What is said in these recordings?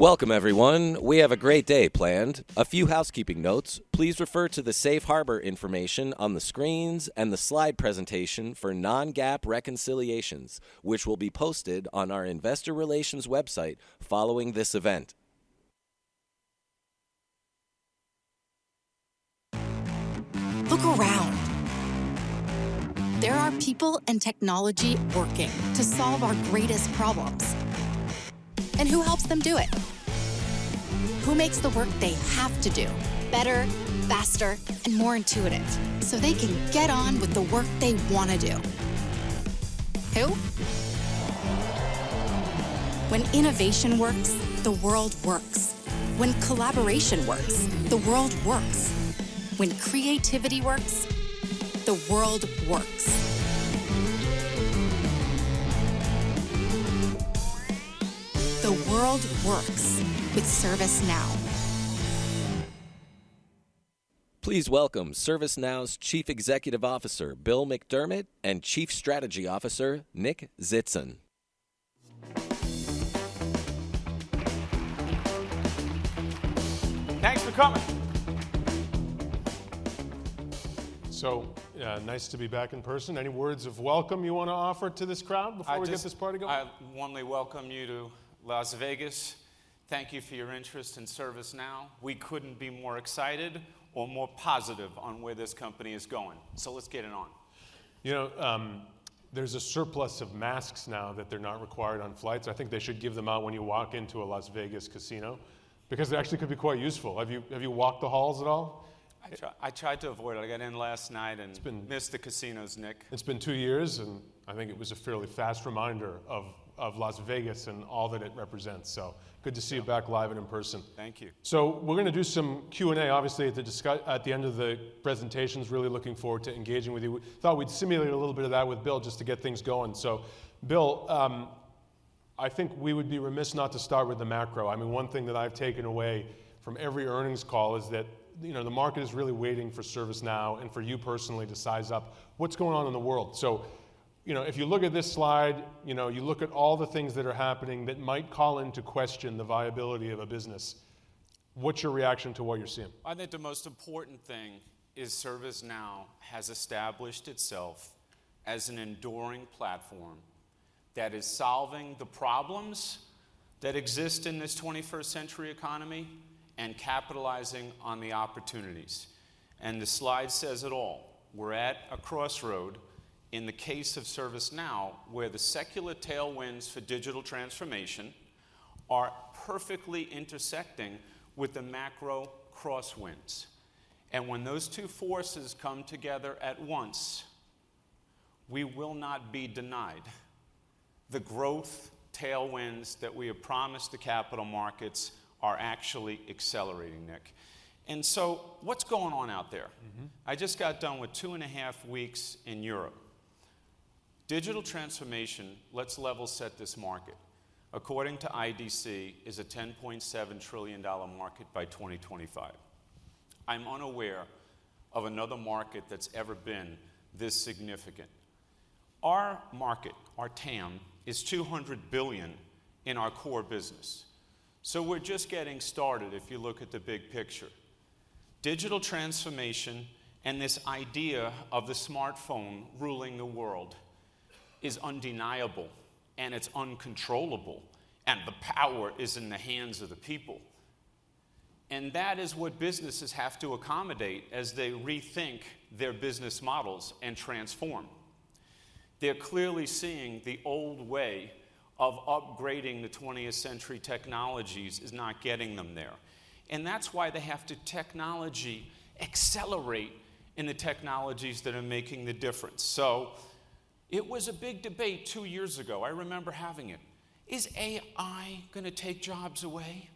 Welcome everyone. We have a great day planned. A few housekeeping notes. Please refer to the safe harbor information on the screens and the slide presentation for non-GAAP reconciliations, which will be posted on our investor relations website following this event. Look around. There are people and technology working to solve our greatest problems. Who helps them do it? Who makes the work they have to do better, faster, and more intuitive so they can get on with the work they wanna do? Who? When innovation works, the world works. When collaboration works, the world works. When creativity works, the world works. The world works with ServiceNow. Please welcome ServiceNow's Chief Executive Officer, Bill McDermott, and Chief Strategy Officer, Nick Tzitzon. Thanks for coming. Nice to be back in person. Any words of welcome you wanna offer to this crowd before we get this party going? I warmly welcome you to Las Vegas. Thank you for your interest in ServiceNow. We couldn't be more excited or more positive on where this company is going. Let's get it on. You know, there's a surplus of masks now that they're not required on flights. I think they should give them out when you walk into a Las Vegas casino because they actually could be quite useful. Have you walked the halls at all? I tried to avoid it. I got in last night and– It's been– I missed the casinos, Nick. It's been two years, and I think it was a fairly fast reminder of Las Vegas and all that it represents, so good to see you back live and in person. Thank you. We're gonna do some Q&A, obviously at the end of the presentations. Really looking forward to engaging with you. We thought we'd simulate a little bit of that with Bill just to get things going. Bill, I think we would be remiss not to start with the macro. I mean, one thing that I've taken away from every earnings call is that, you know, the market is really waiting for ServiceNow and for you personally to size up what's going on in the world. You know, if you look at this slide, you know, you look at all the things that are happening that might call into question the viability of a business, what's your reaction to what you're seeing? I think the most important thing is ServiceNow has established itself as an enduring platform that is solving the problems that exist in this 21st century economy and capitalizing on the opportunities. The slide says it all. We're at a crossroad in the case of ServiceNow, where the secular tailwinds for digital transformation are perfectly intersecting with the macro crosswinds. When those two forces come together at once, we will not be denied. The growth tailwinds that we have promised the capital markets are actually accelerating, Nick. What's going on out there? Mm-hmm. I just got done with two and a half weeks in Europe. Digital transformation, let's level set this market, according to IDC, is a $10.7 trillion market by 2025. I'm unaware of another market that's ever been this significant. Our market, our TAM, is $200 billion in our core business, so we're just getting started if you look at the big picture. Digital transformation and this idea of the smartphone ruling the world is undeniable, and it's uncontrollable, and the power is in the hands of the people, and that is what businesses have to accommodate as they rethink their business models and transform. They're clearly seeing the old way of upgrading the 20th-century technologies is not getting them there, and that's why they have to technologically accelerate in the technologies that are making the difference. It was a big debate two years ago. I remember having it. Is AI gonna take jobs away?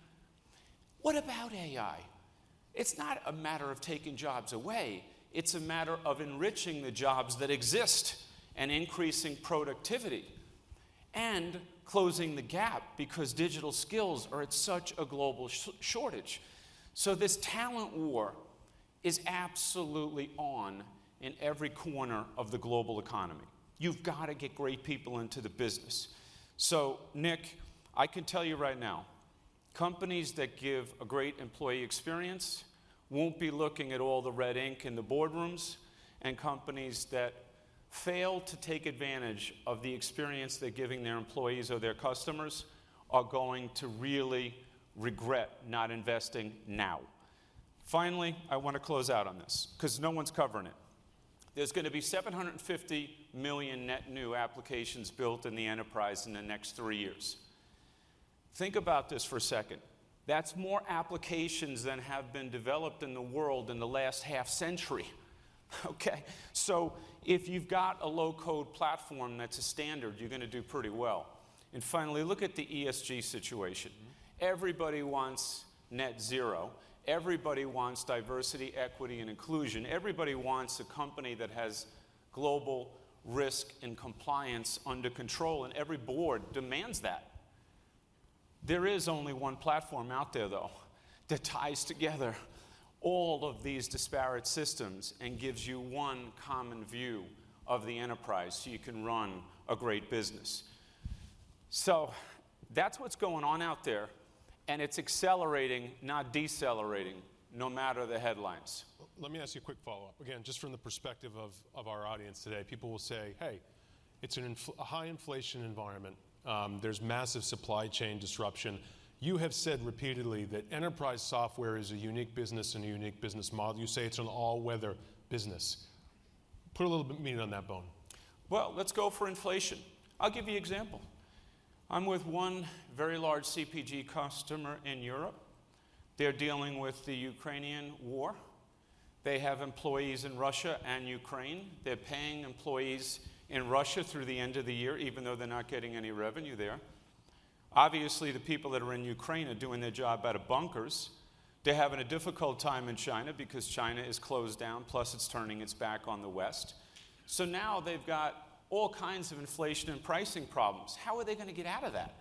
What about AI? It's not a matter of taking jobs away. It's a matter of enriching the jobs that exist and increasing productivity and closing the gap because digital skills are at such a global shortage. This talent war is absolutely on in every corner of the global economy. You've gotta get great people into the business. Nick, I can tell you right now, companies that give a great employee experience won't be looking at all the red ink in the boardrooms, and companies that fail to take advantage of the experience they're giving their employees or their customers are going to really regret not investing now. Finally, I wanna close out on this 'cause no one's covering it. There's gonna be 750 million net new applications built in the enterprise in the next three years. Think about this for a second. That's more applications than have been developed in the world in the last half-century, okay? So if you've got a low-code platform that's a standard, you're gonna do pretty well. Finally, look at the ESG situation. Mm-hmm. Everybody wants net zero. Everybody wants diversity, equity, and inclusion. Everybody wants a company that has global risk and compliance under control, and every board demands that. There is only one platform out there, though. That ties together all of these disparate systems and gives you one common view of the enterprise so you can run a great business. That's what's going on out there and it's accelerating, not decelerating, no matter the headlines. Let me ask you a quick follow-up. Again, just from the perspective of our audience today. People will say, "Hey, it's a high inflation environment. There's massive supply chain disruption." You have said repeatedly that enterprise software is a unique business and a unique business model. You say it's an all-weather business. Put a little bit meat on that bone. Well, let's go for inflation. I'll give you example. I'm with one very large CPG customer in Europe. They're dealing with the Ukrainian war. They have employees in Russia and Ukraine. They're paying employees in Russia through the end of the year, even though they're not getting any revenue there. Obviously, the people that are in Ukraine are doing their job out of bunkers. They're having a difficult time in China because China is closed down, plus it's turning its back on the West. Now they've got all kinds of inflation and pricing problems. How are they gonna get out of that?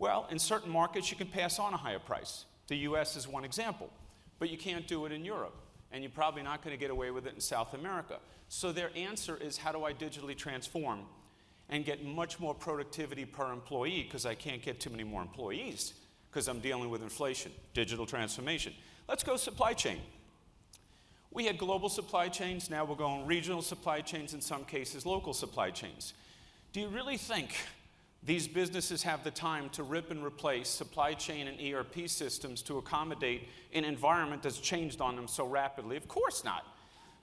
Well, in certain markets you can pass on a higher price. The U.S. is one example, but you can't do it in Europe, and you're probably not gonna get away with it in South America. Their answer is, how do I digitally transform and get much more productivity per employee? 'Cause I can't get too many more employees, 'cause I'm dealing with inflation, digital transformation. Let's go supply chain. We had global supply chains, now we're going regional supply chains, in some cases, local supply chains. Do you really think these businesses have the time to rip and replace supply chain and ERP systems to accommodate an environment that's changed on them so rapidly? Of course not.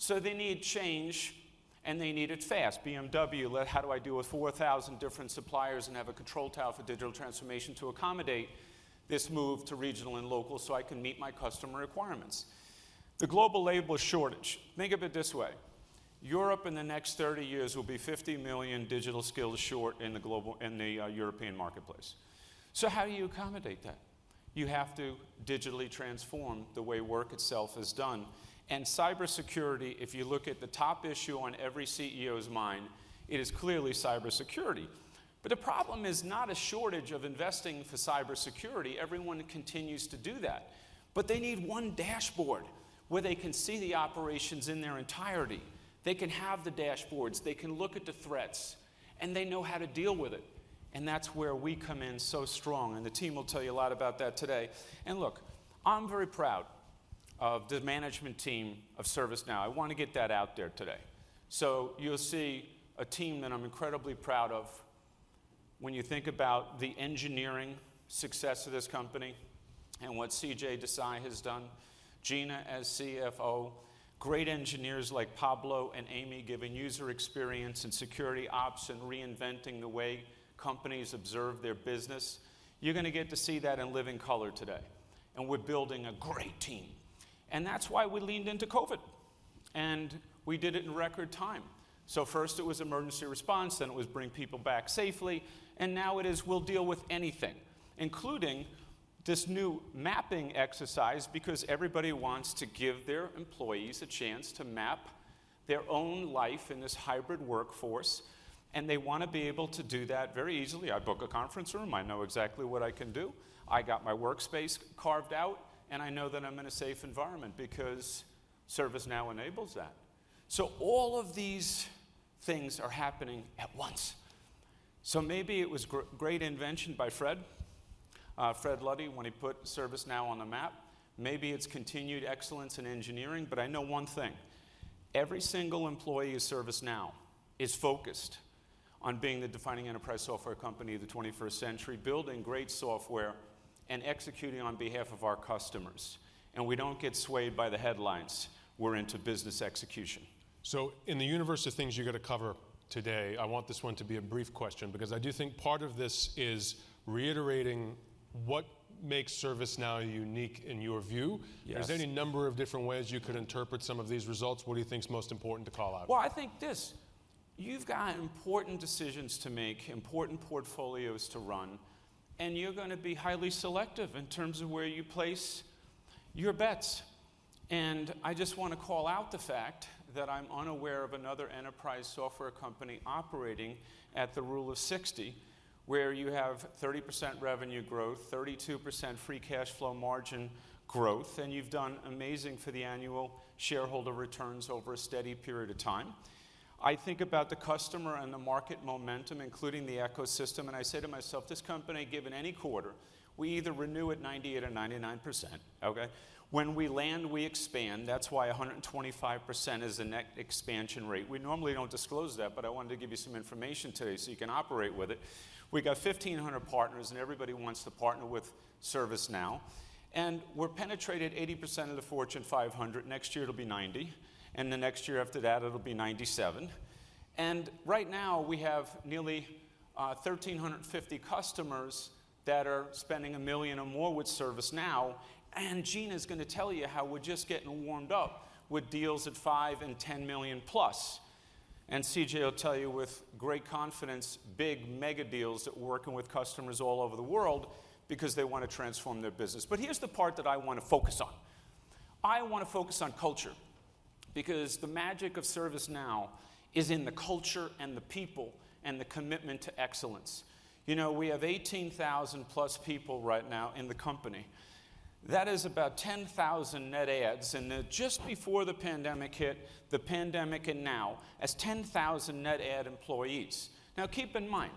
They need change and they need it fast. BMW how do I deal with 4,000 different suppliers and have a control tower for digital transformation to accommodate this move to regional and local so I can meet my customer requirements? The global labor shortage. Think of it this way. Europe in the next 30 years will be 50 million digital skills short in the European marketplace. How do you accommodate that? You have to digitally transform the way work itself is done. Cybersecurity, if you look at the top issue on every CEO's mind, it is clearly cybersecurity. The problem is not a shortage of investing for cybersecurity. Everyone continues to do that. They need one dashboard where they can see the operations in their entirety. They can have the dashboards, they can look at the threats, and they know how to deal with it, and that's where we come in so strong, and the team will tell you a lot about that today. Look, I'm very proud of the management team of ServiceNow. I want to get that out there today. You'll see a team that I'm incredibly proud of when you think about the engineering success of this company and what CJ Desai has done, Gina as CFO, great engineers like Pablo and Amy giving user experience and security ops and reinventing the way companies observe their business. You're gonna get to see that in living color today. We're building a great team. That's why we leaned into COVID, and we did it in record time. First, it was emergency response, then it was bringing people back safely, and now it is, we'll deal with anything, including this new mapping exercise, because everybody wants to give their employees a chance to map their own life in this hybrid workforce, and they wanna be able to do that very easily. I book a conference room; I know exactly what I can do. I got my workspace carved out, and I know that I'm in a safe environment because ServiceNow enables that. All of these things are happening at once. Maybe it was great invention by Fred, Fred Luddy, when he put ServiceNow on the map. Maybe it's continued excellence in engineering, but I know one thing. Every single employee at ServiceNow is focused on being the defining enterprise software company of the 21st century, building great software and executing on behalf of our customers, and we don't get swayed by the headlines. We're into business execution. In the universe of things you're gonna cover today, I want this one to be a brief question because I do think part of this is reiterating what makes ServiceNow unique in your view. Yes. There's any number of different ways you could interpret some of these results. What do you think is most important to call out? Well, I think this. You've got important decisions to make, important portfolios to run, and you're gonna be highly selective in terms of where you place your bets. I just wanna call out the fact that I'm unaware of another enterprise software company operating at the Rule of 60, where you have 30% revenue growth, 32% free cash flow margin growth, and you've done amazing for the annual shareholder returns over a steady period of time. I think about the customer and the market momentum, including the ecosystem, and I say to myself, this company, given any quarter, we either renew at 98 or 99%. Okay? When we land, we expand. That's why 125% is the net expansion rate. We normally don't disclose that, but I wanted to give you some information today so you can operate with it. We got 1,500 partners, and everybody wants to partner with ServiceNow. We've penetrated 80% of the Fortune 500. Next year it'll be 90%, and the next year after that it'll be 97%. Right now, we have nearly 1,350 customers that are spending $1 million or more with ServiceNow, and Gina's gonna tell you how we're just getting warmed up with deals at $5 million and $10 million+. CJ will tell you with great confidence big mega deals that we're working with customers all over the world because they wanna transform their business. Here's the part that I wanna focus on. I want to focus on culture because the magic of ServiceNow is in the culture and the people and the commitment to excellence. You know, we have 18,000+ people right now in the company. That is about 10,000 net adds, and just before the pandemic hit, and now it's 10,000 net add employees. Keep in mind,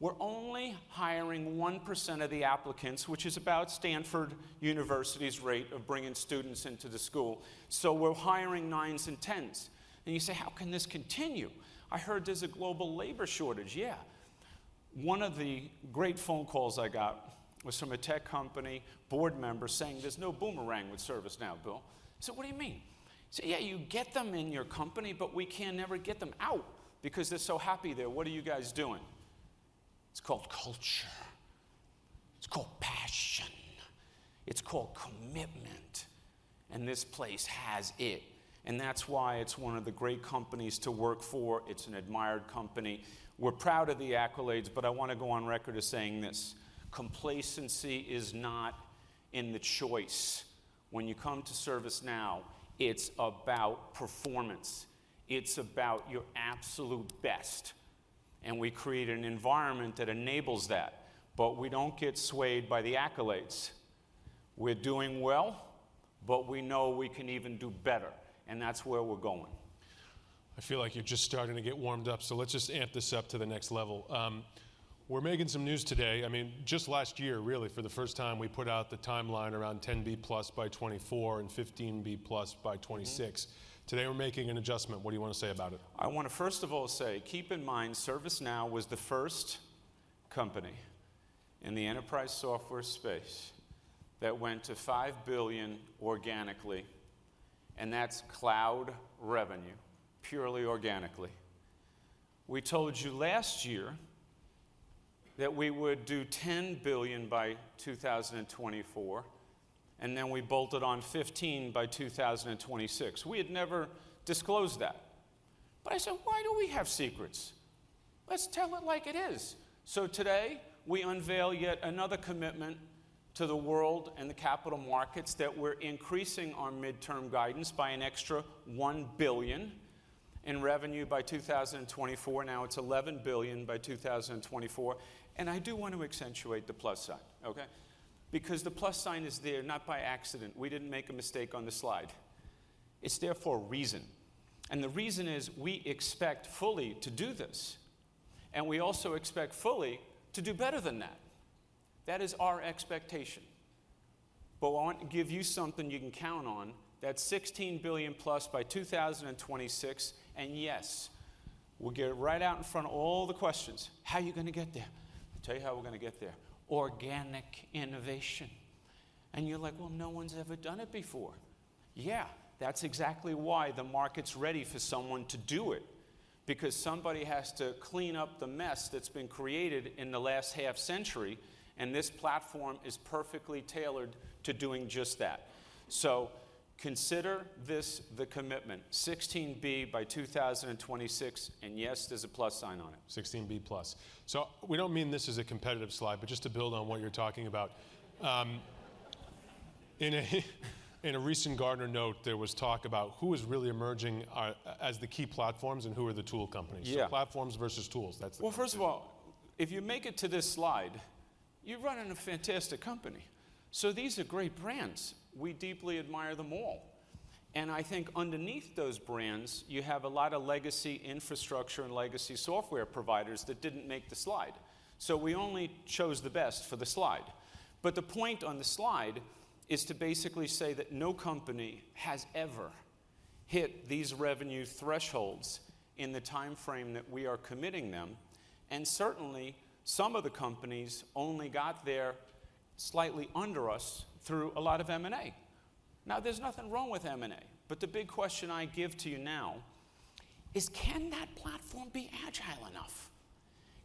we're only hiring 1% of the applicants, which is about Stanford University's rate of bringing students into the school. We're hiring nines and 10s. You say, "How can this continue? I heard there's a global labor shortage." Yeah. One of the great phone calls I got was from a tech company board member saying, "There's no boomerang with ServiceNow, Bill." I said, "What do you mean?" He said, "Yeah, you get them in your company, but we can never get them out because they're so happy there. What are you guys doing?" It's called culture. It's called passion. It's called commitment. This place has it, and that's why it's one of the great companies to work for. It's an admired company. We're proud of the accolades, but I want to go on record as saying this, complacency is not in the choice. When you come to ServiceNow, it's about performance, it's about your absolute best, and we create an environment that enables that. We don't get swayed by the accolades. We're doing well, but we know we can even do better, and that's where we're going. I feel like you're just starting to get warmed up, so let's just amp this up to the next level. We're making some news today. I mean, just last year, really for the first time, we put out the timeline around $10 billion+ by 2024 and $15 billion+ by 2026. Mm-hmm. Today we're making an adjustment. What do you wanna say about it? I wanna first of all say, keep in mind, ServiceNow was the first company in the enterprise software space that went to $5 billion organically, and that's cloud revenue, purely organically. We told you last year that we would do $10 billion by 2024, and then we bolted on $15 billion by 2026. We had never disclosed that. I said, "Why do we have secrets? Let's tell it like it is." Today we unveil yet another commitment to the world and the capital markets that we're increasing our midterm guidance by an extra $1 billion in revenue by 2024. Now it's $11 billion by 2024. I do want to accentuate the plus sign, okay? Because the plus sign is there not by accident. We didn't make a mistake on the slide. It's there for a reason, and the reason is we expect fully to do this, and we also expect fully to do better than that. That is our expectation. I want to give you something you can count on. That's $16 billion+ by 2026. Yes, we'll get it right out in front of all the questions. How are you gonna get there? I'll tell you how we're gonna get there. Organic innovation. You're like, "Well, no one's ever done it before." Yeah, that's exactly why the market's ready for someone to do it, because somebody has to clean up the mess that's been created in the last half century, and this platform is perfectly tailored to doing just that. Consider this the commitment, $16 billion by 2026, and yes, there's a plus sign on it. $16 billion+. We don't mean this as a competitive slide, but just to build on what you're talking about. In a recent Gartner note, there was talk about who is really emerging as the key platforms and who are the tool companies. Yeah. Platforms versus tools. That's the– Well, first of all, if you make it to this slide, you're running a fantastic company. These are great brands. We deeply admire them all. I think underneath those brands you have a lot of legacy infrastructure and legacy software providers that didn't make the slide. We only chose the best for the slide. The point on the slide is to basically say that no company has ever hit these revenue thresholds in the timeframe that we are committing them, and certainly some of the companies only got there slightly under us through a lot of M&A. Now, there's nothing wrong with M&A, but the big question I give to you now is can that platform be agile enough?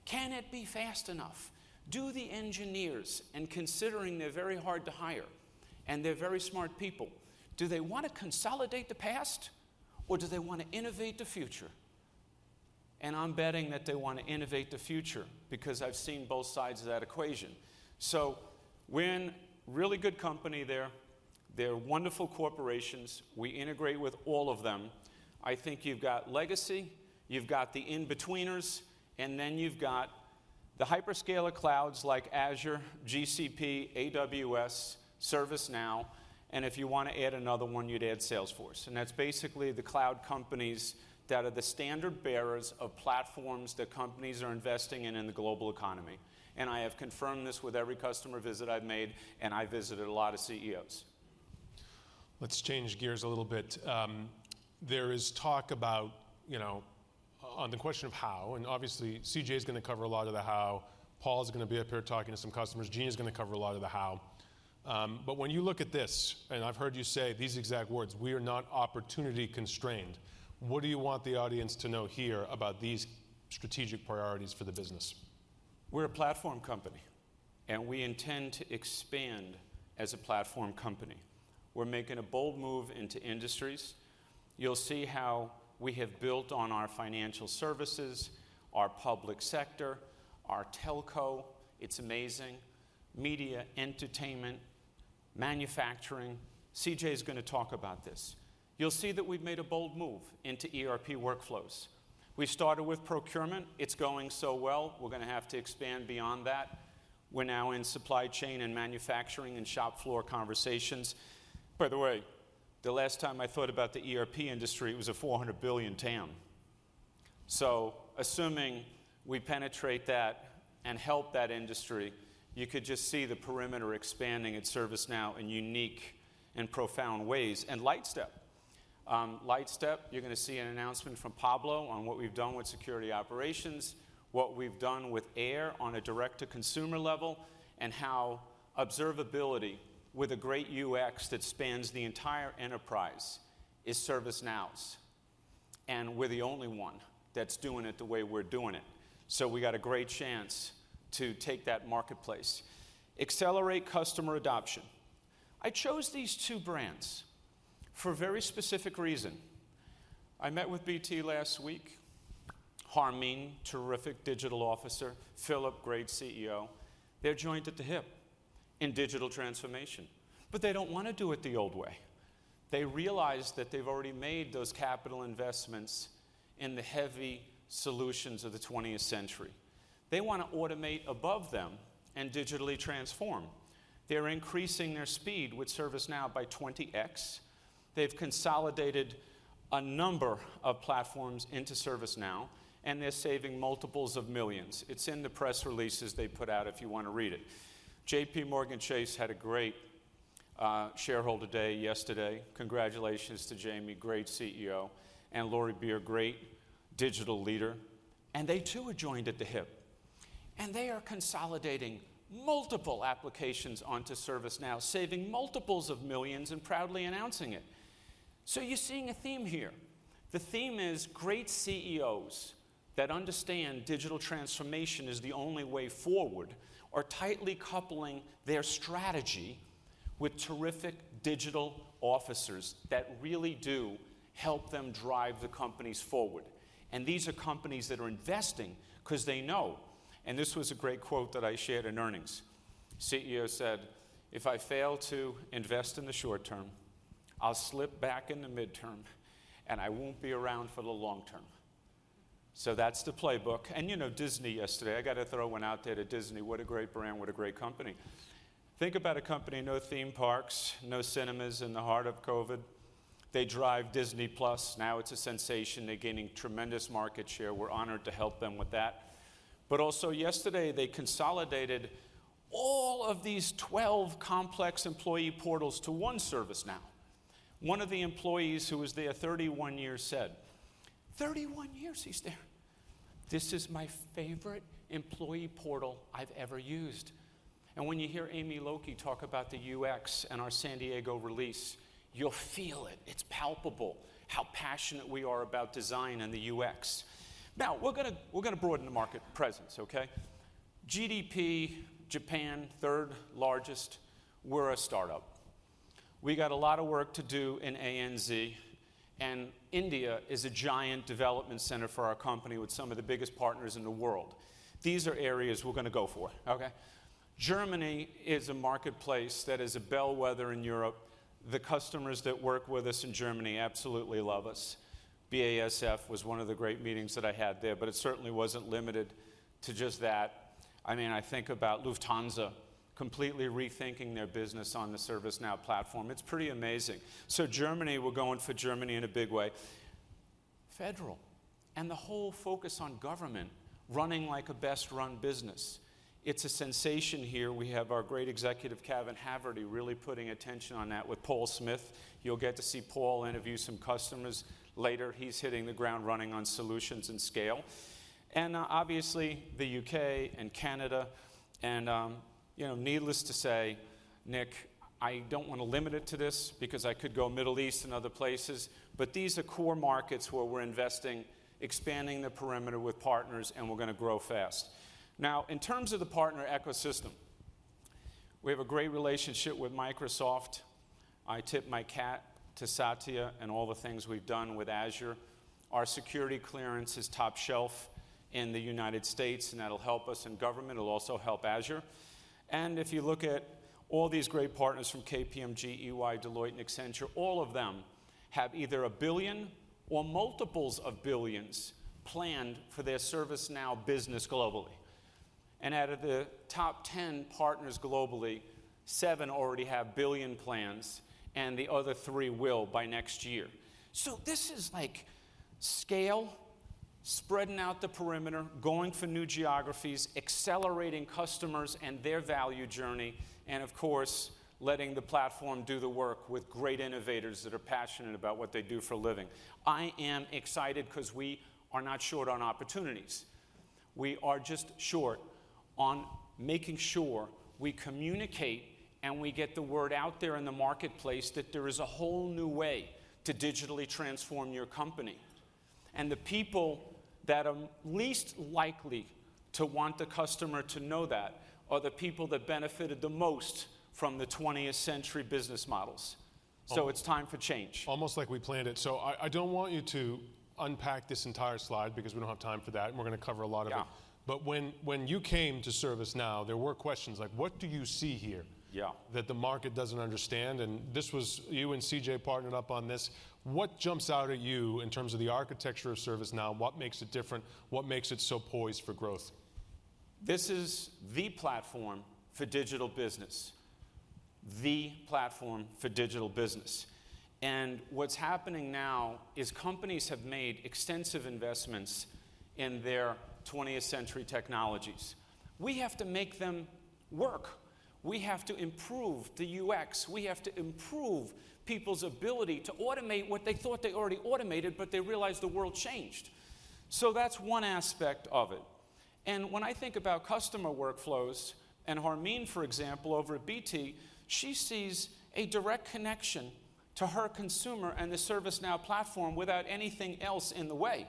Can it be fast enough? Do the engineers, and considering they're very hard to hire and they're very smart people, do they want to consolidate the past or do they want to innovate the future? I'm betting that they want to innovate the future because I've seen both sides of that equation. When really good company there, they're wonderful corporations. We integrate with all of them. I think you've got legacy, you've got the in-betweeners, and then you've got the hyperscaler clouds like Azure, GCP, AWS, ServiceNow, and if you want to add another one, you'd add Salesforce. That's basically the cloud companies that are the standard bearers of platforms that companies are investing in in the global economy. I have confirmed this with every customer visit I've made, and I visited a lot of CEOs. Let's change gears a little bit. There is talk about, you know, on the question of how, and obviously CJ is gonna cover a lot of the how. Paul's gonna be up here talking to some customers. Gina's gonna cover a lot of the how. When you look at this, and I've heard you say these exact words, we are not opportunity constrained. What do you want the audience to know here about these strategic priorities for the business? We're a platform company, and we intend to expand as a platform company. We're making a bold move into industries. You'll see how we have built on our financial services, our public sector, our telco, it's amazing, media, entertainment, manufacturing. CJ is gonna talk about this. You'll see that we've made a bold move into ERP workflows. We started with procurement. It's going so well, we're gonna have to expand beyond that. We're now in supply chain and manufacturing and shop floor conversations. By the way, the last time I thought about the ERP industry, it was a $400 billion TAM. So assuming we penetrate that and help that industry, you could just see the perimeter expanding at ServiceNow in unique and profound ways. Lightstep. Lightstep, you're gonna see an announcement from Pablo on what we've done with security operations, what we've done with AI on a direct-to-consumer level, and how observability with a great UX that spans the entire enterprise is ServiceNow's. We're the only one that's doing it the way we're doing it. We got a great chance to take that marketplace. Accelerate customer adoption. I chose these two brands for a very specific reason. I met with BT last week, Harmeen, terrific digital officer, Philip, great CEO. They're joined at the hip in digital transformation, but they don't wanna do it the old way. They realize that they've already made those capital investments in the heavy solutions of the 20th century. They wanna automate above them and digitally transform. They're increasing their speed with ServiceNow by 20x. They've consolidated a number of platforms into ServiceNow, and they're saving multiples of millions. It's in the press releases they put out if you wanna read it. JPMorgan Chase had a great shareholder day yesterday. Congratulations to Jamie, great CEO, and Lori Beer, great digital leader. They too are joined at the hip. They are consolidating multiple applications onto ServiceNow, saving multiples of millions and proudly announcing it. You're seeing a theme here. The theme is great CEOs that understand digital transformation is the only way forward are tightly coupling their strategy with terrific digital officers that really do help them drive the companies forward. These are companies that are investing 'cause they know, and this was a great quote that I shared in earnings. CEO said, "If I fail to invest in the short term, I'll slip back in the midterm, and I won't be around for the long term." That's the playbook. You know Disney yesterday. I gotta throw one out there to Disney. What a great brand. What a great company. Think about a company, no theme parks, no cinemas in the heart of COVID. They drive Disney+. Now it's a sensation. They're gaining tremendous market share. We're honored to help them with that. Also yesterday, they consolidated all of these 12 complex employee portals to one ServiceNow. One of the employees who was there 31 years said, "This is my favorite employee portal I've ever used." When you hear Amy Lokey talk about the UX and our San Diego release, you'll feel it. It's palpable how passionate we are about design and the UX. Now we're gonna broaden the market presence, okay? GDP, Japan, third largest, we're a startup. We got a lot of work to do in ANZ, and India is a giant development center for our company with some of the biggest partners in the world. These are areas we're gonna go for, okay? Germany is a marketplace that is a bellwether in Europe. The customers that work with us in Germany absolutely love us. BASF was one of the great meetings that I had there, but it certainly wasn't limited to just that. I mean, I think about Lufthansa completely rethinking their business on the ServiceNow platform. It's pretty amazing. Germany, we're going for Germany in a big way. Federal and the whole focus on government running like a best-run business. It's a sensation here. We have our great executive, Kevin Haverty, really putting attention on that with Paul Smith. You'll get to see Paul interview some customers later. He's hitting the ground running on solutions and scale. Obviously, the U.K. and Canada and, you know, needless to say, Nick, I don't wanna limit it to this because I could go Middle East and other places, but these are core markets where we're investing, expanding the perimeter with partners, and we're gonna grow fast. Now, in terms of the partner ecosystem, we have a great relationship with Microsoft. I tip my hat to Satya and all the things we've done with Azure. Our security clearance is top shelf in the United States, and that'll help us in government. It'll also help Azure. If you look at all these great partners from KPMG, EY, Deloitte, and Accenture, all of them have either a billion or multiples of billions planned for their ServiceNow business globally. Out of the top 10 partners globally, seven already have billion plans, and the other three will by next year. This is like scale, spreading out the perimeter, going for new geographies, accelerating customers and their value journey, and of course, letting the platform do the work with great innovators that are passionate about what they do for a living. I am excited 'cause we are not short on opportunities. We are just short of making sure we communicate, and we get the word out there in the marketplace that there is a whole new way to digitally transform your company. The people that are least likely to want the customer to know that are the people that benefited the most from the 20th century business models. Oh. It's time for change. Almost like we planned it. I don't want you to unpack this entire slide because we don't have time for that, and we're gonna cover a lot of it. Yeah. When you came to ServiceNow, there were questions like, what do you see here? Yeah That the market doesn't understand? This was, you and CJ partnered up on this. What jumps out at you in terms of the architecture of ServiceNow? What makes it different? What makes it so poised for growth? This is the platform for digital business. The platform for digital business. What's happening now is companies have made extensive investments in their 20th century technologies. We have to make them work. We have to improve the UX. We have to improve people's ability to automate what they thought they already automated, but they realized the world changed. That's one aspect of it. When I think about customer workflows, and Harmeen, for example, over at BT, she sees a direct connection to her consumer and the ServiceNow platform without anything else in the way,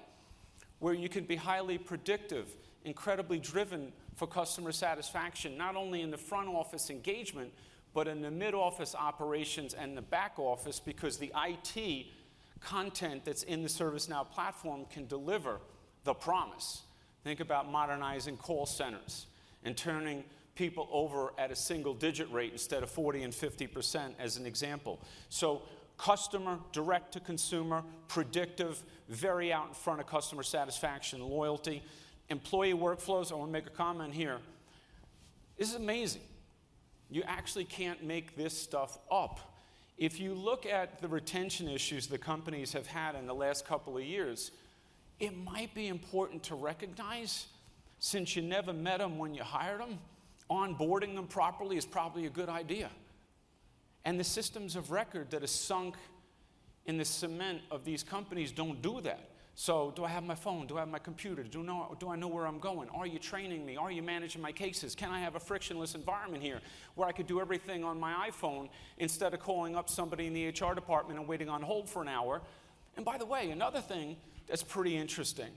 where you can be highly predictive, incredibly driven for customer satisfaction, not only in the front office engagement, but in the mid office operations and the back office because the IT content that's in the ServiceNow platform can deliver the promise. Think about modernizing call centers and turning people over at a single-digit rate instead of 40% and 50% as an example. Customer direct to consumer, predictive, very out in front of customer satisfaction and loyalty. Employee workflows, I wanna make a comment here. This is amazing. You actually can't make this stuff up. If you look at the retention issues that companies have had in the last couple of years, it might be important to recognize since you never met 'em when you hired 'em, onboarding them properly is probably a good idea. The systems of record that is sunk in the cement of these companies don't do that. Do I have my phone? Do I have my computer? Do I know where I'm going? Are you training me? Are you managing my cases? Can I have a frictionless environment here where I could do everything on my iPhone instead of calling up somebody in the HR department and waiting on hold for an hour? By the way, another thing that's pretty interesting,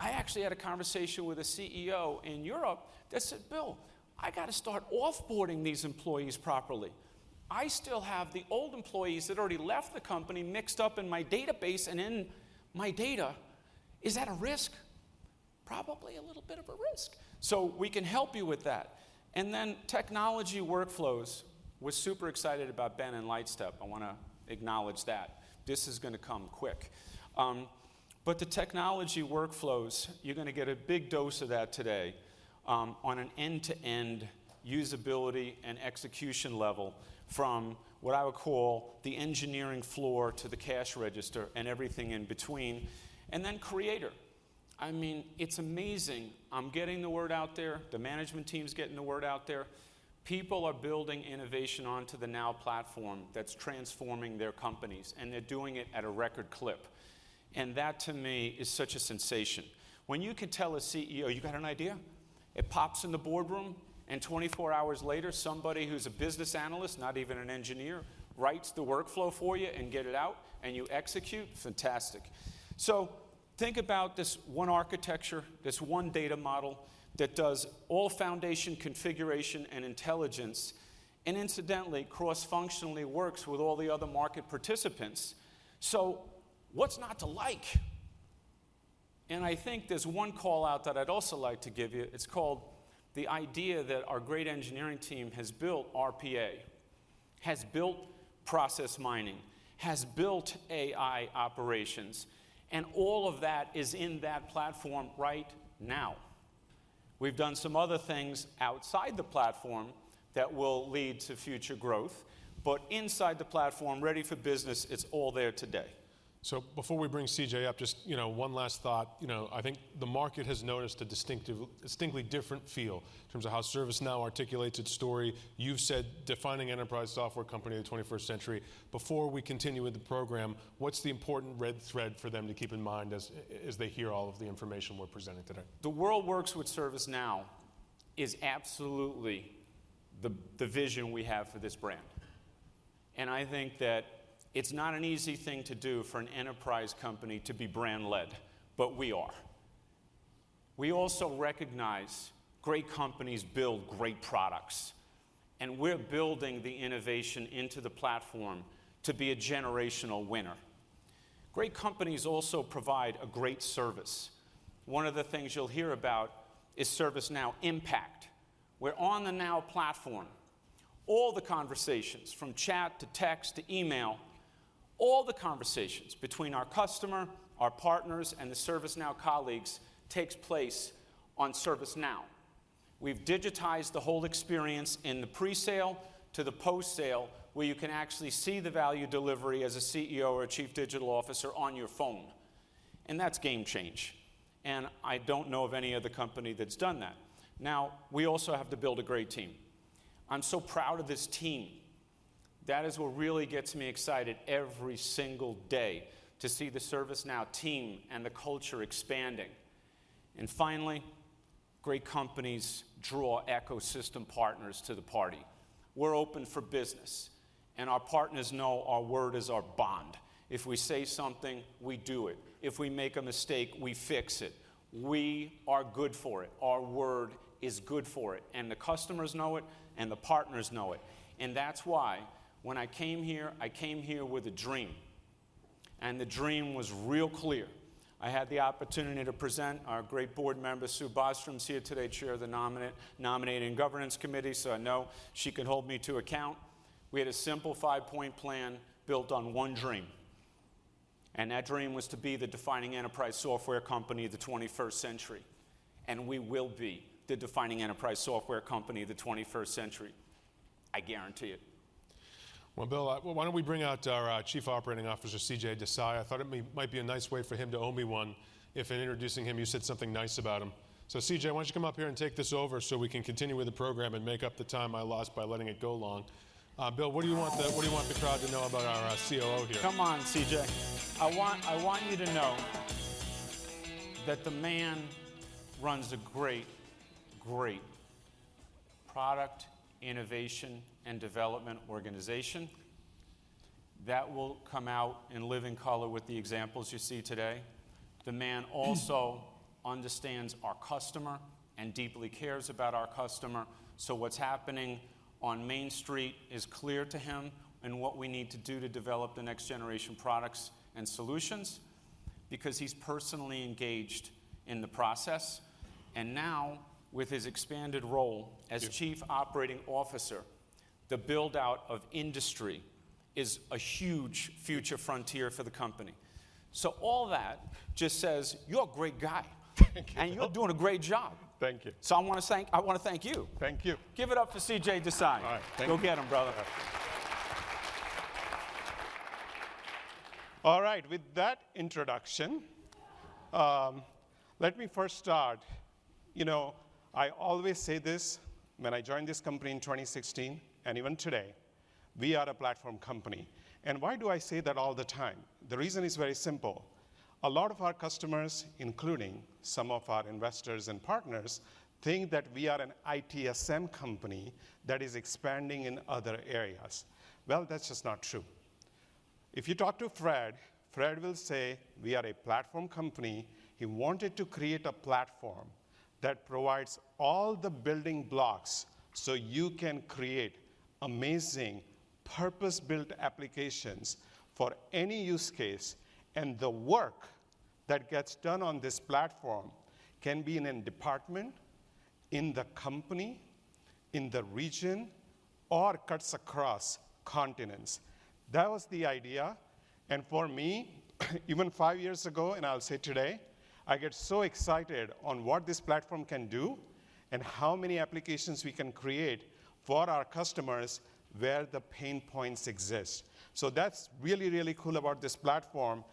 I actually had a conversation with a CEO in Europe that said, "Bill, I gotta start off-boarding these employees properly. I still have the old employees that already left the company mixed up in my database and in my data. Is that a risk?" Probably a little bit of a risk. We can help you with that. Then technology workflows. We're super excited about Ben and Lightstep. I wanna acknowledge that. This is gonna come quick. The technology workflows, you're gonna get a big dose of that today, on an end-to-end usability and execution level from what I would call the engineering floor to the cash register and everything in between. Creator. I mean, it's amazing. I'm getting the word out there. The management team's getting the word out there. People are building innovation onto the Now Platform that's transforming their companies, and they're doing it at a record clip. That to me is such a sensation. When you can tell a CEO, "You got an idea?" It pops in the boardroom, and 24 hours later, somebody who's a business analyst, not even an engineer, writes the workflow for you and get it out, and you execute. Fantastic. Think about this one architecture, this one data model that does all foundation configuration and intelligence, and incidentally, cross-functionally works with all the other market participants. What's not to like? I think there's one call-out that I'd also like to give you. It's called the idea that our great engineering team has built RPA, has built process mining, has built AI operations, and all of that is in that platform right now. We've done some other things outside the platform that will lead to future growth. Inside the platform, ready for business, it's all there today. Before we bring CJ up, just, you know, one last thought. You know, I think the market has noticed a distinctly different feel in terms of how ServiceNow articulates its story. You've said defining enterprise software company of the 21st century. Before we continue with the program, what's the important red thread for them to keep in mind as they hear all of the information we're presenting today? The world works with ServiceNow is absolutely the vision we have for this brand. I think that it's not an easy thing to do for an enterprise company to be brand led, but we are. We also recognize great companies build great products, and we're building the innovation into the platform to be a generational winner. Great companies also provide a great service. One of the things you'll hear about is ServiceNow Impact, where on the Now Platform, all the conversations from chat to text to email, all the conversations between our customer, our partners, and the ServiceNow colleagues takes place on ServiceNow. We've digitized the whole experience in the pre-sale to the post-sale, where you can actually see the value delivery as a CEO or chief digital officer on your phone. That's game changer. I don't know of any other company that's done that. Now, we also have to build a great team. I'm so proud of this team. That is what really gets me excited every single day, to see the ServiceNow team and the culture expanding. Finally, great companies draw ecosystem partners to the party. We're open for business and our partners know our word is our bond. If we say something, we do it. If we make a mistake, we fix it. We are good for it. Our word is good for it, and the customers know it, and the partners know it. That's why when I came here, I came here with a dream, and the dream was real clear. I had the opportunity to present our great board member, Sue Bostrom's here today, chair of the nominating governance committee, so I know she can hold me to account. We had a simple five-point plan built on one dream, and that dream was to be the defining enterprise software company of the 21st century, and we will be the defining enterprise software company of the twenty-first century. I guarantee it. Well, Bill, why don't we bring out our Chief Operating Officer, CJ Desai? I thought it might be a nice way for him to owe me one if in introducing him you said something nice about him. CJ, why don't you come up here and take this over so we can continue with the program and make up the time I lost by letting it go long. Bill, what do you want the crowd to know about our COO here? Come on, CJ. I want you to know that the man runs a great product innovation and development organization that will come out in living color with the examples you see today. The man also understands our customer and deeply cares about our customer. What's happening on Main Street is clear to him and what we need to do to develop the next generation products and solutions, because he's personally engaged in the process. Now with his expanded role as Chief Operating Officer, the build-out of industry is a huge future frontier for the company. All that just says you're a great guy. Thank you. You're doing a great job. Thank you. I wanna thank you. Thank you. Give it up for CJ Desai. All right. Thank you. Go get 'em, brother. All right. With that introduction, let me first start, you know, I always say this when I joined this company in 2016 and even today, we are a platform company. Why do I say that all the time? The reason is very simple. A lot of our customers, including some of our investors and partners, think that we are an ITSM company that is expanding in other areas. Well, that's just not true. If you talk to Fred will say, we are a platform company. He wanted to create a platform that provides all the building blocks so you can create amazing purpose-built applications for any use case. The work that gets done on this platform can be in a department, in the company, in the region, or cuts across continents. That was the idea. For me, even five years ago, and I'll say today, I get so excited on what this platform can do and how many applications we can create for our customers where the pain points exist. That's really, really cool about this platform.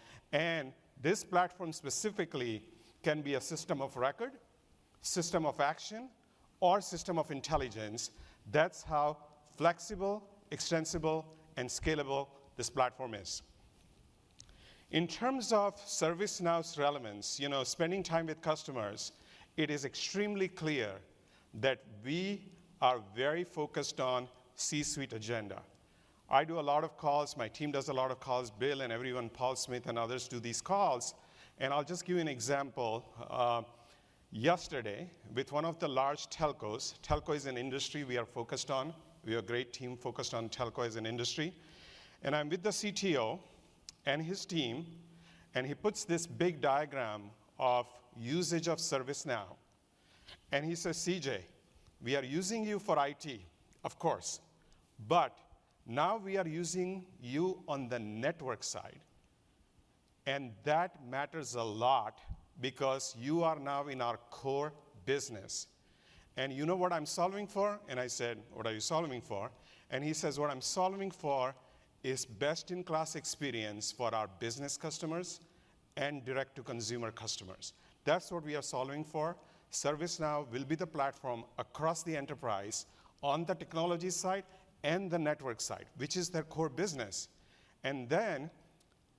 This platform specifically can be a system of record, system of action, or system of intelligence. That's how flexible, extensible, and scalable this platform is. In terms of ServiceNow's relevance, you know, spending time with customers, it is extremely clear that we are very focused on C-suite agenda. I do a lot of calls, my team does a lot of calls. Bill and everyone, Paul Smith and others do these calls. I'll just give you an example. Yesterday with one of the large telcos, telco is an industry we are focused on. We have a great team focused on telco as an industry. I'm with the CTO and his team, and he puts this big diagram of usage of ServiceNow. He says, "CJ, we are using you for IT, of course, but now we are using you on the network side, and that matters a lot because you are now in our core business. You know what I'm solving for?" I said, "What are you solving for?" He says, "What I'm solving for is best-in-class experience for our business customers and direct-to-consumer customers. That's what we are solving for." ServiceNow will be the platform across the enterprise on the technology side and the network side, which is their core business.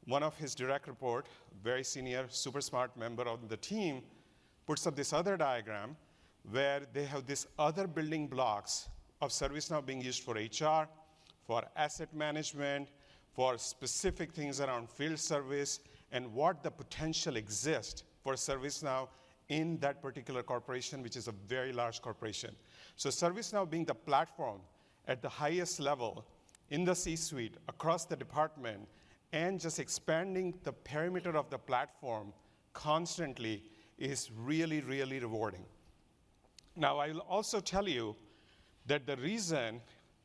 One of his direct report, very senior, super smart member of the team, puts up this other diagram where they have these other building blocks of ServiceNow being used for HR, for asset management, for specific things around field service, and what the potential exist for ServiceNow in that particular corporation, which is a very large corporation. ServiceNow being the platform at the highest level in the C-suite across the department and just expanding the perimeter of the platform constantly is really, really rewarding. Now, I'll also tell you that the reason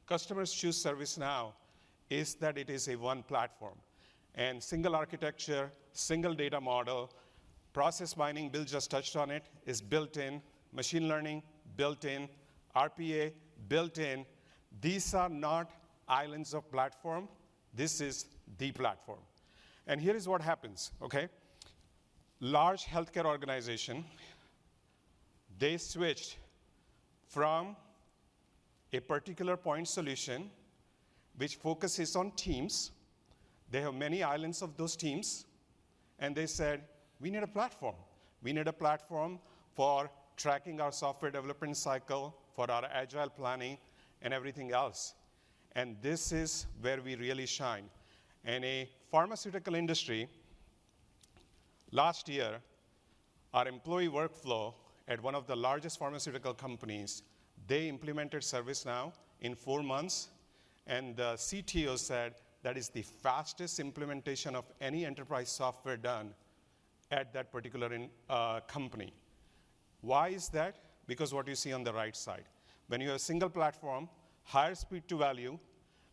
customers choose ServiceNow is that it is a one platform and single architecture, single data model, process mining, Bill just touched on it, is built in. Machine learning, built in. RPA, built in. These are not islands of platform. This is the platform. Here is what happens, okay? Large healthcare organization, they switched from a particular point solution which focuses on teams. They have many islands of those teams, and they said, "We need a platform. We need a platform for tracking our software development cycle, for our agile planning, and everything else." This is where we really shine. In a pharmaceutical industry, last year, our employee workflow at one of the largest pharmaceutical companies, they implemented ServiceNow in four months, and the CTO said that is the fastest implementation of any enterprise software done at that particular in company. Why is that? Because what you see on the right side. When you have single platform, higher speed to value,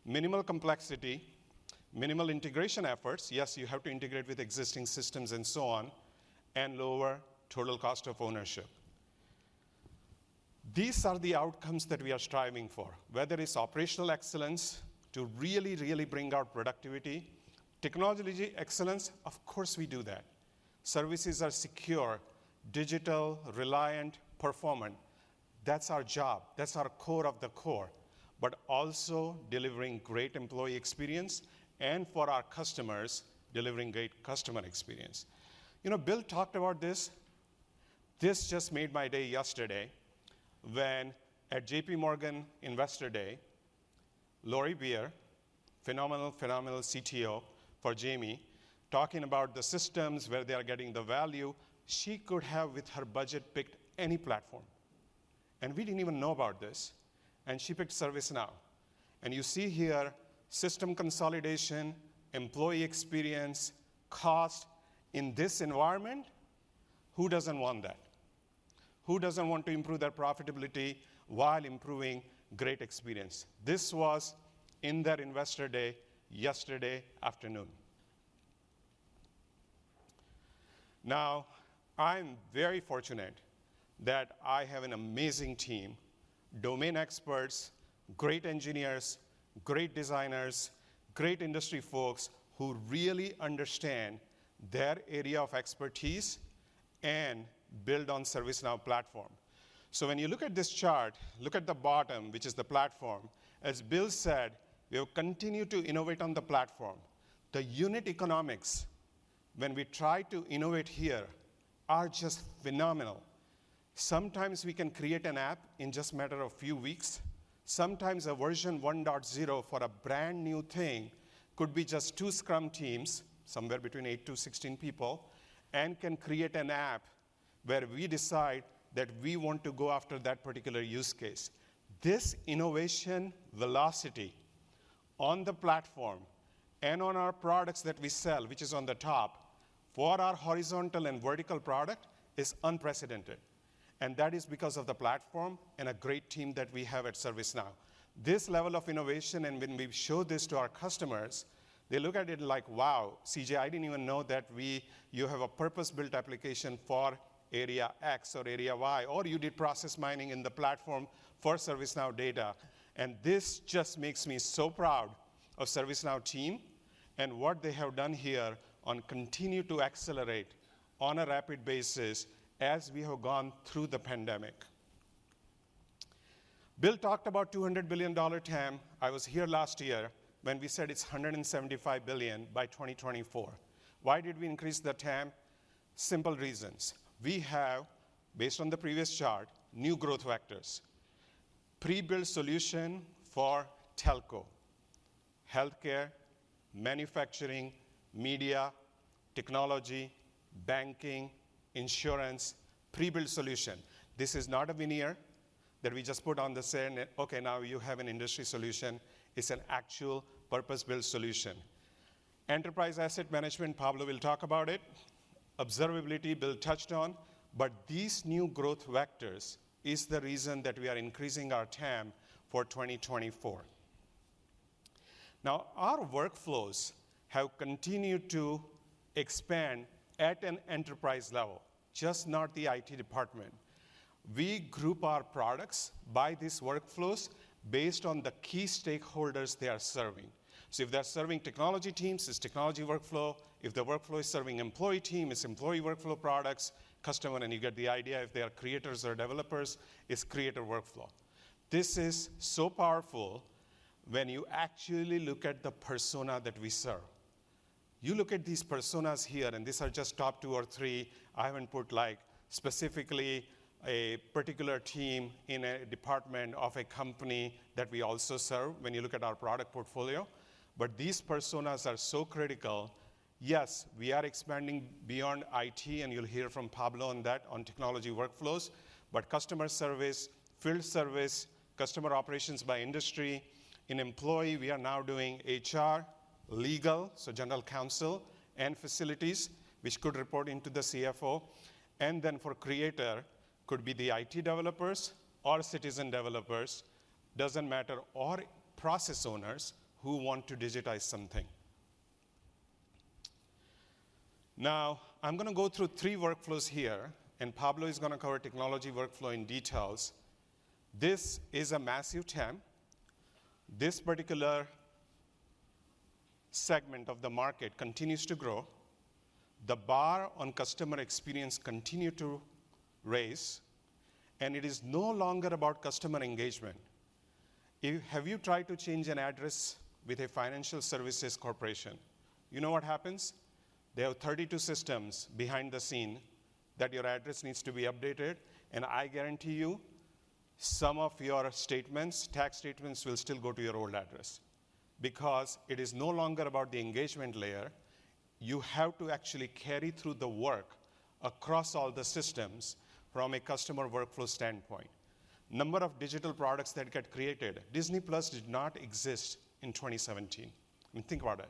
minimal complexity, minimal integration efforts, yes, you have to integrate with existing systems and so on, and lower total cost of ownership. These are the outcomes that we are striving for, whether it's operational excellence to really, really bring our productivity. Technology excellence, of course, we do that. Services are secure, digital, reliable, performant. That's our job. That's our core of the core. But also delivering great employee experience and for our customers, delivering great customer experience. You know, Bill talked about this. This just made my day yesterday when at JPMorgan Investor Day, Lori Beer, phenomenal CTO for Jamie, talking about the systems where they are getting the value. She could have, with her budget, picked any platform, and we didn't even know about this, and she picked ServiceNow. And you see here system consolidation, employee experience, cost. In this environment, who doesn't want that? Who doesn't want to improve their profitability while improving great experience? This was in their Investor Day yesterday afternoon. I'm very fortunate that I have an amazing team, domain experts, great engineers, great designers, great industry folks who really understand their area of expertise and build on ServiceNow platform. When you look at this chart, look at the bottom, which is the platform. As Bill said, we'll continue to innovate on the platform. The unit economics, when we try to innovate here, are just phenomenal. Sometimes we can create an app in just a matter of few weeks. Sometimes a version 1.0 for a brand-new thing could be just two Scrum teams, somewhere between eight to 16 people, and can create an app where we decide that we want to go after that particular use case. This innovation velocity on the platform and on our products that we sell, which is on the top, for our horizontal and vertical product, is unprecedented, and that is because of the platform and a great team that we have at ServiceNow. This level of innovation, when we show this to our customers, they look at it like, "Wow, CJ, I didn't even know that you have a purpose-built application for area X or area Y, or you did process mining in the platform for ServiceNow data." This just makes me so proud of ServiceNow team and what they have done here and continue to accelerate on a rapid basis as we have gone through the pandemic. Bill talked about $200 billion TAM. I was here last year when we said it's $175 billion by 2024. Why did we increase the TAM? Simple reasons. We have, based on the previous chart, new growth vectors. Pre-built solution for telco, healthcare, manufacturing, media, technology, banking, insurance, pre-built solution. This is not a veneer that we just put on the side and, "Okay, now you have an industry solution." It's an actual purpose-built solution. Enterprise Asset Management, Pablo will talk about it. Observability, Bill touched on. These new growth vectors is the reason that we are increasing our TAM for 2024. Now, our workflows have continued to expand at an enterprise level, just not the IT department. We group our products by these workflows based on the key stakeholders they are serving. So if they're serving technology teams, it's technology workflow. If the workflow is serving employee team, it's employee workflow products. Customer, and you get the idea. If they are creators or developers, it's creator workflow. This is so powerful when you actually look at the persona that we serve. You look at these personas here, and these are just top two or three. I haven't put, like, specifically a particular team in a department of a company that we also serve when you look at our product portfolio. These personas are so critical. Yes, we are expanding beyond IT, and you'll hear from Pablo on that on technology workflows. Customer service, field service, customer operations by industry. In employee, we are now doing HR, legal, so general counsel, and facilities, which could report into the CFO. Then for creator, could be the IT developers or citizen developers, doesn't matter, or process owners who want to digitize something. Now, I'm gonna go through three workflows here, and Pablo is gonna cover technology workflow in details. This is a massive TAM. This particular segment of the market continues to grow. The bar on customer experience continues to rise, and it is no longer about customer engagement. You have you tried to change an address with a financial services corporation? You know what happens? There are 32 systems behind the scenes that your address needs to be updated. I guarantee you, some of your statements, tax statements will still go to your old address because it is no longer about the engagement layer. You have to actually carry through the work across all the systems from a customer workflow standpoint. Number of digital products that get created. Disney+ did not exist in 2017. I mean, think about it,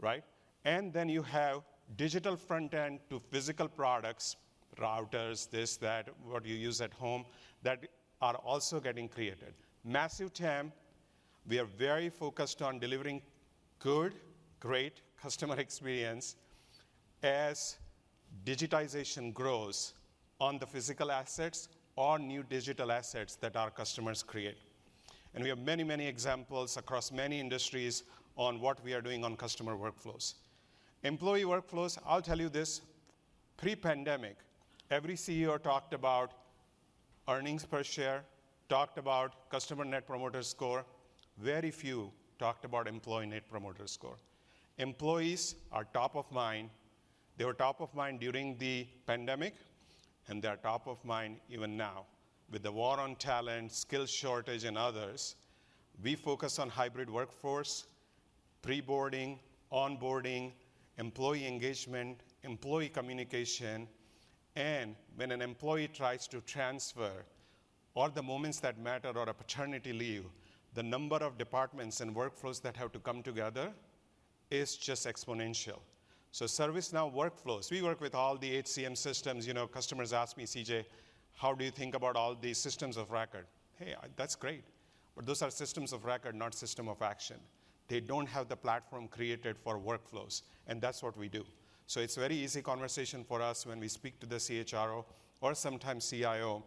right? Then you have digital front end to physical products, routers, this, that, what you use at home that are also getting created. Massive TAM. We are very focused on delivering good, great customer experience as digitization grows on the physical assets or new digital assets that our customers create. We have many, many examples across many industries on what we are doing on customer workflows. Employee workflows. I'll tell you this. Pre-pandemic, every CEO talked about earnings per share, talked about customer Net Promoter Score. Very few talked about employee Net Promoter Score. Employees are top of mind. They were top of mind during the pandemic, and they are top of mind even now. With the war on talent, skill shortage and others, we focus on hybrid workforce, pre-boarding, onboarding, employee engagement, employee communication. When an employee tries to transfer or the moments that matter or a paternity leave, the number of departments and workflows that have to come together is just exponential. ServiceNow workflows. We work with all the HCM systems. You know, customers ask me, "CJ, how do you think about all these systems of record?" Hey, that's great. But those are systems of record, not system of action. They don't have the platform created for workflows, and that's what we do. It's very easy conversation for us when we speak to the CHRO or sometimes CIO.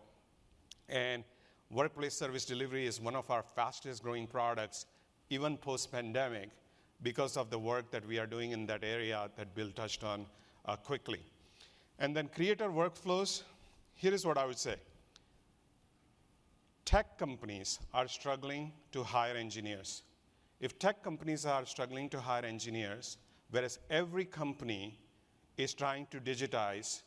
Workplace Service Delivery is one of our fastest-growing products, even post-pandemic, because of the work that we are doing in that area that Bill touched on, quickly. Creator Workflows. Here is what I would say. Tech companies are struggling to hire engineers. If tech companies are struggling to hire engineers, whereas every company is trying to digitize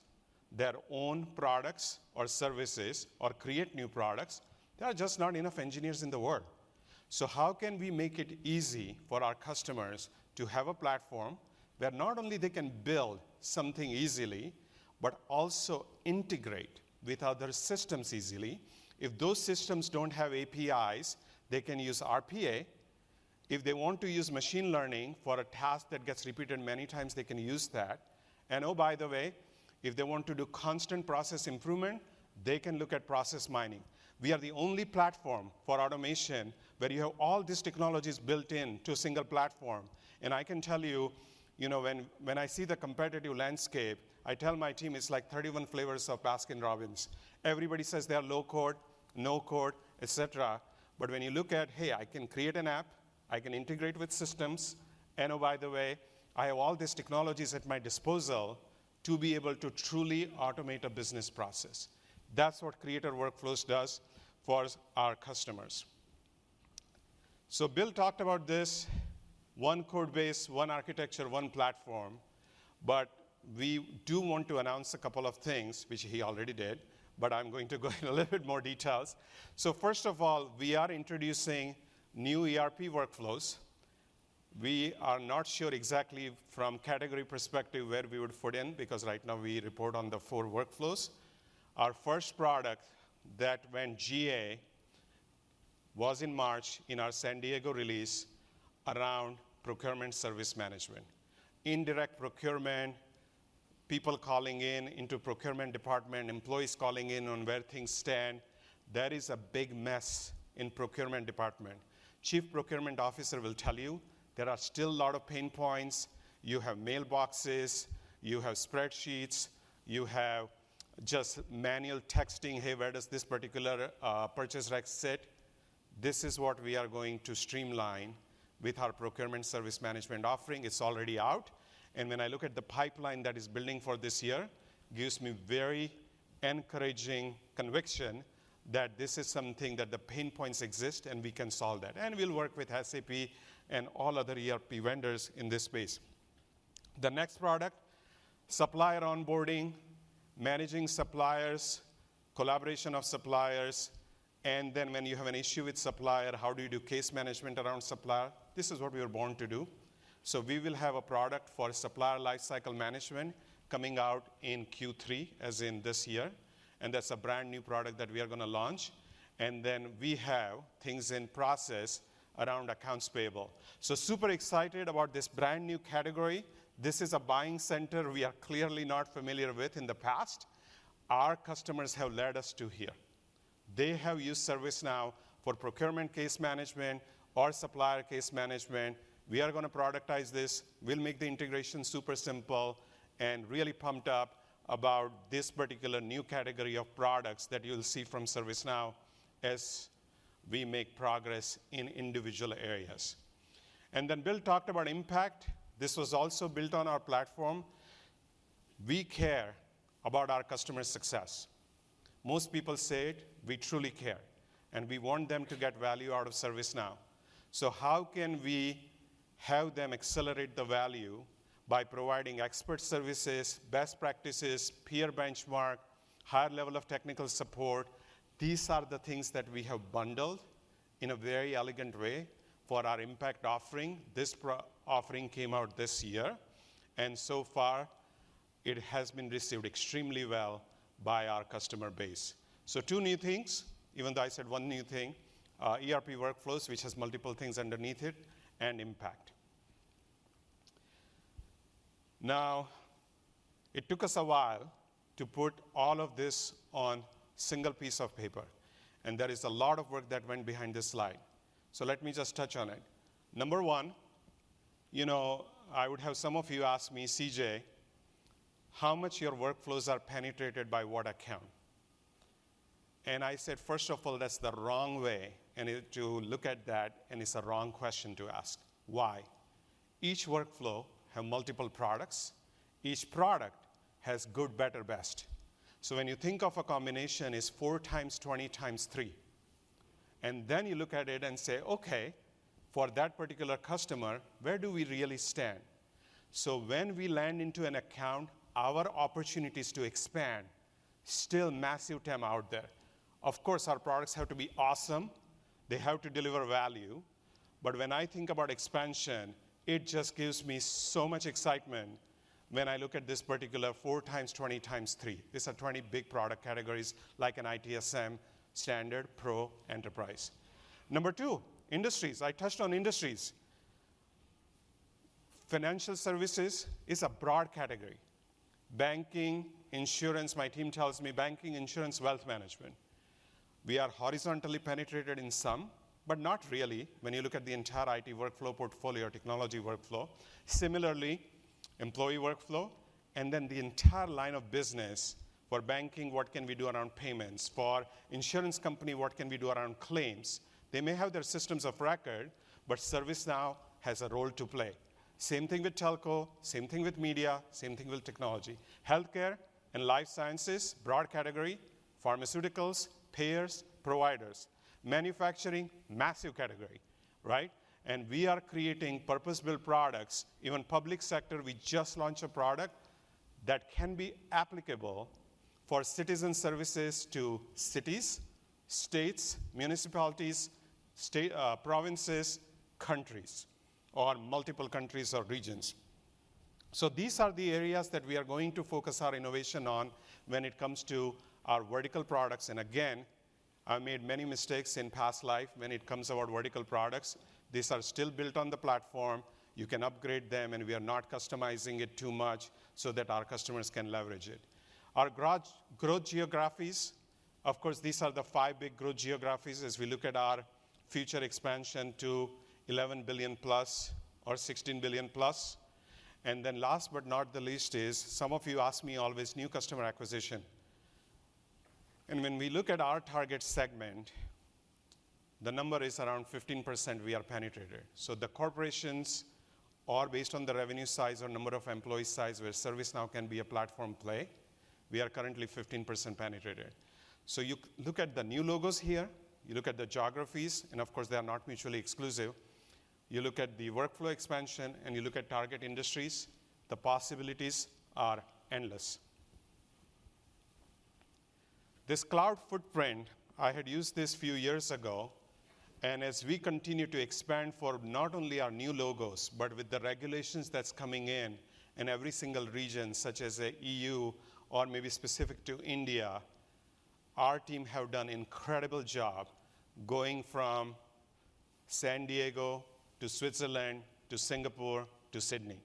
their own products or services or create new products, there are just not enough engineers in the world. How can we make it easy for our customers to have a platform where not only they can build something easily, but also integrate with other systems easily? If those systems don't have APIs, they can use RPA. If they want to use machine learning for a task that gets repeated many times, they can use that. Oh, by the way, if they want to do constant process improvement, they can look at process mining. We are the only platform for automation where you have all these technologies built into a single platform. I can tell you know, when I see the competitive landscape, I tell my team it's like 31 flavors of Baskin-Robbins. Everybody says they are low-code, no-code, et cetera. When you look at, hey, I can create an app, I can integrate with systems. Oh, by the way, I have all these technologies at my disposal to be able to truly automate a business process. That's what Creator Workflows does for our customers. Bill talked about this one code base, one architecture, one platform. We do want to announce a couple of things, which he already did, but I'm going to go in a little bit more details. First of all, we are introducing new ERP workflows. We are not sure exactly from category perspective where we would fit in because right now we report on the four workflows. Our first product that went GA was in March in our San Diego release around Procurement Service Management. Indirect procurement, people calling in into procurement department, employees calling in on where things stand. There is a big mess in procurement department. Chief procurement officer will tell you there are still a lot of pain points. You have mailboxes, you have spreadsheets, you have just manual texting, "Hey, where does this particular purchase rec sit?" This is what we are going to streamline with our Procurement Service Management offering. It's already out. When I look at the pipeline that is building for this year, gives me very encouraging conviction that this is something that the pain points exist and we can solve that. We'll work with SAP and all other ERP vendors in this space. The next product, supplier onboarding, managing suppliers, collaboration of suppliers. Then when you have an issue with supplier, how do you do case management around supplier? This is what we were born to do. We will have a product for supplier lifecycle management coming out in Q3, as in this year. That's a brand-new product that we are gonna launch. We have things in process around accounts payable. Super excited about this brand-new category. This is a buying center we are clearly not familiar with in the past. Our customers have led us to here. They have used ServiceNow for procurement case management or supplier case management. We are gonna productize this. We'll make the integration super simple and really pumped up about this particular new category of products that you'll see from ServiceNow as we make progress in individual areas. Bill talked about Impact. This was also built on our platform. We care about our customers' success. Most people say it, we truly care, and we want them to get value out of ServiceNow. How can we have them accelerate the value by providing expert services, best practices, peer benchmark, higher level of technical support? These are the things that we have bundled in a very elegant way for our Impact offering. This offering came out this year, and so far it has been received extremely well by our customer base. Two new things, even though I said one new thing, ERP workflows, which has multiple things underneath it, and Impact. Now, it took us a while to put all of this on single piece of paper, and there is a lot of work that went behind this slide. Let me just touch on it. Number one, you know, I would have some of you ask me, "CJ, how much your workflows are penetrated by what account?" I said, "First of all, that's the wrong way to look at that, and it's a wrong question to ask." Why? Each workflow have multiple products. Each product has good, better, best. When you think of a combination, it's 4 x 20 x 3, and then you look at it and say, "Okay, for that particular customer, where do we really stand?" When we land into an account, our opportunities to expand still massive time out there. Of course, our products have to be awesome. They have to deliver value. When I think about expansion, it just gives me so much excitement when I look at this particular 4 x 20 x 3. These are 20 big product categories, like an ITSM Standard, Pro, Enterprise. Number 2, industries. I touched on industries. Financial services is a broad category. Banking, insurance, my team tells me banking, insurance, wealth management. We are horizontally penetrated in some, but not really when you look at the entire IT workflow portfolio or technology workflow. Similarly, employee workflow, and then the entire line of business. For banking, what can we do around payments? For insurance company, what can we do around claims? They may have their systems of record, but ServiceNow has a role to play. Same thing with telco, same thing with media, same thing with technology. Healthcare and life sciences, broad category, pharmaceuticals, payers, providers. Manufacturing, massive category, right? We are creating purpose-built products. Even public sector, we just launched a product that can be applicable for citizen services to cities, states, municipalities, state, provinces, countries, or multiple countries or regions. These are the areas that we are going to focus our innovation on when it comes to our vertical products. Again, I made many mistakes in past life when it comes to our vertical products. These are still built on the platform. You can upgrade them, and we are not customizing it too much so that our customers can leverage it. Our growth geographies, of course, these are the five big growth geographies as we look at our future expansion to $11 billion+ or $16 billion+. Last but not the least is some of you ask me always new customer acquisition. When we look at our target segment, the number is around 15% we are penetrated. The corporations or based on the revenue size or number of employee size where ServiceNow can be a platform play, we are currently 15% penetrated. You look at the new logos here, you look at the geographies, and of course, they are not mutually exclusive. You look at the workflow expansion, and you look at target industries, the possibilities are endless. This cloud footprint, I had used this few years ago. As we continue to expand for not only our new logos, but with the regulations that's coming in every single region, such as the EU or maybe specific to India, our team have done incredible job going from San Diego to Switzerland to Singapore to Sydney,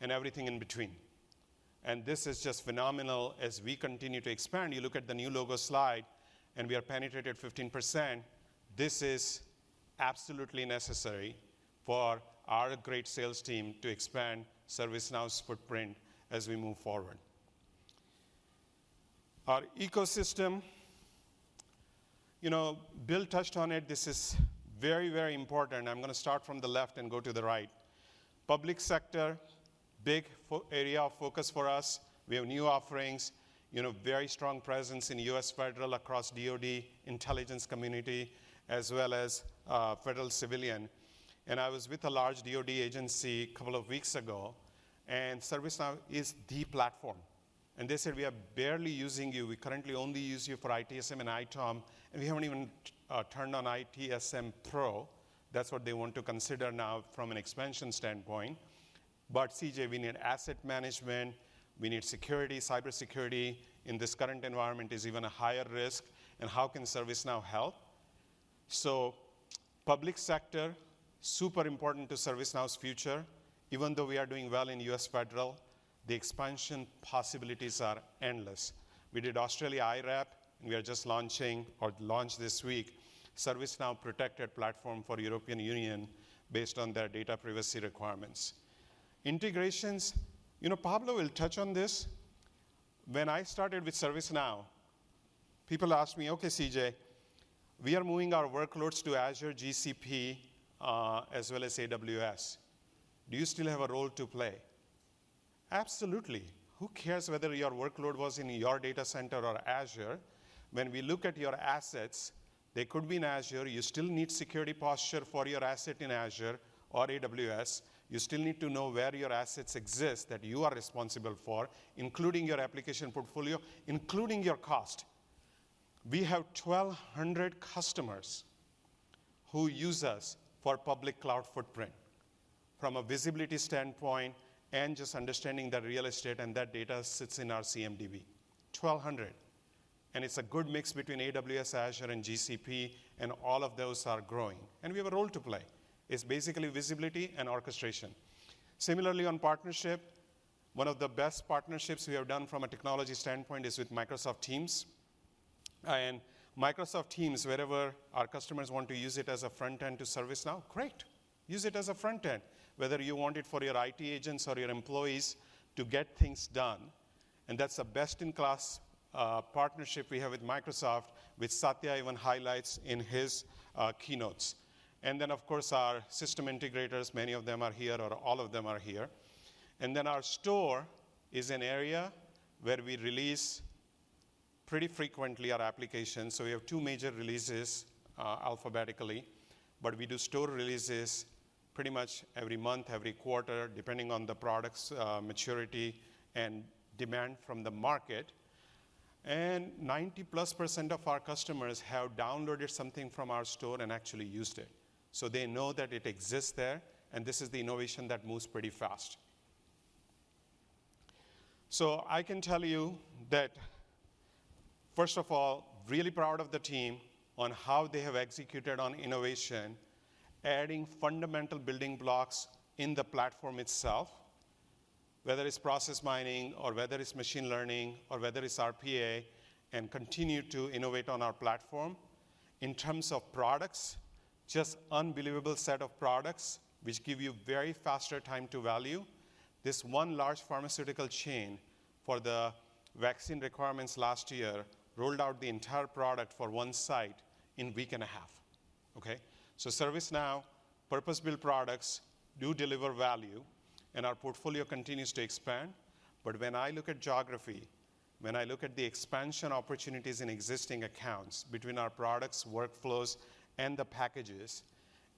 and everything in between. This is just phenomenal as we continue to expand. You look at the new logo slide, and we are penetrating 15%. This is absolutely necessary for our great sales team to expand ServiceNow's footprint as we move forward. Our ecosystem, you know, Bill touched on it. This is very, very important. I'm gonna start from the left and go to the right. Public sector, big area of focus for us. We have new offerings, you know, very strong presence in U.S. federal across DOD, intelligence community, as well as federal civilian. I was with a large DOD agency a couple of weeks ago, and ServiceNow is the platform. They said, "We are barely using you. We currently only use you for ITSM and ITOM, and we haven't even turned on ITSM Pro. That's what they want to consider now from an expansion standpoint. "But CJ, we need asset management, we need security, cybersecurity. In this current environment, there's even a higher risk, and how can ServiceNow help?" Public sector, super important to ServiceNow's future. Even though we are doing well in U.S. federal, the expansion possibilities are endless. We did Australia IRAP, and we are just launching or launched this week ServiceNow Protected Platform for European Union based on their data privacy requirements. Integrations, you know, Pablo will touch on this. When I started with ServiceNow. People ask me, "Okay, CJ, we are moving our workloads to Azure, GCP, as well as AWS. Do you still have a role to play?" Absolutely. Who cares whether your workload was in your data center or Azure? When we look at your assets, they could be in Azure, you still need security posture for your asset in Azure or AWS. You still need to know where your assets exist that you are responsible for, including your application portfolio, including your cost. We have 1,200 customers who use us for public cloud footprint from a visibility standpoint and just understanding the real estate, and that data sits in our CMDB. 1,200, and it's a good mix between AWS, Azure and GCP, and all of those are growing. We have a role to play. It's basically visibility and orchestration. Similarly, on partnership, one of the best partnerships we have done from a technology standpoint is with Microsoft Teams. Microsoft Teams, wherever our customers want to use it as a front end to ServiceNow, great. Use it as a front end, whether you want it for your IT agents or your employees to get things done, and that's a best-in-class partnership we have with Microsoft, which Satya even highlights in his keynotes. Then, of course, our system integrators, many of them are here, or all of them are here. Then our store is an area where we release pretty frequently our applications. We have two major releases, alphabetically, but we do store releases pretty much every month, every quarter, depending on the product's maturity and demand from the market. 90%+ of our customers have downloaded something from our store and actually used it. They know that it exists there, and this is the innovation that moves pretty fast. I can tell you that, first of all, really proud of the team on how they have executed on innovation, adding fundamental building blocks in the platform itself, whether it's process mining or whether it's machine learning, or whether it's RPA, and continue to innovate on our platform. In terms of products, just unbelievable set of products which give you very faster time to value. This one large pharmaceutical chain for the vaccine requirements last year rolled out the entire product for one site in week and a half. Okay? ServiceNow purpose-built products do deliver value, and our portfolio continues to expand. When I look at geography, when I look at the expansion opportunities in existing accounts between our products, workflows and the packages,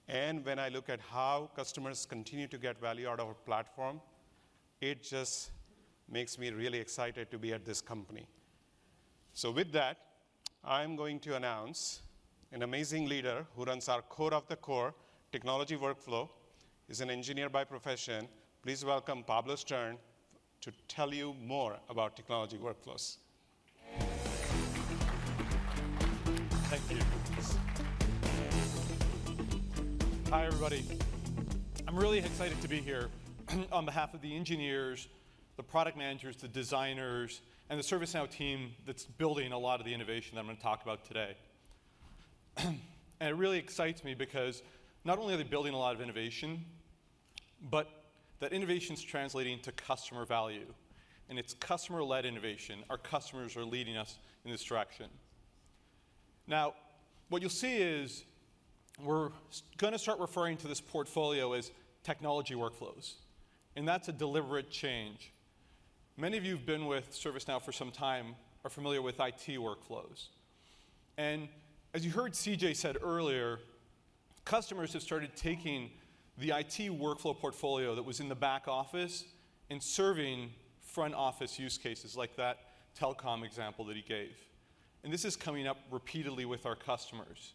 and when I look at how customers continue to get value out of our platform, it just makes me really excited to be at this company. With that, I'm going to announce an amazing leader who runs our core of the core technology workflow. He's an engineer by profession. Please welcome Pablo Stern to tell you more about technology workflows. Thank you. Hi, everybody. I'm really excited to be here on behalf of the engineers, the product managers, the designers, and the ServiceNow team that's building a lot of the innovation that I'm gonna talk about today. It really excites me because not only are they building a lot of innovation, but that innovation's translating to customer value, and it's customer-led innovation. Our customers are leading us in this direction. Now, what you'll see is we're gonna start referring to this portfolio as technology workflows, and that's a deliberate change. Many of you who've been with ServiceNow for some time are familiar with IT workflows. As you heard CJ said earlier, customers have started taking the IT workflow portfolio that was in the back office and serving front office use cases like that telecom example that he gave. This is coming up repeatedly with our customers,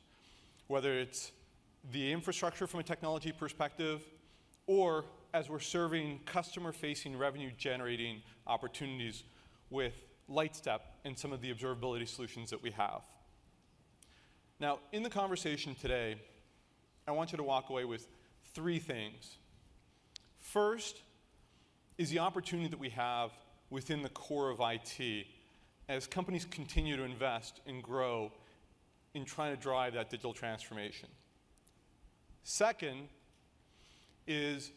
whether it's the infrastructure from a technology perspective or as we're serving customer-facing, revenue-generating opportunities with Lightstep and some of the observability solutions that we have. Now, in the conversation today, I want you to walk away with three things. First is the opportunity that we have within the core of IT as companies continue to invest and grow in trying to drive that digital transformation. Second is,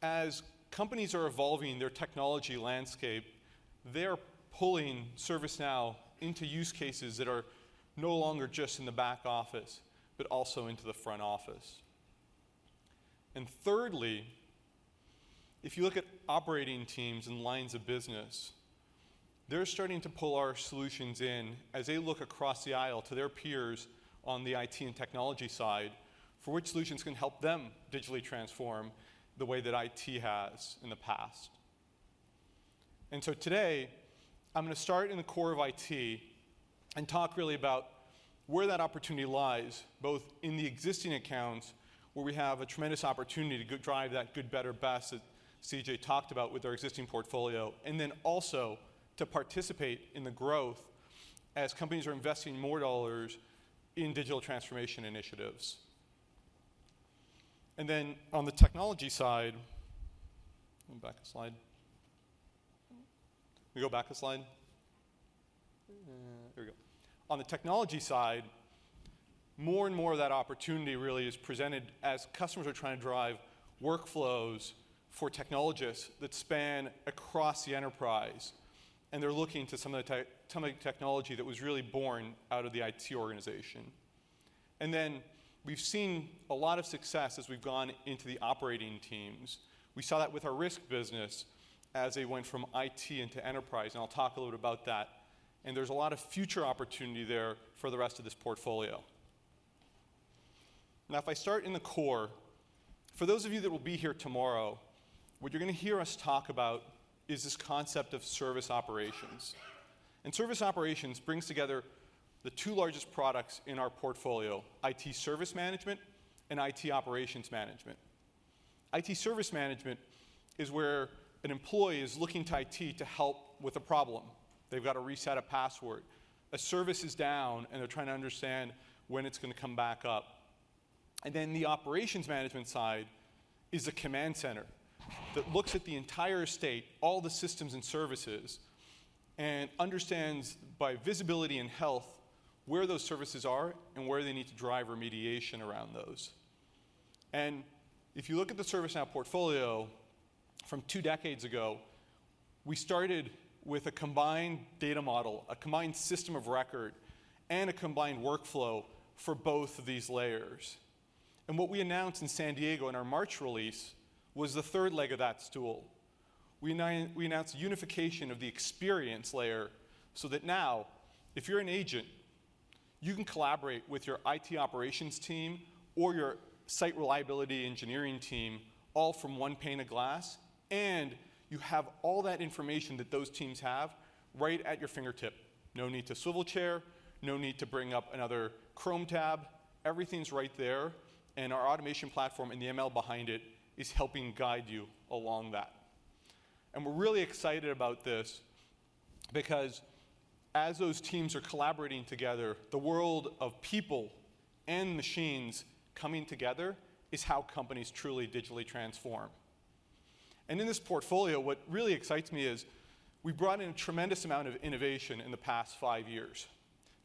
as companies are evolving their technology landscape, they're pulling ServiceNow into use cases that are no longer just in the back office, but also into the front office. Thirdly, if you look at operating teams and lines of business, they're starting to pull our solutions in as they look across the aisle to their peers on the IT and technology side for which solutions can help them digitally transform the way that IT has in the past. So today, I'm gonna start in the core of IT and talk really about where that opportunity lies, both in the existing accounts, where we have a tremendous opportunity to drive that good, better, best that CJ talked about with our existing portfolio, and then also to participate in the growth as companies are investing more dollars in digital transformation initiatives. Then on the technology side. Go back a slide. Can we go back a slide? There we go. On the technology side. More and more of that opportunity really is presented as customers are trying to drive workflows for technologists that span across the enterprise, and they're looking to some of the technology that was really born out of the IT organization. We've seen a lot of success as we've gone into the operating teams. We saw that with our risk business as they went from IT into enterprise, and I'll talk a little bit about that. There's a lot of future opportunity there for the rest of this portfolio. Now, if I start in the core, for those of you that will be here tomorrow, what you're gonna hear us talk about is this concept of service operations. Service operations brings together the two largest products in our portfolio, IT Service Management and IT Operations Management. IT service management is where an employee is looking to IT to help with a problem. They've got to reset a password. A service is down, and they're trying to understand when it's gonna come back up. The operations management side is a command center that looks at the entire state, all the systems and services, and understands by visibility and health where those services are and where they need to drive remediation around those. If you look at the ServiceNow portfolio from two decades ago, we started with a combined data model, a combined system of record, and a combined workflow for both of these layers. What we announced in San Diego in our March release was the third leg of that stool. We announced unification of the experience layer so that now if you're an agent, you can collaborate with your IT operations team or your site reliability engineering team all from one pane of glass, and you have all that information that those teams have right at your fingertip. No need to swivel chair, no need to bring up another Chrome tab. Everything's right there, and our automation platform and the ML behind it is helping guide you along that. We're really excited about this because as those teams are collaborating together, the world of people and machines coming together is how companies truly digitally transform. In this portfolio, what really excites me is we've brought in a tremendous amount of innovation in the past five years,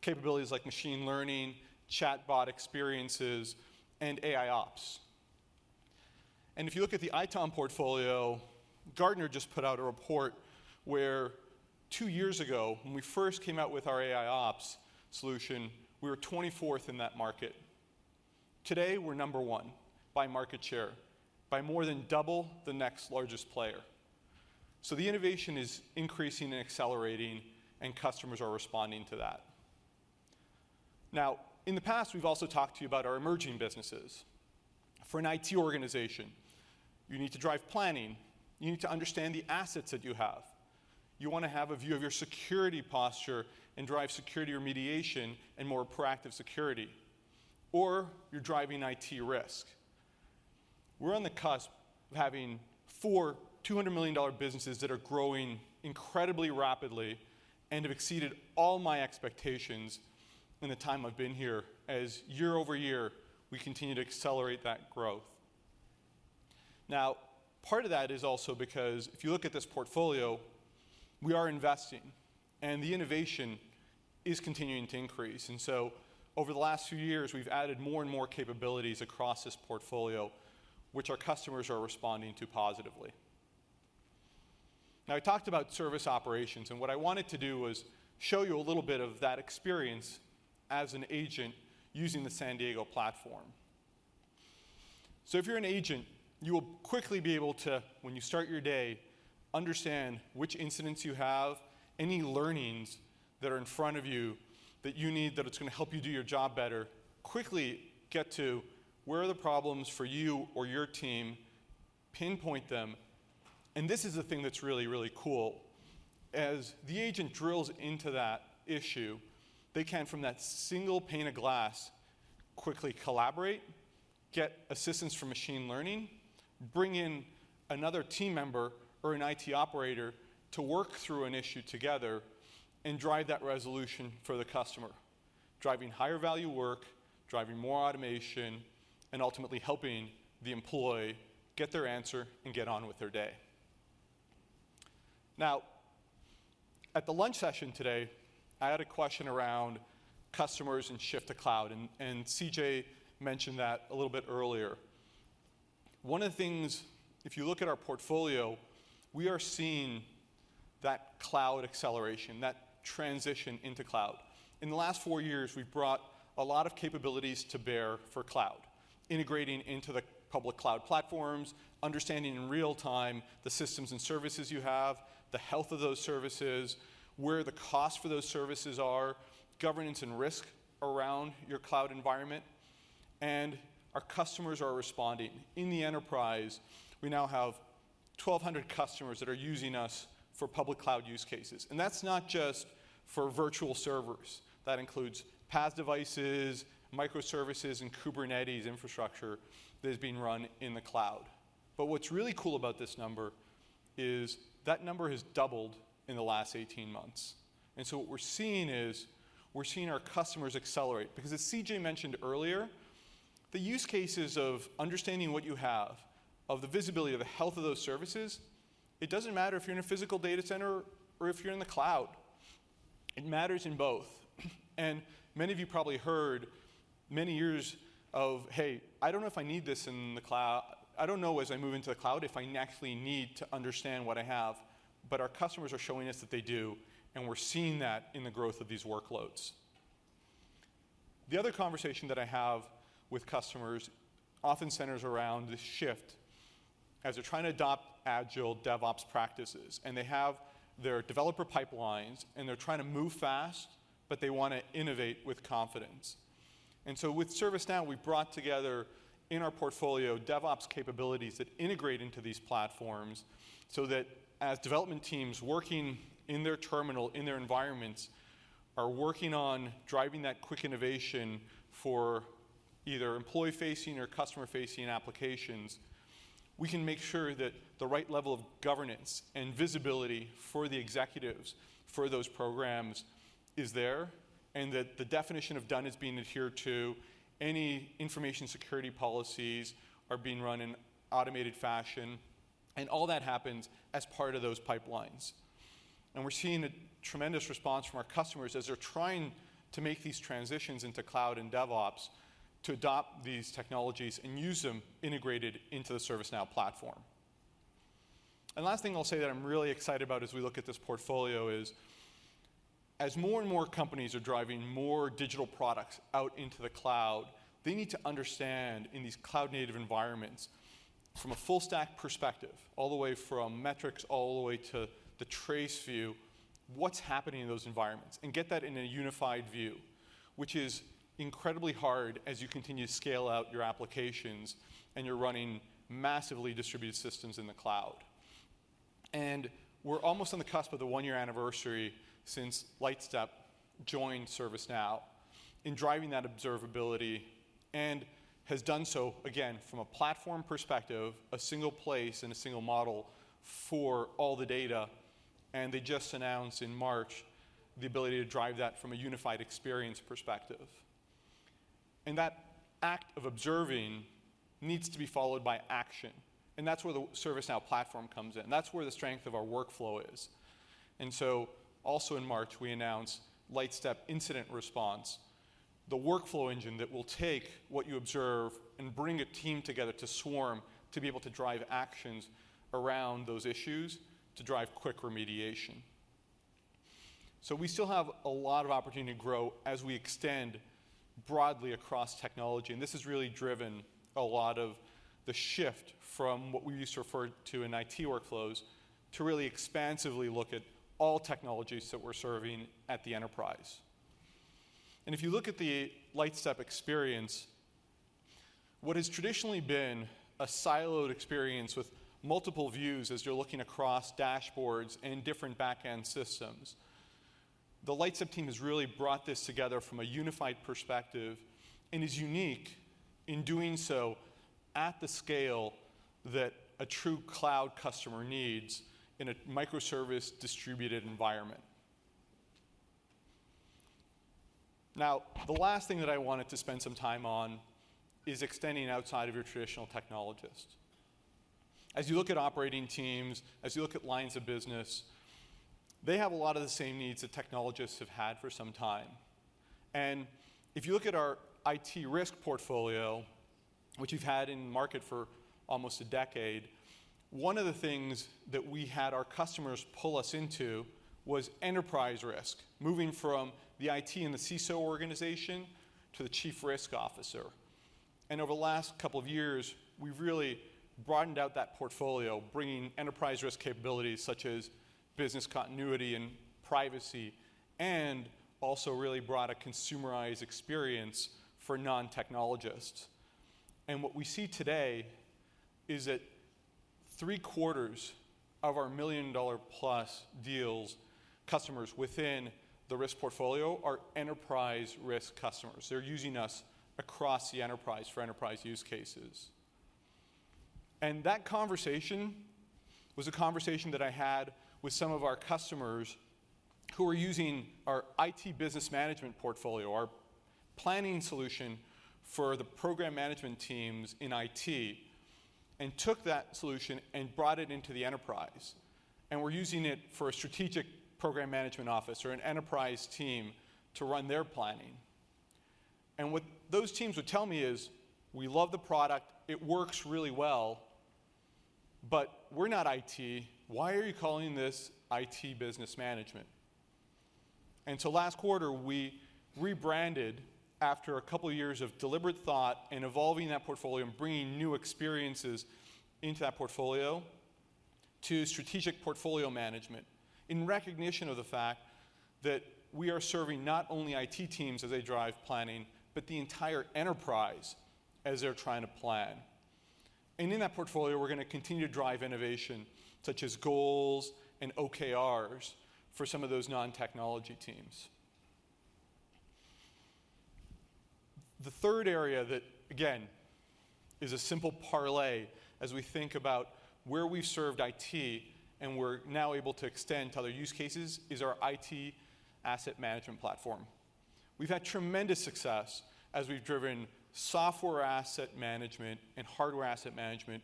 capabilities like machine learning, chatbot experiences, and AIOps. If you look at the ITOM portfolio, Gartner just put out a report where two years ago, when we first came out with our AIOps solution, we were 24th in that market. Today, we're number one by market share, by more than double the next largest player. The innovation is increasing and accelerating, and customers are responding to that. Now, in the past, we've also talked to you about our emerging businesses. For an IT organization, you need to drive planning. You need to understand the assets that you have. You wanna have a view of your security posture and drive security remediation and more proactive security. Or you're driving IT risk. We're on the cusp of having four $200 million businesses that are growing incredibly rapidly and have exceeded all my expectations in the time I've been here as year-over-year, we continue to accelerate that growth. Now, part of that is also because if you look at this portfolio, we are investing, and the innovation is continuing to increase. Over the last few years, we've added more and more capabilities across this portfolio, which our customers are responding to positively. Now, I talked about service operations, and what I wanted to do was show you a little bit of that experience as an agent using the San Diego platform. If you're an agent, you will quickly be able to, when you start your day, understand which incidents you have, any learnings that are in front of you that you need, that it's gonna help you do your job better, quickly get to where are the problems for you or your team, pinpoint them. This is the thing that's really, really cool. As the agent drills into that issue, they can, from that single pane of glass, quickly collaborate, get assistance from machine learning, bring in another team member or an IT operator to work through an issue together and drive that resolution for the customer, driving higher value work, driving more automation, and ultimately helping the employee get their answer and get on with their day. Now, at the lunch session today, I had a question around customers and shift to cloud, and CJ mentioned that a little bit earlier. One of the things, if you look at our portfolio, we are seeing that cloud acceleration, that transition into cloud. In the last four years, we've brought a lot of capabilities to bear for cloud, integrating into the public cloud platforms, understanding in real time the systems and services you have, the health of those services, where the cost for those services are, governance and risk around your cloud environment, and our customers are responding. In the enterprise, we now have 1,200 customers that are using us for public cloud use cases. That's not just for virtual servers. That includes PaaS devices, microservices, and Kubernetes infrastructure that is being run in the cloud. What's really cool about this number is that number has doubled in the last 18 months. What we're seeing is we're seeing our customers accelerate. Because as CJ mentioned earlier. The use cases of understanding what you have of the visibility of the health of those services, it doesn't matter if you're in a physical data center or if you're in the cloud. It matters in both. Many of you probably heard many years of, "I don't know as I move into the cloud if I actually need to understand what I have." Our customers are showing us that they do, and we're seeing that in the growth of these workloads. The other conversation that I have with customers often centers around the shift as they're trying to adopt agile DevOps practices, and they have their developer pipelines, and they're trying to move fast, but they wanna innovate with confidence. With ServiceNow, we brought together in our portfolio DevOps capabilities that integrate into these platforms so that as development teams working in their terminal, in their environments are working on driving that quick innovation for either employee-facing or customer-facing applications, we can make sure that the right level of governance and visibility for the executives for those programs is there, and that the definition of done is being adhered to. Any information security policies are being run in automated fashion, and all that happens as part of those pipelines. We're seeing a tremendous response from our customers as they're trying to make these transitions into cloud and DevOps to adopt these technologies and use them integrated into the ServiceNow platform. Last thing I'll say that I'm really excited about as we look at this portfolio is, as more and more companies are driving more digital products out into the cloud, they need to understand in these cloud-native environments from a full stack perspective, all the way from metrics, all the way to the trace view, what's happening in those environments and get that in a unified view, which is incredibly hard as you continue to scale out your applications and you're running massively distributed systems in the cloud. We're almost on the cusp of the one-year anniversary since Lightstep joined ServiceNow in driving that observability and has done so, again, from a platform perspective, a single place and a single model for all the data, and they just announced in March the ability to drive that from a unified experience perspective. That act of observing needs to be followed by action, and that's where the ServiceNow platform comes in. That's where the strength of our workflow is. Also in March, we announced Lightstep Incident Response, the workflow engine that will take what you observe and bring a team together to swarm to be able to drive actions around those issues to drive quick remediation. We still have a lot of opportunity to grow as we extend broadly across technology, and this has really driven a lot of the shift from what we used to refer to in IT workflows to really expansively look at all technologies that we're serving at the enterprise. If you look at the Lightstep experience, what has traditionally been a siloed experience with multiple views as you're looking across dashboards and different backend systems, the Lightstep team has really brought this together from a unified perspective and is unique in doing so at the scale that a true cloud customer needs in a microservice distributed environment. Now, the last thing that I wanted to spend some time on is extending outside of your traditional technologist. As you look at operating teams, as you look at lines of business, they have a lot of the same needs that technologists have had for some time. If you look at our IT risk portfolio, which we've had in market for almost a decade, one of the things that we had our customers pull us into was enterprise risk, moving from the IT and the CISO organization to the chief risk officer. Over the last couple of years, we've really broadened out that portfolio, bringing enterprise risk capabilities such as business continuity and privacy, and also really brought a consumerized experience for non-technologists. What we see today is that 3/4 of our million-dollar-plus deals customers within the risk portfolio are enterprise risk customers. They're using us across the enterprise for enterprise use cases. That conversation was a conversation that I had with some of our customers who are using our IT Business Management portfolio, our planning solution for the program management teams in IT, and took that solution and brought it into the enterprise and were using it for a strategic program management office or an enterprise team to run their planning. What those teams would tell me is, "We love the product. It works really well, but we're not IT. Why are you calling this IT Business Management?" Last quarter, we rebranded after a couple years of deliberate thought and evolving that portfolio and bringing new experiences into that portfolio to Strategic Portfolio Management in recognition of the fact that we are serving not only IT teams as they drive planning, but the entire enterprise as they're trying to plan. In that portfolio, we're gonna continue to drive innovation such as goals and OKRs for some of those non-technology teams. The third area that, again, is a simple play as we think about where we served IT, and we're now able to extend to other use cases, is our IT asset management platform. We've had tremendous success as we've driven software asset management and hardware asset management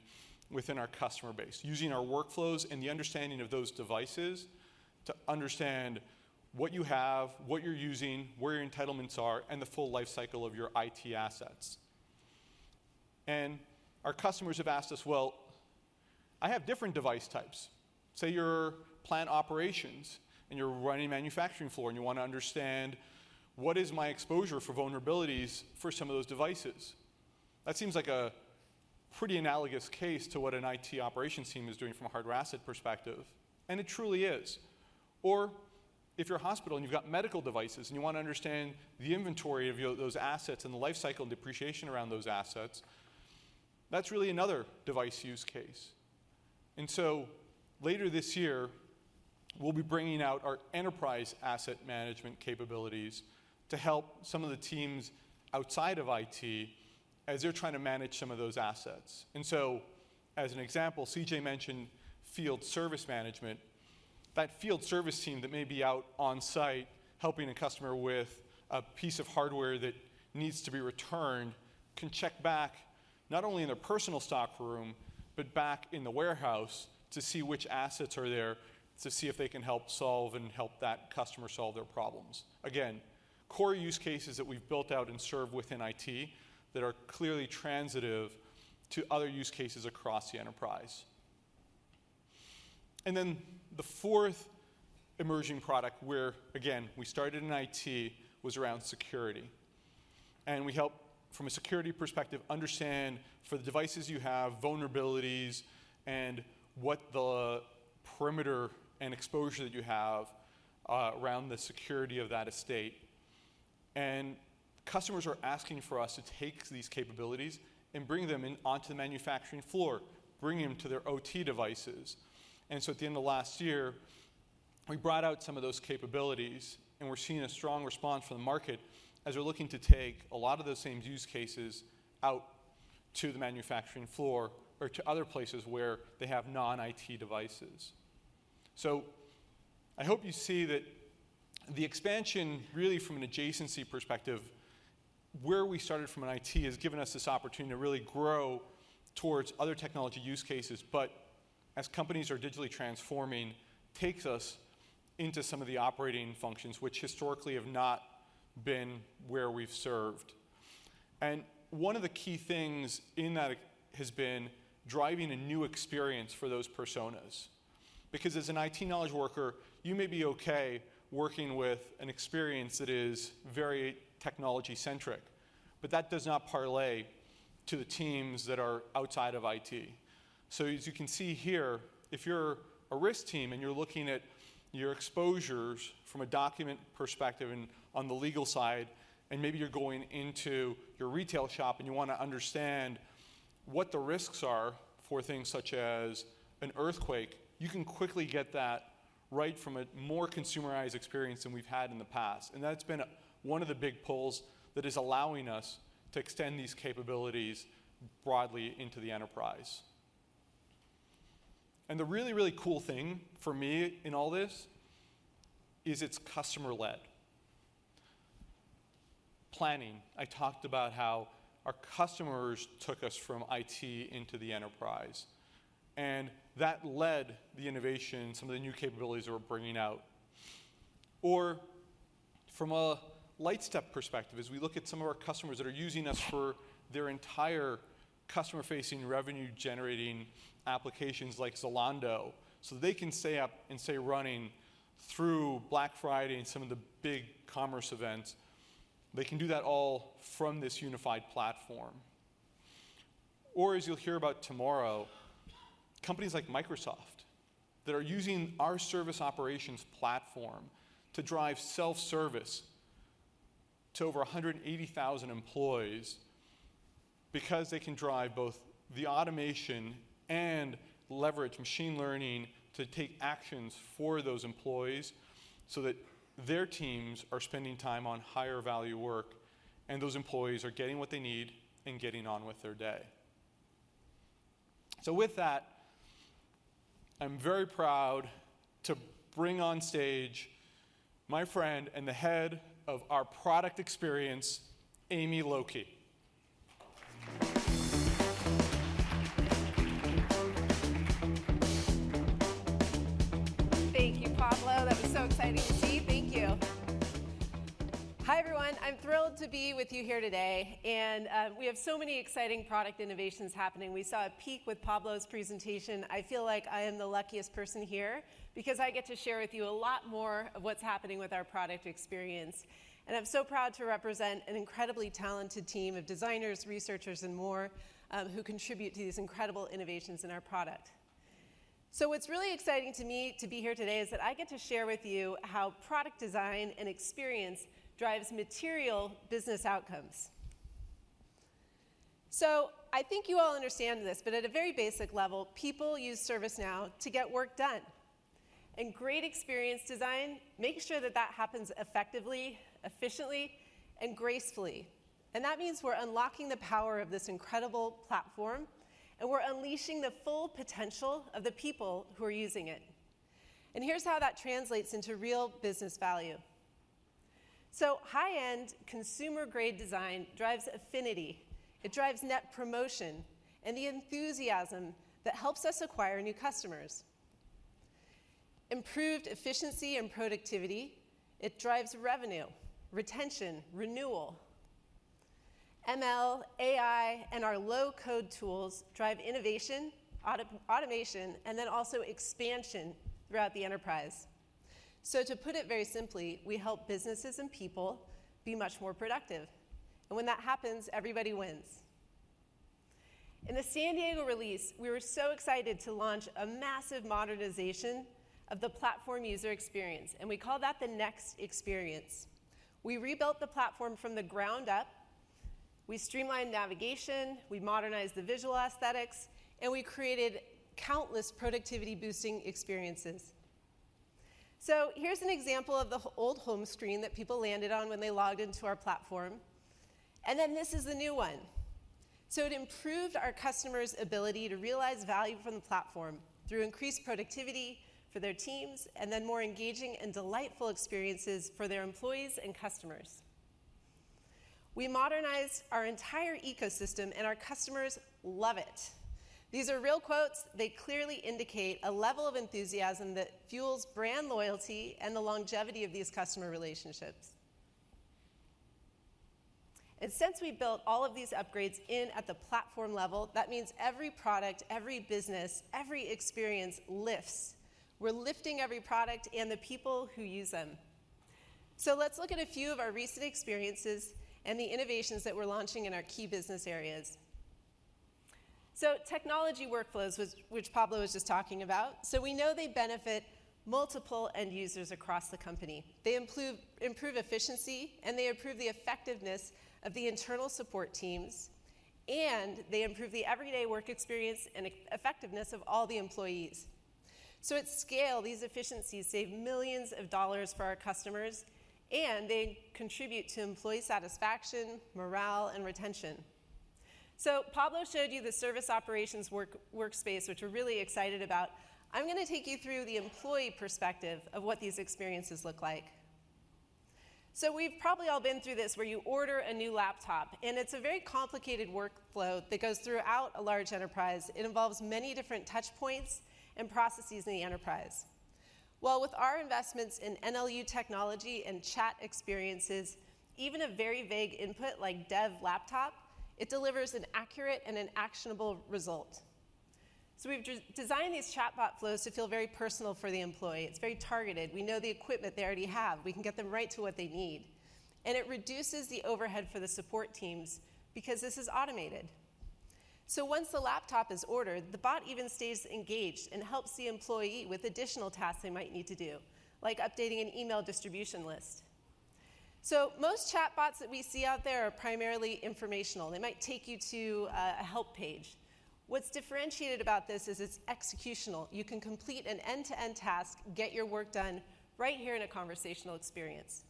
within our customer base, using our workflows and the understanding of those devices to understand what you have, what you're using, where your entitlements are, and the full lifecycle of your IT assets. Our customers have asked us, "Well, I have different device types." Say you're plant operations and you're running a manufacturing floor, and you wanna understand what is my exposure for vulnerabilities for some of those devices. That seems like a pretty analogous case to what an IT operations team is doing from a hardware asset perspective, and it truly is. If you're a hospital and you've got medical devices and you wanna understand the inventory of those assets and the life cycle and depreciation around those assets, that's really another device use case. Later this year, we'll be bringing out our Enterprise Asset Management capabilities to help some of the teams outside of IT as they're trying to manage some of those assets. As an example, CJ mentioned Field Service Management. That field service team that may be out on site helping a customer with a piece of hardware that needs to be returned can check back not only in their personal stock room, but back in the warehouse to see which assets are there to see if they can help solve and help that customer solve their problems. Again, core use cases that we've built out and serve within IT that are clearly transitive to other use cases across the enterprise. The fourth emerging product where, again, we started in IT, was around security. We help from a security perspective understand for the devices you have, vulnerabilities and what the perimeter and exposure that you have around the security of that estate. Customers are asking for us to take these capabilities and bring them onto the manufacturing floor, bring them to their OT devices. At the end of last year, we brought out some of those capabilities, and we're seeing a strong response from the market as we're looking to take a lot of those same use cases out to the manufacturing floor or to other places where they have non-IT devices. I hope you see that the expansion really from an adjacency perspective, where we started from an IT has given us this opportunity to really grow towards other technology use cases. As companies are digitally transforming, takes us into some of the operating functions which historically have not been where we've served. One of the key things in that has been driving a new experience for those personas. Because as an IT knowledge worker, you may be okay working with an experience that is very technology-centric, but that does not parlay to the teams that are outside of IT. As you can see here, if you're a risk team and you're looking at your exposures from a document perspective and on the legal side, and maybe you're going into your retail shop and you wanna understand what the risks are for things such as an earthquake, you can quickly get that right from a more consumerized experience than we've had in the past. That's been one of the big pulls that is allowing us to extend these capabilities broadly into the enterprise. The really, really cool thing for me in all this is it's customer led. Planning. I talked about how our customers took us from IT into the enterprise, and that led the innovation, some of the new capabilities that we're bringing out. From a Lightstep perspective, as we look at some of our customers that are using us for their entire customer-facing, revenue-generating applications like Zalando, so they can stay up and stay running through Black Friday and some of the big commerce events, they can do that all from this unified platform. As you'll hear about tomorrow, companies like Microsoft that are using our service operations platform to drive self-service to over 180,000 employees because they can drive both the automation and leverage machine learning to take actions for those employees so that their teams are spending time on higher value work, and those employees are getting what they need and getting on with their day. With that, I'm very proud to bring on stage my friend and the head of our product experience, Amy Lokey. Thank you, Pablo. That was so exciting to see. Thank you. Hi, everyone. I'm thrilled to be with you here today, and we have so many exciting product innovations happening. We saw a peak with Pablo's presentation. I feel like I am the luckiest person here because I get to share with you a lot more of what's happening with our product experience, and I'm so proud to represent an incredibly talented team of designers, researchers, and more, who contribute to these incredible innovations in our product. What's really exciting to me to be here today is that I get to share with you how product design and experience drives material business outcomes. I think you all understand this, but at a very basic level, people use ServiceNow to get work done. Great experience design makes sure that that happens effectively, efficiently, and gracefully. That means we're unlocking the power of this incredible platform, and we're unleashing the full potential of the people who are using it. Here's how that translates into real business value. High-end consumer-grade design drives affinity. It drives net promotion and the enthusiasm that helps us acquire new customers. Improved efficiency and productivity, it drives revenue, retention, renewal. ML, AI, and our low-code tools drive innovation, auto-automation, and then also expansion throughout the enterprise. To put it very simply, we help businesses and people be much more productive. When that happens, everybody wins. In the San Diego release, we were so excited to launch a massive modernization of the platform user experience, and we call that the Next Experience. We rebuilt the platform from the ground up, we streamlined navigation, we modernized the visual aesthetics, and we created countless productivity-boosting experiences. Here's an example of the old home screen that people landed on when they logged into our platform, and then this is the new one. It improved our customers' ability to realize value from the platform through increased productivity for their teams and then more engaging and delightful experiences for their employees and customers. We modernized our entire ecosystem, and our customers love it. These are real quotes. They clearly indicate a level of enthusiasm that fuels brand loyalty and the longevity of these customer relationships. Since we built all of these upgrades in at the platform level, that means every product, every business, every experience lifts. We're lifting every product and the people who use them. Let's look at a few of our recent experiences and the innovations that we're launching in our key business areas. Technology workflows, which Pablo was just talking about. We know they benefit multiple end users across the company. They improve efficiency, and they improve the effectiveness of the internal support teams, and they improve the everyday work experience and effectiveness of all the employees. At scale, these efficiencies save millions of dollars for our customers, and they contribute to employee satisfaction, morale, and retention. Pablo showed you the Service Operations Workspace, which we're really excited about. I'm gonna take you through the employee perspective of what these experiences look like. We've probably all been through this, where you order a new laptop, and it's a very complicated workflow that goes throughout a large enterprise. It involves many different touch points and processes in the enterprise. Well, with our investments in NLU technology and chat experiences, even a very vague input like dev laptop, it delivers an accurate and an actionable result. We've designed these chatbot flows to feel very personal for the employee. It's very targeted. We know the equipment they already have. We can get them right to what they need. It reduces the overhead for the support teams because this is automated. Once the laptop is ordered, the bot even stays engaged and helps the employee with additional tasks they might need to do, like updating an email distribution list. Most chatbots that we see out there are primarily informational. They might take you to a help page. What's differentiated about this is it's executional. You can complete an end-to-end task, get your work done right here in a conversational experience.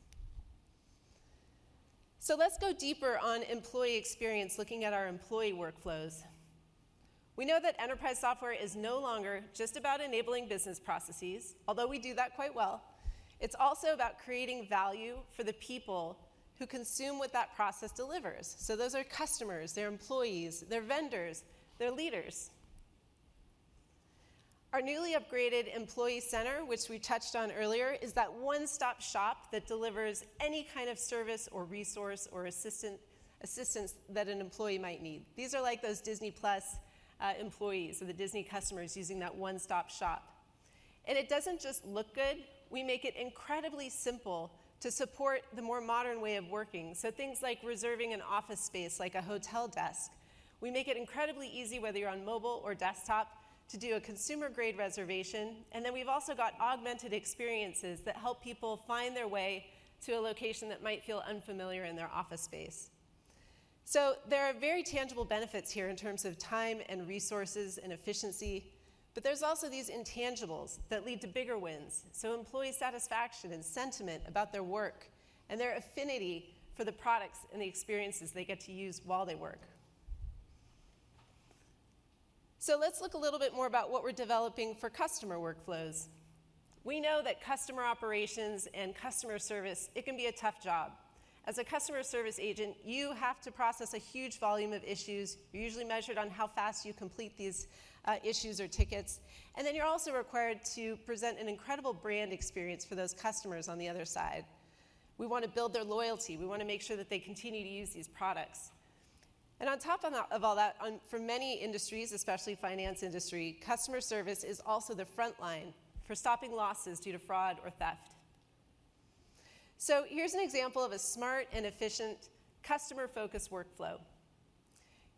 Let's go deeper on employee experience, looking at our employee workflows. We know that enterprise software is no longer just about enabling business processes, although we do that quite well. It's also about creating value for the people who consume what that process delivers. Those are customers, they're employees, they're vendors, they're leaders. Our newly upgraded Employee Center, which we touched on earlier, is that one-stop shop that delivers any kind of service or resource or assistance that an employee might need. These are like those Disney+ employees or the Disney customers using that one-stop shop. It doesn't just look good. We make it incredibly simple to support the more modern way of working. Things like reserving an office space like a hot desk. We make it incredibly easy, whether you're on mobile or desktop, to do a consumer-grade reservation. Then we've also got augmented experiences that help people find their way to a location that might feel unfamiliar in their office space. There are very tangible benefits here in terms of time and resources and efficiency, but there's also these intangibles that lead to bigger wins. Employee satisfaction and sentiment about their work and their affinity for the products and the experiences they get to use while they work. Let's look a little bit more about what we're developing for customer workflows. We know that customer operations and customer service, it can be a tough job. As a customer service agent, you have to process a huge volume of issues. You're usually measured on how fast you complete these, issues or tickets. Then you're also required to present an incredible brand experience for those customers on the other side. We wanna build their loyalty. We wanna make sure that they continue to use these products. On top of that, of all that, for many industries, especially finance industry, customer service is also the frontline for stopping losses due to fraud or theft. Here's an example of a smart and efficient customer-focused workflow.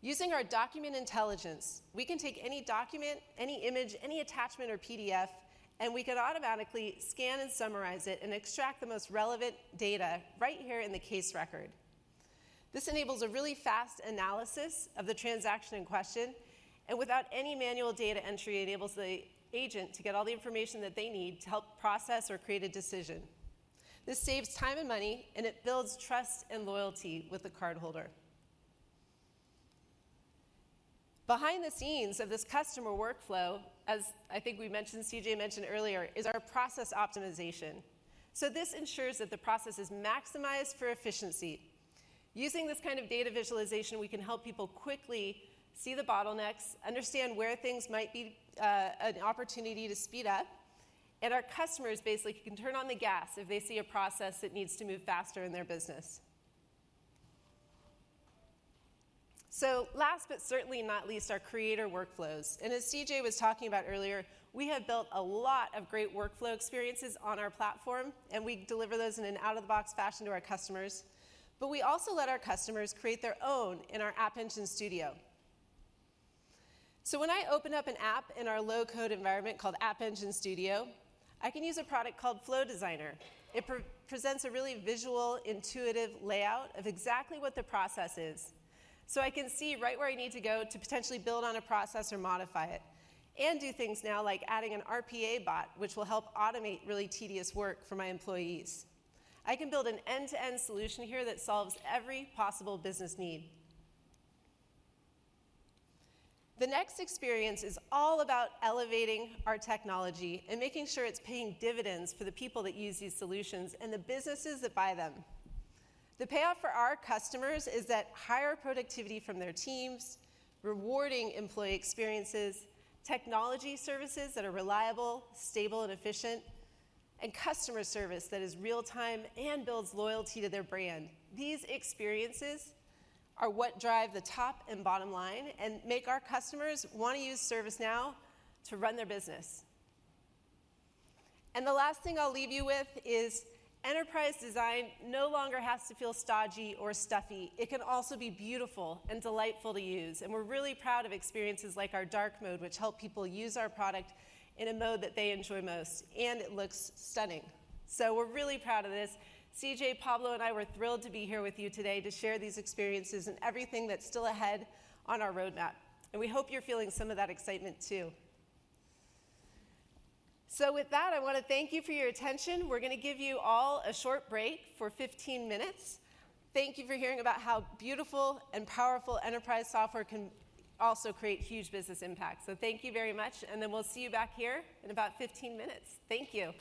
Using our Document Intelligence, we can take any document, any image, any attachment or PDF, and we can automatically scan and summarize it and extract the most relevant data right here in the case record. This enables a really fast analysis of the transaction in question, and without any manual data entry, it enables the agent to get all the information that they need to help process or create a decision. This saves time and money, and it builds trust and loyalty with the cardholder. Behind the scenes of this customer workflow, as I think we mentioned, CJ mentioned earlier, is our process optimization. This ensures that the process is maximized for efficiency. Using this kind of data visualization, we can help people quickly see the bottlenecks, understand where things might be an opportunity to speed up, and our customers basically can turn on the gas if they see a process that needs to move faster in their business. Last but certainly not least, our Creator Workflows. As CJ was talking about earlier, we have built a lot of great workflow experiences on our platform, and we deliver those in an out-of-the-box fashion to our customers. We also let our customers create their own in our App Engine Studio. When I open up an app in our low-code environment called App Engine Studio, I can use a product called Flow Designer. It pre-presents a really visual, intuitive layout of exactly what the process is. I can see right where I need to go to potentially build on a process or modify it and do things now like adding an RPA bot, which will help automate really tedious work for my employees. I can build an end-to-end solution here that solves every possible business need. Next Experience is all about elevating our technology and making sure it's paying dividends for the people that use these solutions and the businesses that buy them. The payoff for our customers is that higher productivity from their teams, rewarding employee experiences, technology services that are reliable, stable and efficient, and customer service that is real-time and builds loyalty to their brand. These experiences are what drive the top and bottom line and make our customers wanna use ServiceNow to run their business. The last thing I'll leave you with is enterprise design no longer has to feel stodgy or stuffy. It can also be beautiful and delightful to use, and we're really proud of experiences like our dark theme, which help people use our product in a mode that they enjoy most. It looks stunning. We're really proud of this. CJ, Pablo, and I, we're thrilled to be here with you today to share these experiences and everything that's still ahead on our roadmap. We hope you're feeling some of that excitement too. With that, I wanna thank you for your attention. We're gonna give you all a short break for 15 minutes. Thank you for hearing about how beautiful and powerful enterprise software can also create huge business impact. Thank you very much, and then we'll see you back here in about 15 minutes. Thank you.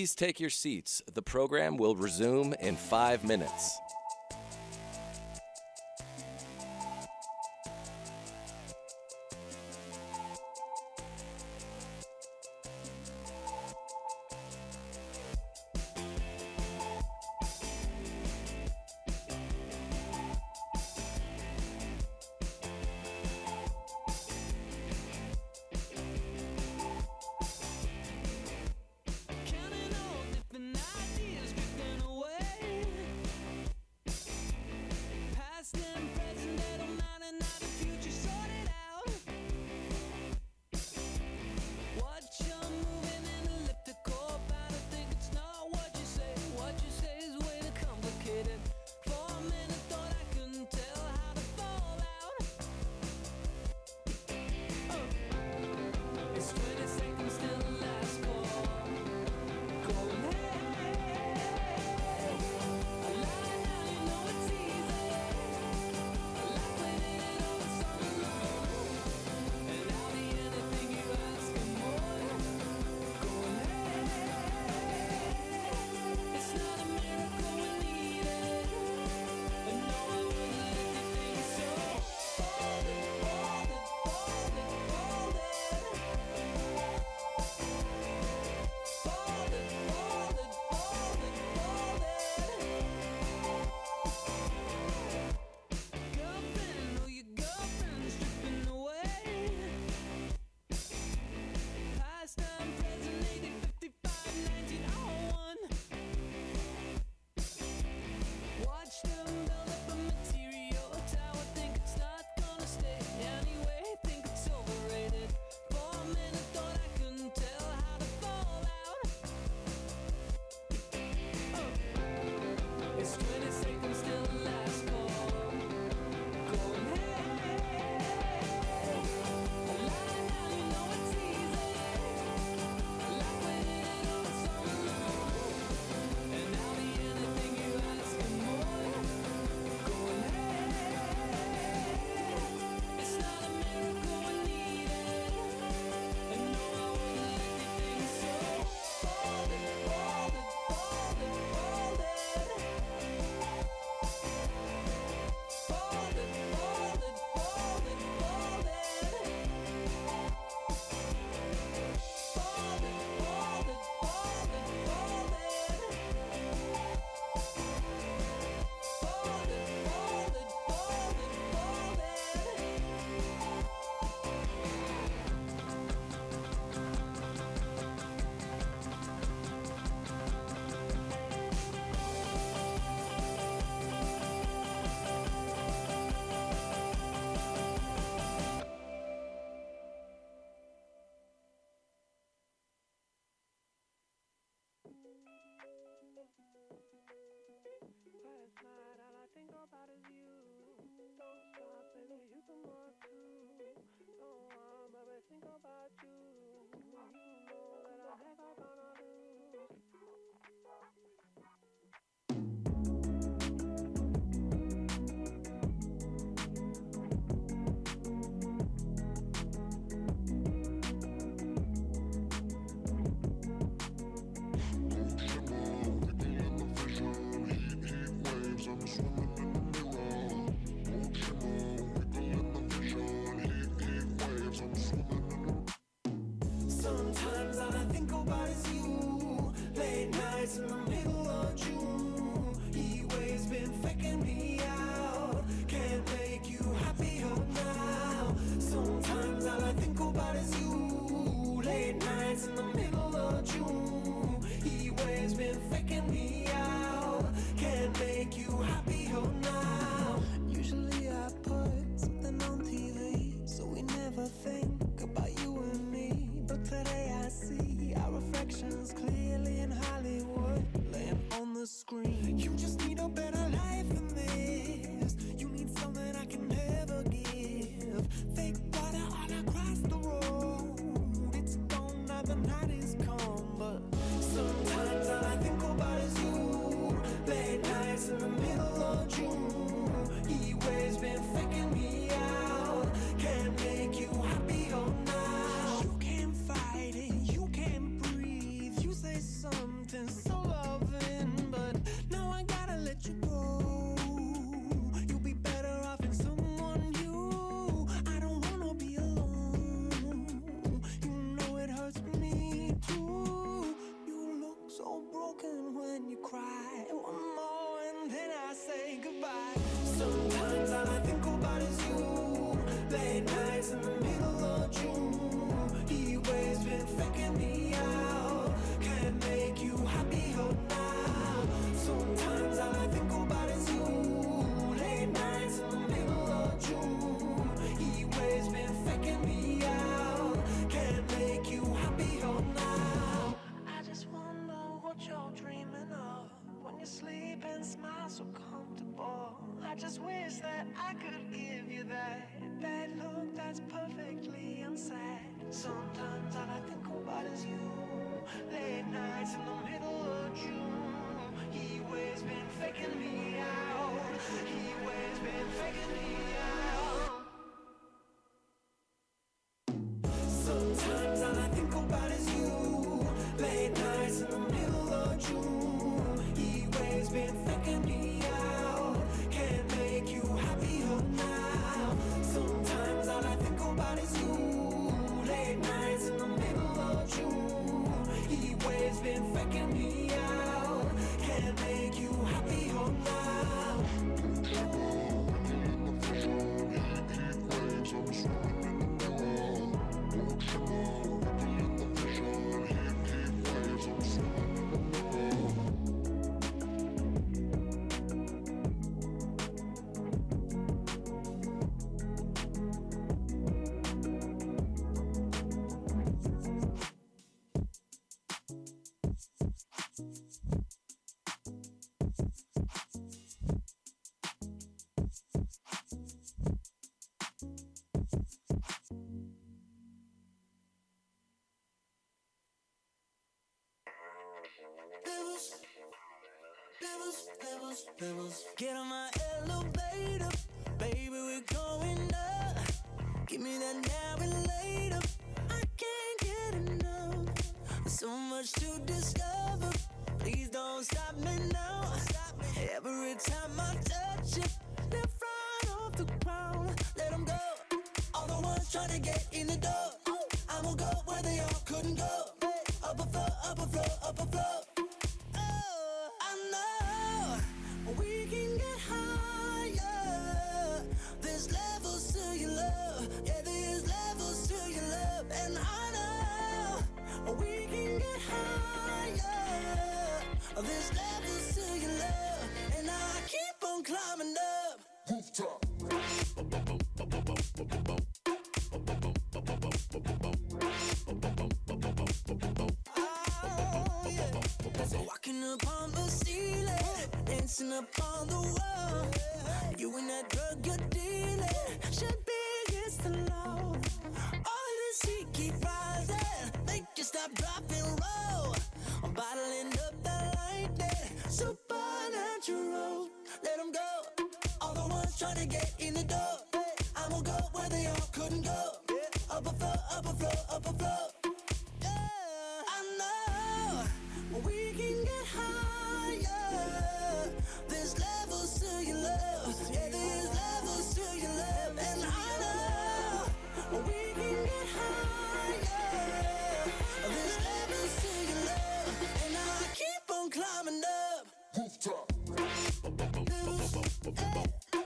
Please take your seats. The program will resume in five minutes.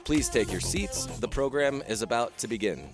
Please take your seats. The program is about to begin.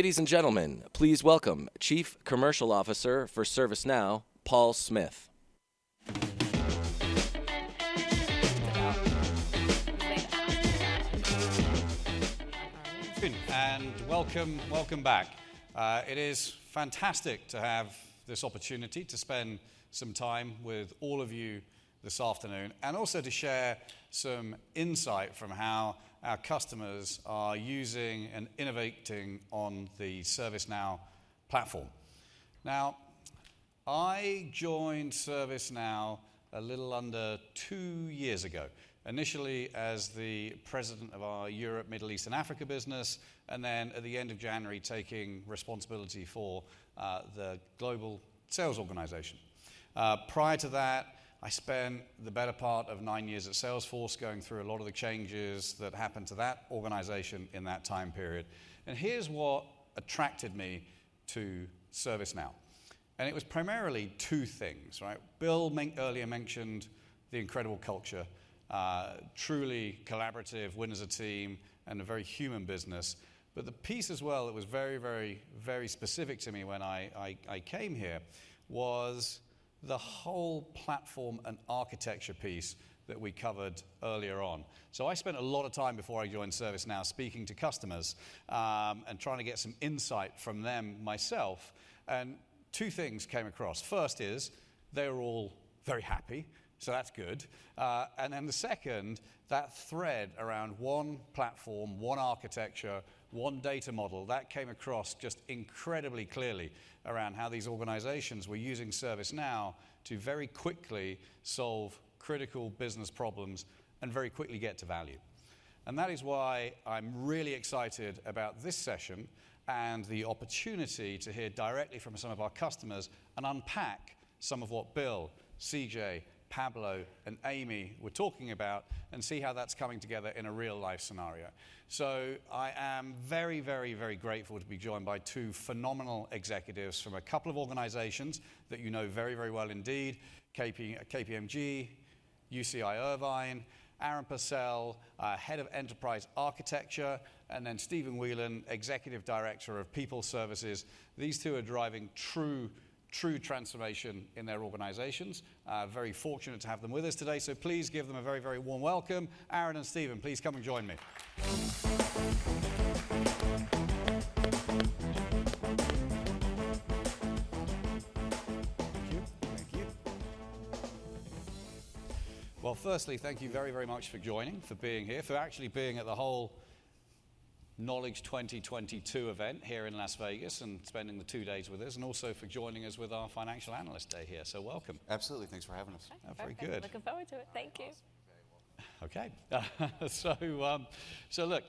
Ladies and gentlemen, please welcome Chief Commercial Officer for ServiceNow, Paul Smith. Welcome back. It is fantastic to have this opportunity to spend some time with all of you this afternoon, and also to share some insight from how our customers are using and innovating on the ServiceNow platform. Now, I joined ServiceNow a little under two years ago, initially as the president of our Europe, Middle East, and Africa business, and then at the end of January, taking responsibility for the global sales organization. Prior to that, I spent the better part of nine years at Salesforce going through a lot of the changes that happened to that organization in that time period. Here's what attracted me to ServiceNow, and it was primarily two things, right? Bill earlier mentioned the incredible culture, truly collaborative, win as a team, and a very human business. The piece as well that was very specific to me when I came here was the whole platform and architecture piece that we covered earlier on. I spent a lot of time before I joined ServiceNow speaking to customers and trying to get some insight from them myself, and two things came across. First is, they were all very happy, so that's good. The second, that thread around one platform, one architecture, one data model, that came across just incredibly clearly around how these organizations were using ServiceNow to very quickly solve critical business problems and very quickly get to value. That is why I'm really excited about this session and the opportunity to hear directly from some of our customers and unpack some of what Bill, CJ, Pablo, and Amy were talking about and see how that's coming together in a real-life scenario. I am very grateful to be joined by two phenomenal executives from a couple of organizations that you know very well indeed, KPMG, UC Irvine, Aaron Purcell, Head of Enterprise Architecture, and then Stephen Whelan, Executive Director of People Services. These two are driving true transformation in their organizations. Very fortunate to have them with us today, so please give them a very warm welcome. Aaron and Stephen, please come and join me. Thank you. Thank you. Well, firstly, thank you very, very much for joining, for being here, for actually being at the whole Knowledge 2022 event here in Las Vegas and spending the two days with us, and also for joining us with our financial analyst day here. Welcome. Absolutely. Thanks for having us. Oh, very good. Thank you. Looking forward to it. Thank you. Okay. Look,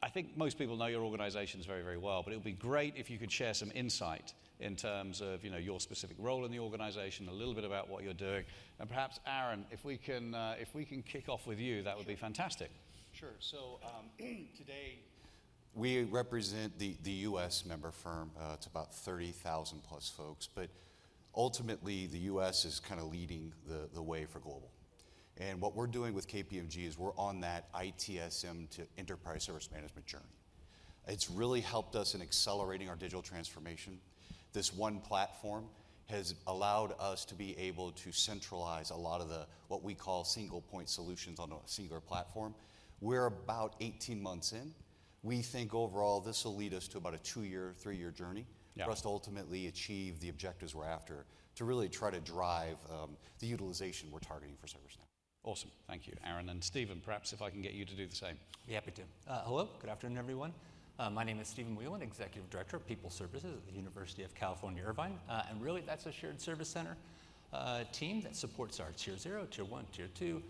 I think most people know your organizations very, very well, but it would be great if you could share some insight in terms of, you know, your specific role in the organization, a little bit about what you're doing. Perhaps Aaron, if we can kick off with you, that would be fantastic. Sure. Today we represent the U.S. member firm, it's about 30,000 plus folks. Ultimately, the U.S. is kinda leading the way for global. What we're doing with KPMG is we're on that ITSM to enterprise service management journey. It's really helped us in accelerating our digital transformation. This one platform has allowed us to be able to centralize a lot of what we call single point solutions on a singular platform. We're about 18 months in. We think overall this will lead us to about a two-year, three-year journey. Yeah For us to ultimately achieve the objectives we're after to really try to drive the utilization we're targeting for ServiceNow. Awesome. Thank you, Aaron. Stephen, perhaps if I can get you to do the same. Happy to. Hello. Good afternoon, everyone. My name is Stephen Whelan, Executive Director of People Services at the University of California, Irvine. Really, that's a shared service center team that supports our tier zero, tier one, tier two,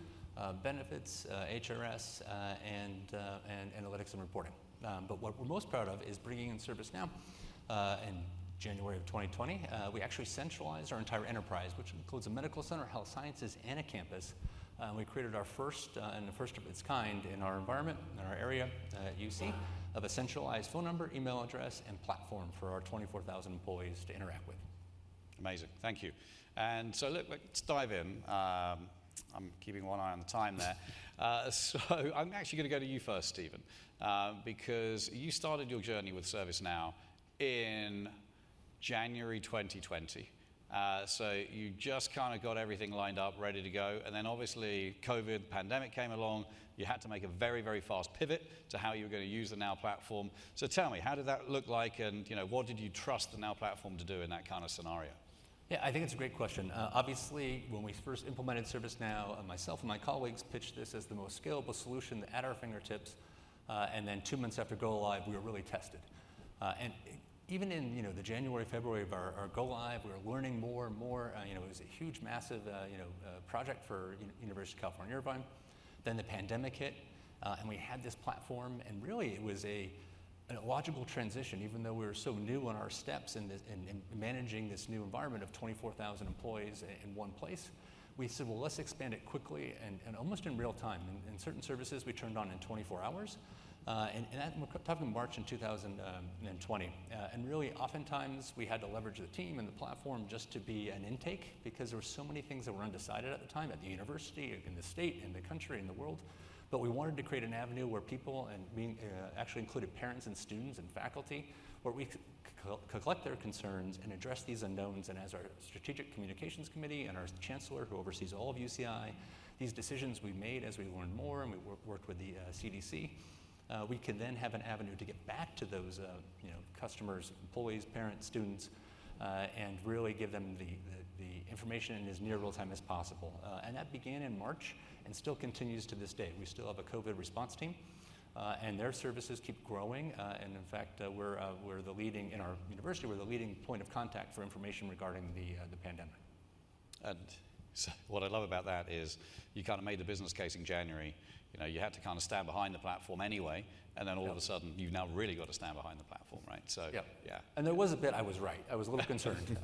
benefits, HRS, and analytics and reporting. What we're most proud of is bringing in ServiceNow in January of 2020. We actually centralized our entire enterprise, which includes a medical center, health sciences, and a campus. We created our first and the first of its kind in our environment, in our area at UC, of a centralized phone number, email address, and platform for our 24,000 employees to interact with. Amazing. Thank you. Look, let's dive in. I'm keeping one eye on the time there. I'm actually gonna go to you first, Stephen, because you started your journey with ServiceNow in January 2020. You just kinda got everything lined up, ready to go, and then obviously COVID, the pandemic came along. You had to make a very, very fast pivot to how you were gonna use the Now Platform. Tell me, how did that look like? And you know, what did you trust the Now Platform to do in that kinda scenario? Yeah, I think it's a great question. Obviously, when we first implemented ServiceNow, myself and my colleagues pitched this as the most scalable solution at our fingertips. Then two months after go-live, we were really tested. Even in, you know, the January, February of our go-live, we were learning more and more. You know, it was a huge, massive project for University of California, Irvine. Then the pandemic hit, and we had this platform, and really it was a logical transition. Even though we were so new on our feet in managing this new environment of 24,000 employees in one place, we said, "Well, let's expand it quickly," and almost in real time. Certain services we turned on in 24 hours. That happened March in 2020. Really, oftentimes we had to leverage the team and the platform just to be an intake because there were so many things that were undecided at the time, at the university, in the state, in the country, in the world. We wanted to create an avenue where people, and we actually included parents and students and faculty, where we collect their concerns and address these unknowns. As our strategic communications committee and our chancellor, who oversees all of UCI, these decisions we made as we learned more, and we worked with the CDC, we could then have an avenue to get back to those, you know, customers, employees, parents, students, and really give them the information in as near real time as possible. That began in March and still continues to this day. We still have a COVID response team, and their services keep growing. In fact, we're the leading point of contact for information regarding the pandemic in our university. What I love about that is you kind of made the business case in January. You know, you had to kind of stand behind the platform anyway. Yeah. All of a sudden, you've now really got to stand behind the platform, right. Yeah. Yeah. There was a bit I was right. I was a little concerned.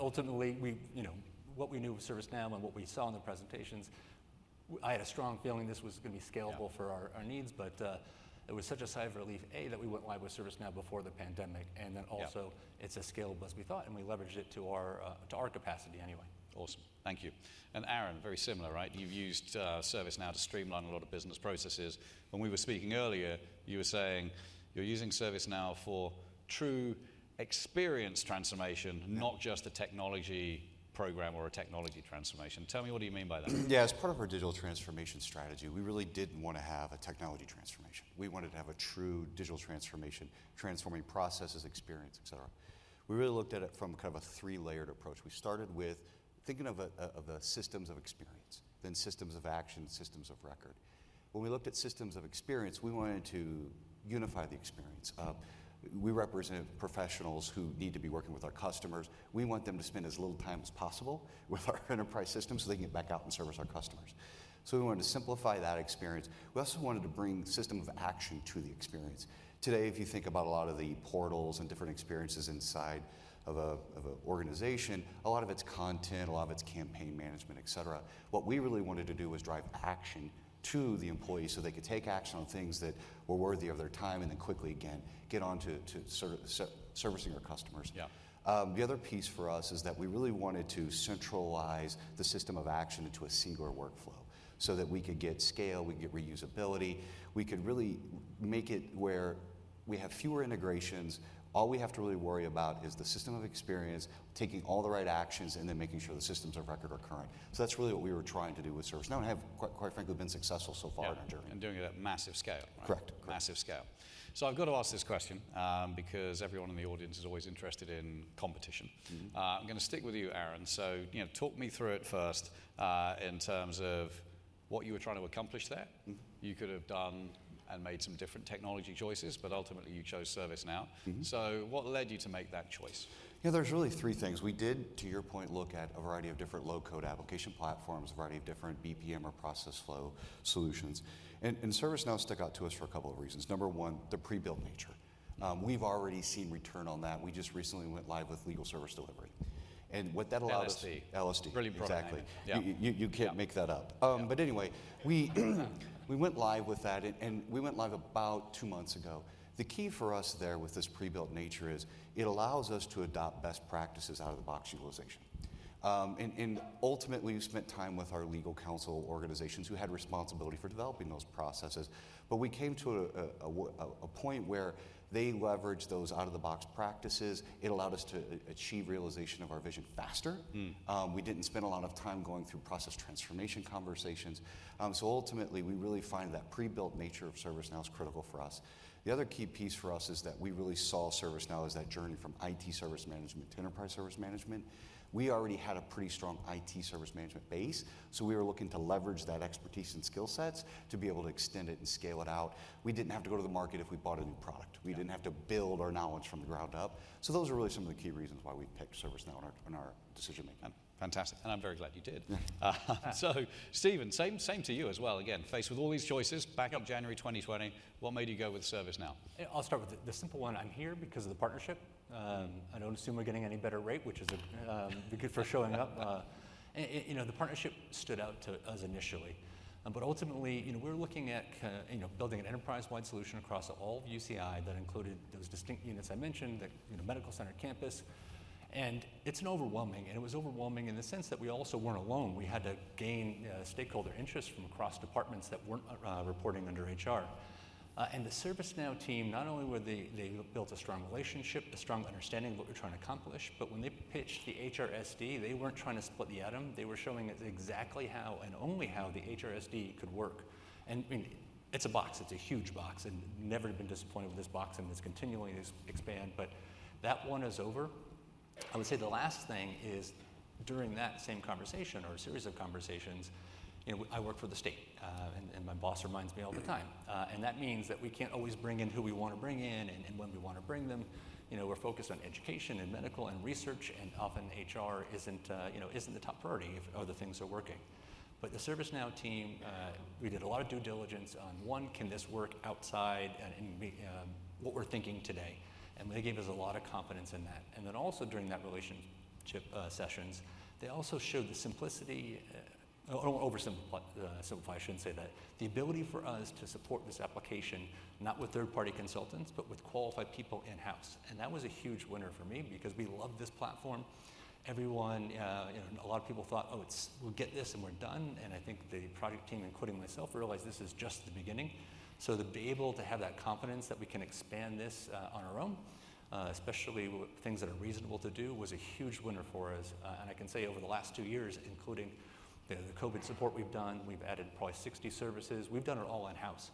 Ultimately, you know, what we knew of ServiceNow and what we saw in the presentations, I had a strong feeling this was gonna be scalable– Yeah... for our needs. It was such a sigh of relief that we went live with ServiceNow before the pandemic, and then also– Yeah... it's as scalable as we thought, and we leveraged it to our capacity anyway. Awesome. Thank you. Aaron, very similar, right? You've used ServiceNow to streamline a lot of business processes. When we were speaking earlier, you were saying you're using ServiceNow for true experience transformation. Yeah Not just a technology program or a technology transformation. Tell me what do you mean by that? Yeah. As part of our digital transformation strategy, we really didn't wanna have a technology transformation. We wanted to have a true digital transformation, transforming processes, experience, et cetera. We really looked at it from kind of a three-layered approach. We started with thinking of a systems of experience, then systems of action, systems of record. When we looked at systems of experience, we wanted to unify the experience. We represent professionals who need to be working with our customers. We want them to spend as little time as possible with our enterprise system, so they can get back out and service our customers. We wanted to simplify that experience. We also wanted to bring system of action to the experience. Today, if you think about a lot of the portals and different experiences inside of an organization, a lot of it's content, a lot of it's campaign management, et cetera. What we really wanted to do was drive action to the employee, so they could take action on things that were worthy of their time, and then quickly, again, get on to servicing our customers. Yeah. The other piece for us is that we really wanted to centralize the system of action into a singular workflow, so that we could get scale, we could get reusability. We could really make it where we have fewer integrations. All we have to really worry about is the system of experience, taking all the right actions, and then making sure the systems of record are current. That's really what we were trying to do with ServiceNow, and have quite frankly, been successful so far in our journey. Yeah. Doing it at massive scale, right? Correct. Correct. Massive scale. I've got to ask this question, because everyone in the audience is always interested in competition. Mm-hmm. I'm gonna stick with you, Aaron. You know, talk me through it first, in terms of what you were trying to accomplish there. You could have done and made some different technology choices, but ultimately you chose ServiceNow. Mm-hmm. What led you to make that choice? You know, there's really three things. We did, to your point, look at a variety of different low-code application platforms, a variety of different BPM or process flow solutions. ServiceNow stuck out to us for a couple of reasons. Number one, the pre-built nature. We've already seen return on that. We just recently went live with Legal Service Delivery. What that allowed us- LSD. LSD. Really important. Exactly. Yeah. You can't make that up. Yeah. Anyway, we went live with that and we went live about two months ago. The key for us there with this pre-built nature is it allows us to adopt best practices out of the box utilization. Ultimately we spent time with our legal counsel organizations who had responsibility for developing those processes. We came to a point where they leveraged those out of the box practices. It allowed us to achieve realization of our vision faster. Mm. We didn't spend a lot of time going through process transformation conversations. Ultimately, we really find that pre-built nature of ServiceNow is critical for us. The other key piece for us is that we really saw ServiceNow as that journey from IT service management to enterprise service management. We already had a pretty strong IT service management base, so we were looking to leverage that expertise and skill sets to be able to extend it and scale it out. We didn't have to go to the market if we bought a new product. Yeah. We didn't have to build our knowledge from the ground up. Those are really some of the key reasons why we picked ServiceNow in our decision-making. Fantastic. I'm very glad you did. Stephen, same to you as well. Again, faced with all these choices, back to January 2020, what made you go with ServiceNow? I'll start with the simple one. I'm here because of the partnership. I don't assume we're getting any better rate, which is good for showing up. You know, the partnership stood out to us initially. Ultimately, you know, we were looking at you know, building an enterprise-wide solution across all of UCI that included those distinct units I mentioned, the you know, medical center campus. It's overwhelming. It was overwhelming in the sense that we also weren't alone. We had to gain stakeholder interest from across departments that weren't reporting under HR. The ServiceNow team not only built a strong relationship, a strong understanding of what we're trying to accomplish, but when they pitched the HRSD, they weren't trying to split the atom. They were showing us exactly how and only how the HRSD could work. I mean, it's a box. It's a huge box, and never have been disappointed with this box, and it's continuing to expand. That one is over. I would say the last thing is, during that same conversation or a series of conversations, you know, I work for the state. My boss reminds me all the time. That means that we can't always bring in who we wanna bring in and when we wanna bring them. You know, we're focused on education and medical and research, and often HR isn't the top priority if other things are working. The ServiceNow team, we did a lot of due diligence on, one, can this work outside and what we're thinking today. They gave us a lot of confidence in that. Then also during that relationship sessions, they also showed the simplicity. I don't want to oversimplify, I shouldn't say that. The ability for us to support this application, not with third-party consultants, but with qualified people in-house. That was a huge winner for me because we love this platform. Everyone, you know, a lot of people thought, "Oh, it's. We'll get this and we're done." I think the project team, including myself, realized this is just the beginning. To be able to have that confidence that we can expand this on our own, especially with things that are reasonable to do, was a huge winner for us. I can say over the last two years, including the COVID support we've done, we've added probably 60 services. We've done it all in-house.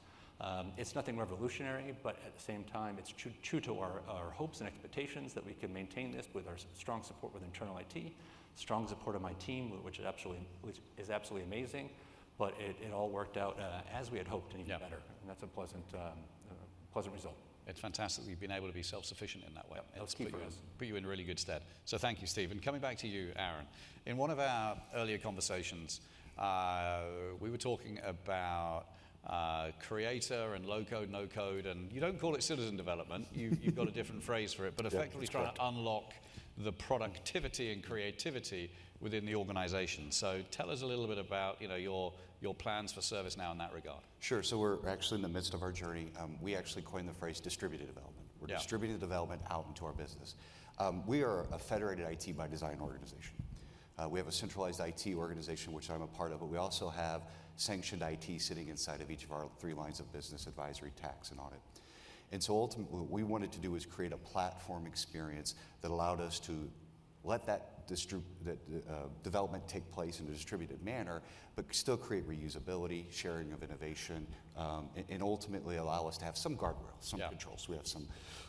It's nothing revolutionary, but at the same time, it's true to our hopes and expectations that we can maintain this with our strong support with internal IT, strong support of my team, which is absolutely amazing. It all worked out as we had hoped and even better. Yeah. That's a pleasant, positive result. It's fantastic that you've been able to be self-sufficient in that way. Yep. It's key for us. Put you in really good stead. Thank you, Stephen. Coming back to you, Aaron. In one of our earlier conversations, we were talking about creator and low-code, no-code, and you don't call it citizen development. You've got a different phrase for it. Yeah, that's correct. Effectively trying to unlock the productivity and creativity within the organization. Tell us a little bit about, you know, your plans for ServiceNow in that regard. Sure. We're actually in the midst of our journey. We actually coined the phrase distributed development. Yeah. We're distributing the development out into our business. We are a federated IT by design organization. We have a centralized IT organization, which I'm a part of, but we also have sanctioned IT sitting inside of each of our three lines of business, advisory, tax, and audit. Ultimately what we wanted to do is create a platform experience that allowed us to let that development take place in a distributed manner, but still create reusability, sharing of innovation, and ultimately allow us to have some guardrails. Yeah Some controls. We have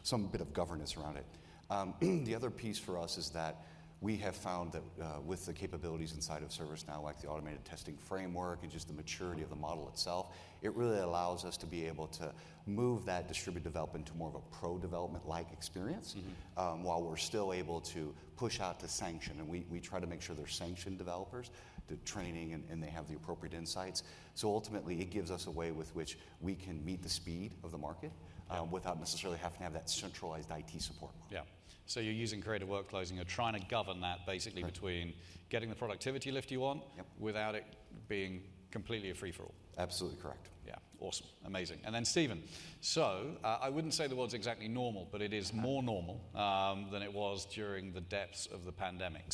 some bit of governance around it. The other piece for us is that we have found that, with the capabilities inside of ServiceNow, like the automated testing framework and just the maturity of the model itself, it really allows us to be able to move that distributed development to more of a pro development-like experience. Mm-hmm While we're still able to push out to production. We try to make sure they're certified developers, the training and they have the appropriate insights. Ultimately, it gives us a way with which we can meet the speed of the market without necessarily having to have that centralized IT support. Yeah. You're using Creator Workflows. You're trying to govern that basically between– Correct ...getting the productivity lift you want– Yep ...without it being completely a free-for-all. Absolutely correct. Yeah. Awesome. Amazing. Stephen, I wouldn't say the world's exactly normal, but it is more normal than it was during the depths of the pandemic.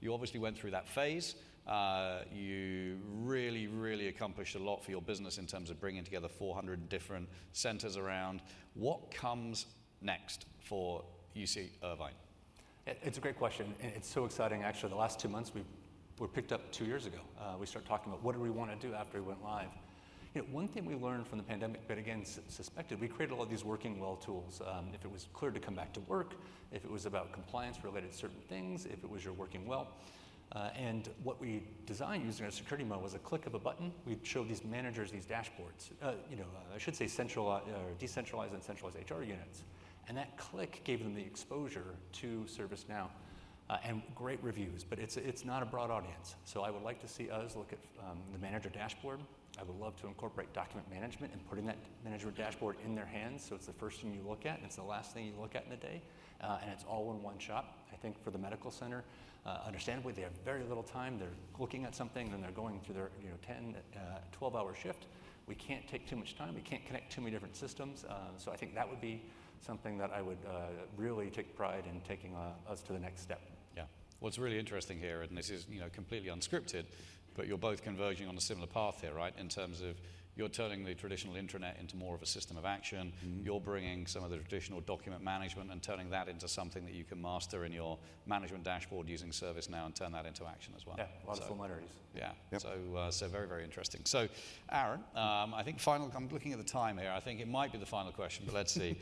You obviously went through that phase. You really accomplished a lot for your business in terms of bringing together 400 different centers around. What comes next for UC Irvine? It's a great question and it's so exciting. Actually, the last two months, we were picked up two years ago. We started talking about what do we wanna do after we went live. You know, one thing we learned from the pandemic, but again, suspected, we created a lot of these working well tools, if it was clear to come back to work, if it was about compliance related to certain things, if it was you're working well. What we designed using our security model was a click of a button. We showed these managers these dashboards. You know, I should say decentralized and centralized HR units. That click gave them the exposure to ServiceNow, and great reviews, but it's not a broad audience. I would like to see us look at the manager dashboard. I would love to incorporate document management and putting that manager dashboard in their hands, so it's the first thing you look at and it's the last thing you look at in the day, and it's all in one shop. I think for the medical center, understandably, they have very little time. They're looking at something, then they're going through their, you know, 10, 12-hour shift. We can't take too much time. We can't connect too many different systems. I think that would be something that I would really take pride in taking us to the next step. Yeah. What's really interesting here, and this is, you know, completely unscripted, but you're both converging on a similar path here, right? In terms of you're turning the traditional intranet into more of a system of action. Mm-hmm. You're bringing some of the traditional document management and turning that into something that you can master in your management dashboard using ServiceNow and turn that into action as well. Yeah. So- A lot of similarities. Yeah. Yep. Very, very interesting. Aaron, I think it might be the final question, but let's see.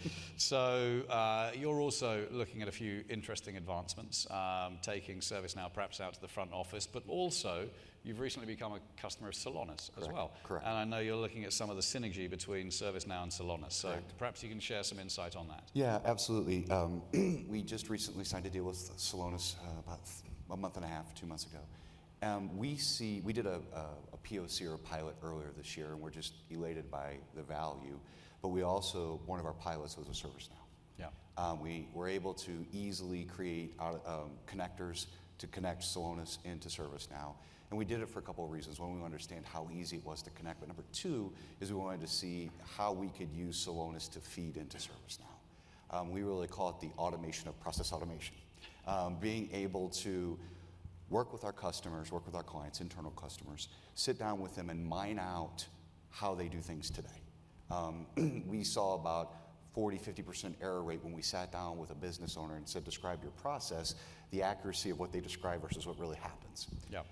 You're also looking at a few interesting advancements, taking ServiceNow perhaps out to the front office, but also you've recently become a customer of Celonis as well. Correct. Correct. I know you're looking at some of the synergy between ServiceNow and Celonis. Correct. Perhaps you can share some insight on that. Yeah, absolutely. We just recently signed a deal with Celonis, about a month and a half, two months ago. We did a POC or a pilot earlier this year, and we're just elated by the value. One of our pilots was with ServiceNow. Yeah. We were able to easily create our connectors to connect Celonis into ServiceNow, and we did it for a couple reasons. One, we understand how easy it was to connect, but number two is we wanted to see how we could use Celonis to feed into ServiceNow. We really call it the automation of process automation. Being able to work with our customers, work with our clients, internal customers, sit down with them and mine out how they do things today. We saw about 40%-50% error rate when we sat down with a business owner and said, "Describe your process," the accuracy of what they describe versus what really happens. Yeah.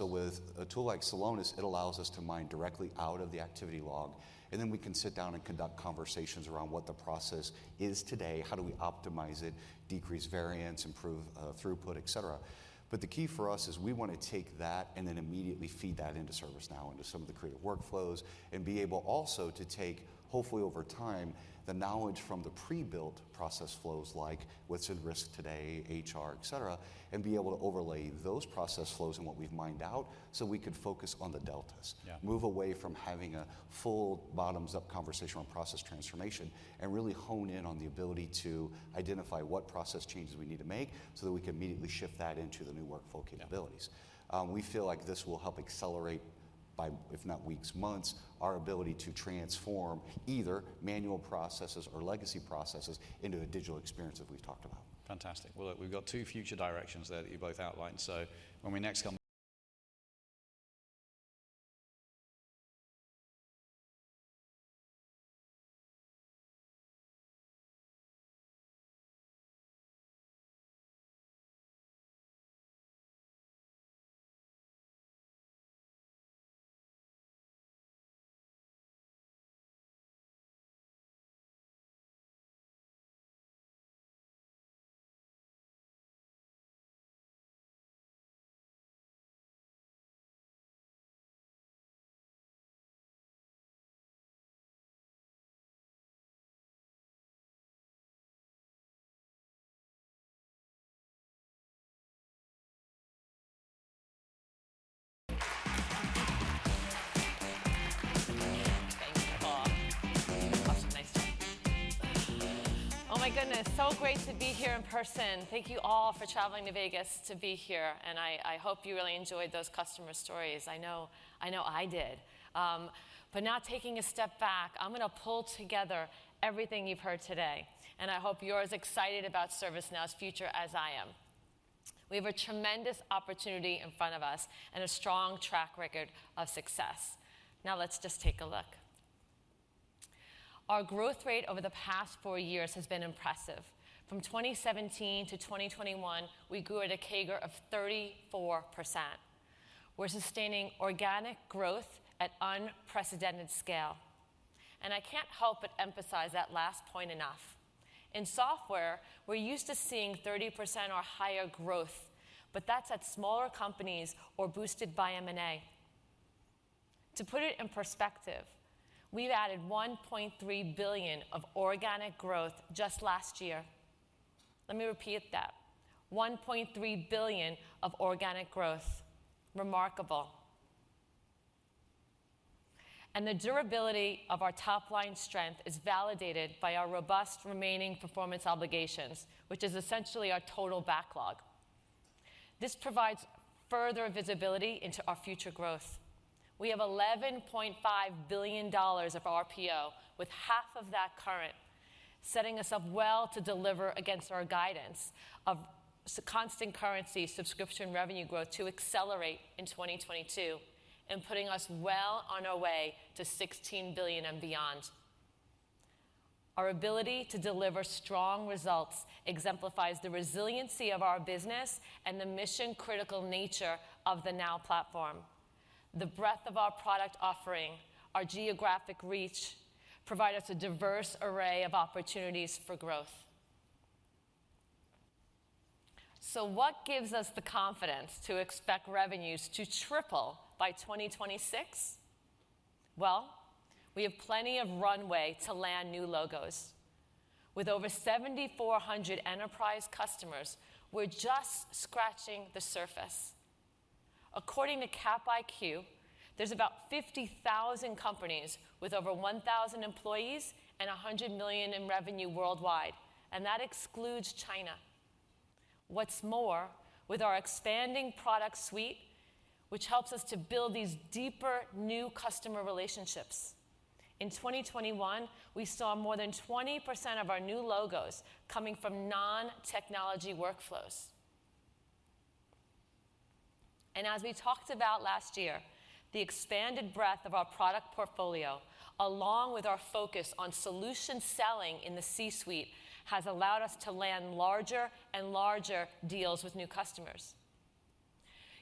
With a tool like Celonis, it allows us to mine directly out of the activity log, and then we can sit down and conduct conversations around what the process is today. How do we optimize it, decrease variance, improve throughput, et cetera. The key for us is we wanna take that and then immediately feed that into ServiceNow, into some of the Creator Workflows, and be able also to take, hopefully over time, the knowledge from the pre-built process flows, like what's at risk today, HR, et cetera, and be able to overlay those process flows and what we've mined out, so we could focus on the deltas. Yeah. Move away from having a full bottoms-up conversation on process transformation and really hone in on the ability to identify what process changes we need to make, so that we can immediately shift that into the new workflow capabilities. Yeah. We feel like this will help accelerate by, if not weeks, months, our ability to transform either manual processes or legacy processes into a digital experience that we've talked about. Fantastic. Well, look, we've got two future directions there that you both outlined. When we next come back Our growth rate over the past four years has been impressive. From 2017 to 2021, we grew at a CAGR of 34%. We're sustaining organic growth at unprecedented scale. I can't help but emphasize that last point enough. In software, we're used to seeing 30% or higher growth, but that's at smaller companies or boosted by M&A. To put it in perspective, we've added $1.3 billion of organic growth just last year. Let me repeat that. $1.3 billion of organic growth. Remarkable. The durability of our top-line strength is validated by our robust remaining performance obligations, which is essentially our total backlog. This provides further visibility into our future growth. We have $11.5 billion of RPO, with half of that current, setting us up well to deliver against our guidance of constant currency subscription revenue growth to accelerate in 2022 and putting us well on our way to $16 billion and beyond. Our ability to deliver strong results exemplifies the resiliency of our business and the mission-critical nature of the Now Platform. The breadth of our product offering, our geographic reach provide us a diverse array of opportunities for growth. What gives us the confidence to expect revenues to triple by 2026? Well, we have plenty of runway to land new logos. With over 7,400 enterprise customers, we're just scratching the surface. According to CapIQ, there's about 50,000 companies with over 1,000 employees and $100 million in revenue worldwide, and that excludes China. What's more, with our expanding product suite, which helps us to build these deeper new customer relationships. In 2021, we saw more than 20% of our new logos coming from non-technology workflows. as we talked about last year, the expanded breadth of our product portfolio, along with our focus on solution selling in the C-suite, has allowed us to land larger and larger deals with new customers.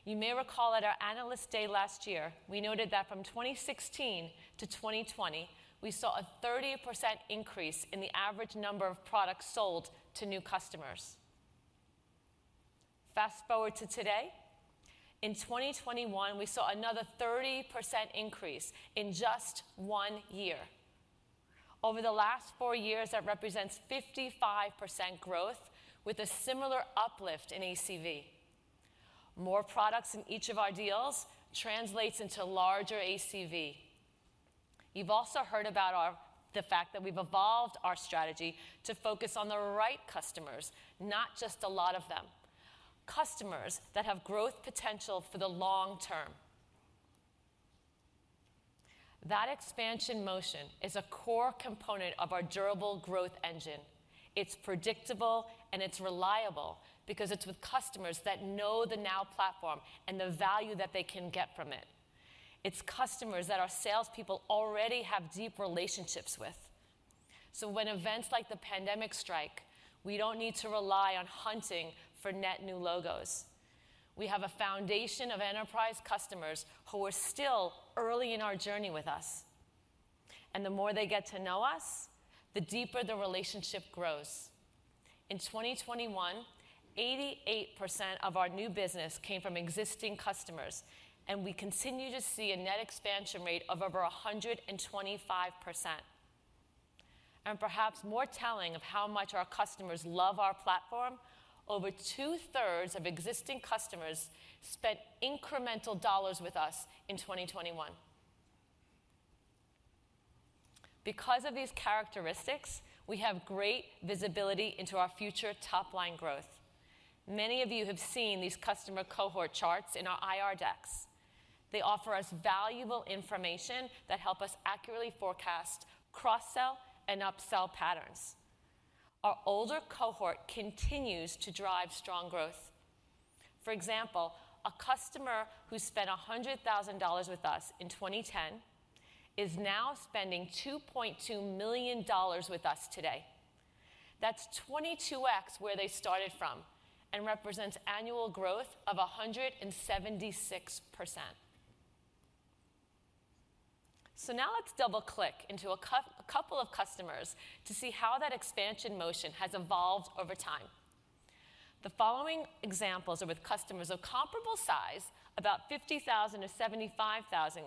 You may recall at our Analyst Day last year, we noted that from 2016 to 2020, we saw a 30% increase in the average number of products sold to new customers. Fast-forward to today. In 2021, we saw another 30% increase in just one year. Over the last four years, that represents 55% growth with a similar uplift in ACV. More products in each of our deals translates into larger ACV. You've also heard about the fact that we've evolved our strategy to focus on the right customers, not just a lot of them. Customers that have growth potential for the long term. That expansion motion is a core component of our durable growth engine. It's predictable, and it's reliable because it's with customers that know the Now Platform and the value that they can get from it. It's customers that our salespeople already have deep relationships with. When events like the pandemic strike, we don't need to rely on hunting for net new logos. We have a foundation of enterprise customers who are still early in our journey with us. The more they get to know us, the deeper the relationship grows. In 2021, 88% of our new business came from existing customers, and we continue to see a net expansion rate of over 125%. Perhaps more telling of how much our customers love our platform, over 2/3 of existing customers spent incremental dollars with us in 2021. Because of these characteristics, we have great visibility into our future top-line growth. Many of you have seen these customer cohort charts in our IR decks. They offer us valuable information that help us accurately forecast cross-sell and upsell patterns. Our older cohort continues to drive strong growth. For example, a customer who spent $100,000 with us in 2010 is now spending $2.2 million with us today. That's 22x where they started from and represents annual growth of 176%. Now let's double-click into a couple of customers to see how that expansion motion has evolved over time. The following examples are with customers of comparable size, about 50,000-75,000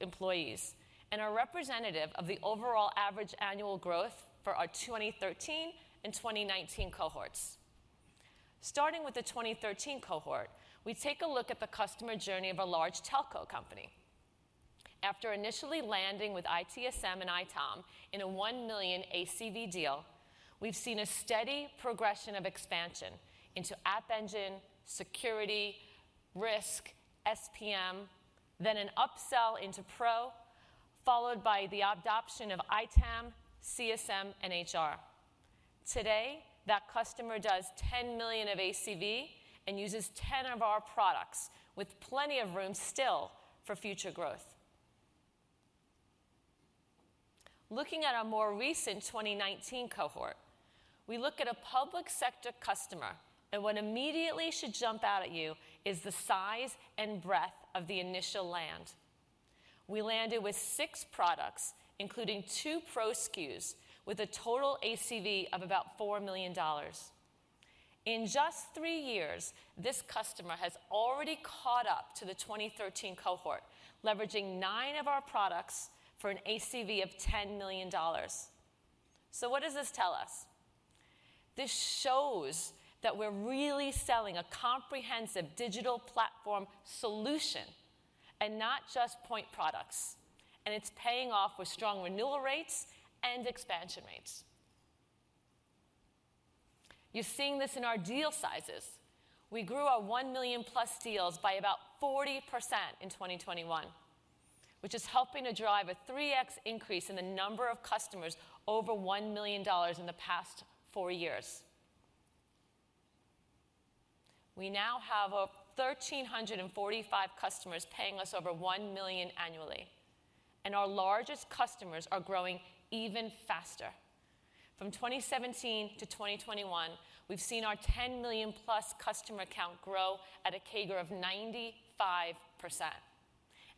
employees, and are representative of the overall average annual growth for our 2013 and 2019 cohorts. Starting with the 2013 cohort, we take a look at the customer journey of a large telco company. After initially landing with ITSM and ITOM in a $1 million ACV deal, we've seen a steady progression of expansion into App Engine, security, risk, SPM, then an upsell into Pro, followed by the adoption of ITAM, CSM and HR. Today, that customer does $10 million of ACV and uses 10 of our products, with plenty of room still for future growth. Looking at our more recent 2019 cohort, we look at a public sector customer, and what immediately should jump out at you is the size and breadth of the initial land. We landed with six products, including two Pro SKUs, with a total ACV of about $4 million. In just three years, this customer has already caught up to the 2013 cohort, leveraging nine of our products for an ACV of $10 million. What does this tell us? This shows that we're really selling a comprehensive digital platform solution and not just point products, and it's paying off with strong renewal rates and expansion rates. You're seeing this in our deal sizes. We grew our $1 million+ deals by about 40% in 2021, which is helping to drive a 3x increase in the number of customers over $1 million in the past four years. We now have over 1,345 customers paying us over $1 million annually, and our largest customers are growing even faster. From 2017 to 2021, we've seen our 10 million+ customer count grow at a CAGR of 95%,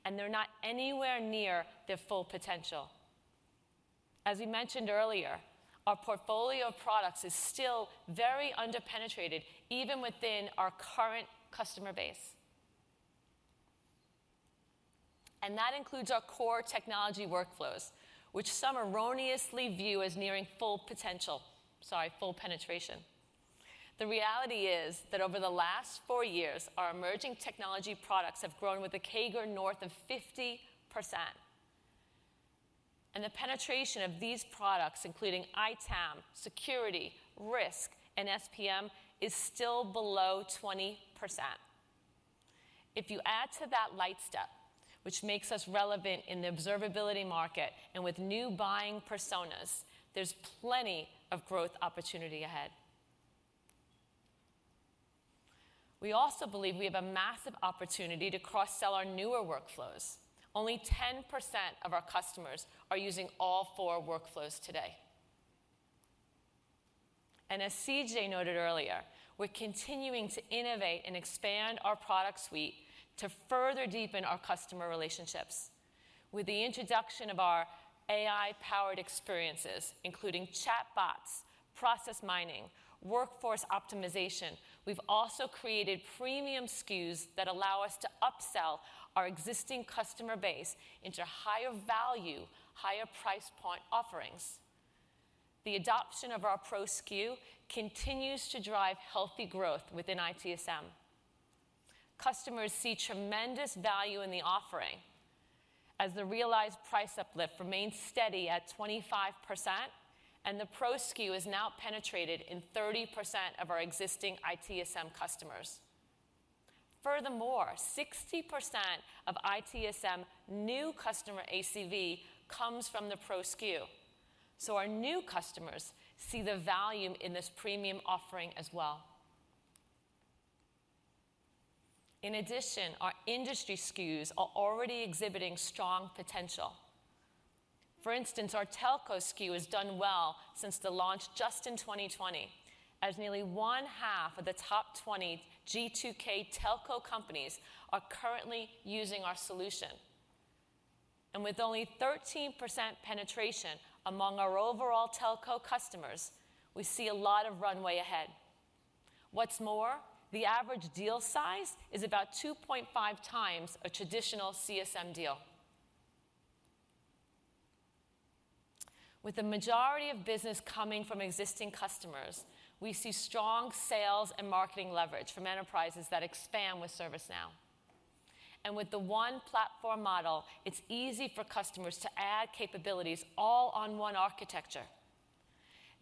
and they're not anywhere near their full potential. As we mentioned earlier, our portfolio of products is still very under-penetrated, even within our current customer base. That includes our core technology workflows, which some erroneously view as nearing full penetration. The reality is that over the last four years, our emerging technology products have grown with a CAGR north of 50%. The penetration of these products, including ITAM, security, risk, and SPM, is still below 20%. If you add to that Lightstep, which makes us relevant in the observability market and with new buying personas, there's plenty of growth opportunity ahead. We also believe we have a massive opportunity to cross-sell our newer workflows. Only 10% of our customers are using all four workflows today. As CJ noted earlier, we're continuing to innovate and expand our product suite to further deepen our customer relationships. With the introduction of our AI-powered experiences, including chatbots, process mining, workforce optimization, we've also created premium SKUs that allow us to upsell our existing customer base into higher value, higher price point offerings. The adoption of our Pro SKU continues to drive healthy growth within ITSM. Customers see tremendous value in the offering as the realized price uplift remains steady at 25%, and the Pro SKU is now penetrated in 30% of our existing ITSM customers. Furthermore, 60% of ITSM new customer ACV comes from the Pro SKU, so our new customers see the value in this premium offering as well. In addition, our industry SKUs are already exhibiting strong potential. For instance, our telco SKU has done well since the launch just in 2020, as nearly one half of the top 20 G2K telco companies are currently using our solution. With only 13% penetration among our overall telco customers, we see a lot of runway ahead. What's more, the average deal size is about 2.5x a traditional CSM deal. With the majority of business coming from existing customers, we see strong sales and marketing leverage from enterprises that expand with ServiceNow. With the one platform model, it's easy for customers to add capabilities all on one architecture.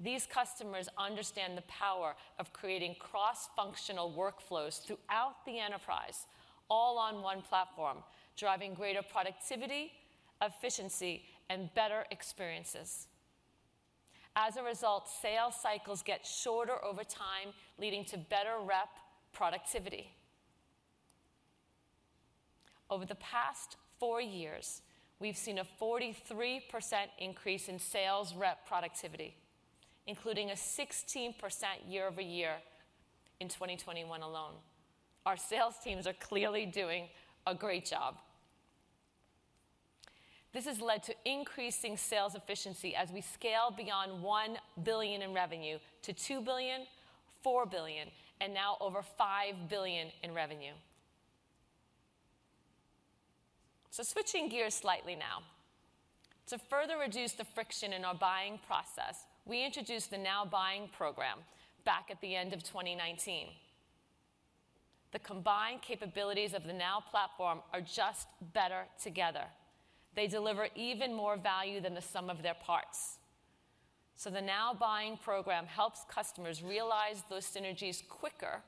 These customers understand the power of creating cross-functional workflows throughout the enterprise, all on one platform, driving greater productivity, efficiency, and better experiences. As a result, sales cycles get shorter over time, leading to better rep productivity. Over the past four years, we've seen a 43% increase in sales rep productivity, including a 16% year-over-year in 2021 alone. Our sales teams are clearly doing a great job. This has led to increasing sales efficiency as we scale beyond $1 billion in revenue to $2 billion, $4 billion, and now over $5 billion in revenue. Switching gears slightly now. To further reduce the friction in our buying process, we introduced the Now Buying Program back at the end of 2019. The combined capabilities of the Now Platform are just better together. They deliver even more value than the sum of their parts. The Now Buying Program helps customers realize those synergies quicker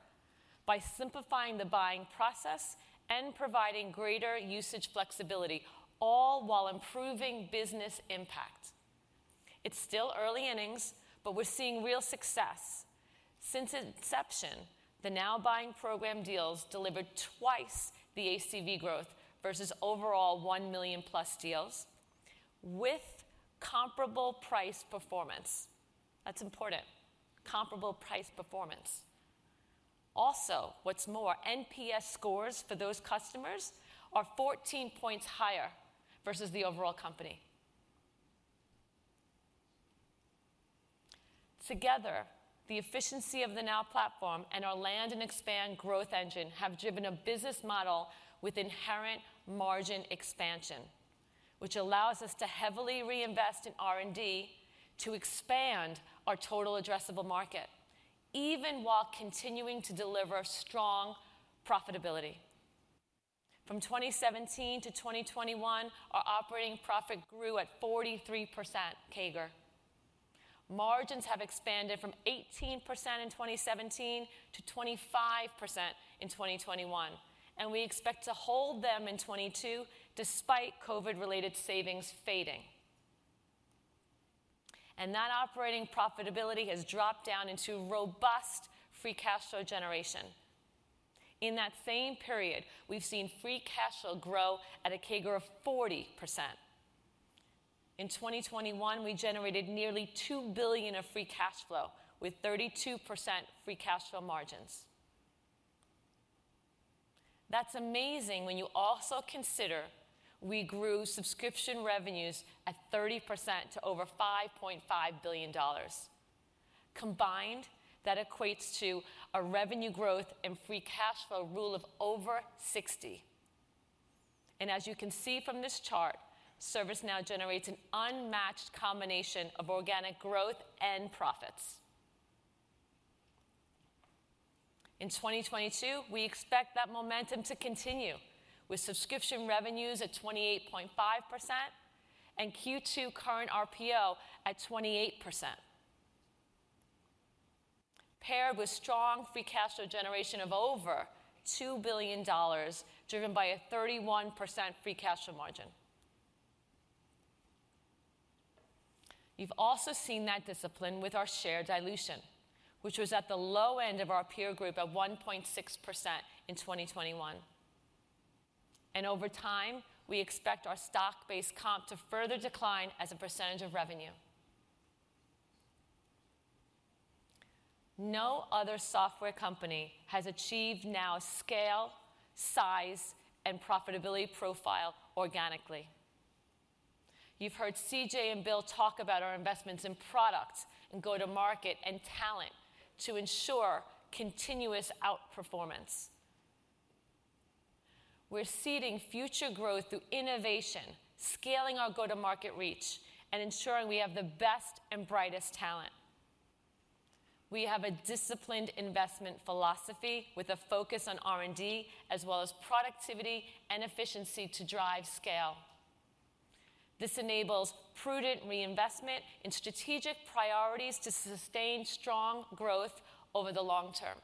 by simplifying the buying process and providing greater usage flexibility, all while improving business impact. It's still early innings, but we're seeing real success. Since inception, the Now Buying Program deals delivered twice the ACV growth versus overall 1 million+ deals with comparable price performance. That's important. Comparable price performance. Also, what's more, NPS scores for those customers are 14 points higher versus the overall company. Together, the efficiency of the Now Platform and our land and expand growth engine have driven a business model with inherent margin expansion, which allows us to heavily reinvest in R&D to expand our total addressable market, even while continuing to deliver strong profitability. From 2017 to 2021, our operating profit grew at 43% CAGR. Margins have expanded from 18% in 2017 to 25% in 2021, and we expect to hold them in 2022 despite COVID-related savings fading. That operating profitability has dropped down into robust free cash flow generation. In that same period, we've seen free cash flow grow at a CAGR of 40%. In 2021, we generated nearly $2 billion of free cash flow with 32% free cash flow margins. That's amazing when you also consider we grew subscription revenues at 30% to over $5.5 billion. Combined, that equates to a revenue growth and free cash flow Rule of over 60. As you can see from this chart, ServiceNow generates an unmatched combination of organic growth and profits. In 2022, we expect that momentum to continue with subscription revenues at 28.5% and Q2 current RPO at 28%, paired with strong free cash flow generation of over $2 billion, driven by a 31% free cash flow margin. You've also seen that discipline with our share dilution, which was at the low end of our peer group at 1.6% in 2021. Over time, we expect our stock-based comp to further decline as a percentage of revenue. No other software company has achieved Now's scale, size, and profitability profile organically. You've heard CJ and Bill talk about our investments in product and go-to-market and talent to ensure continuous outperformance. We're seeding future growth through innovation, scaling our go-to-market reach, and ensuring we have the best and brightest talent. We have a disciplined investment philosophy with a focus on R&D as well as productivity and efficiency to drive scale. This enables prudent reinvestment in strategic priorities to sustain strong growth over the long term.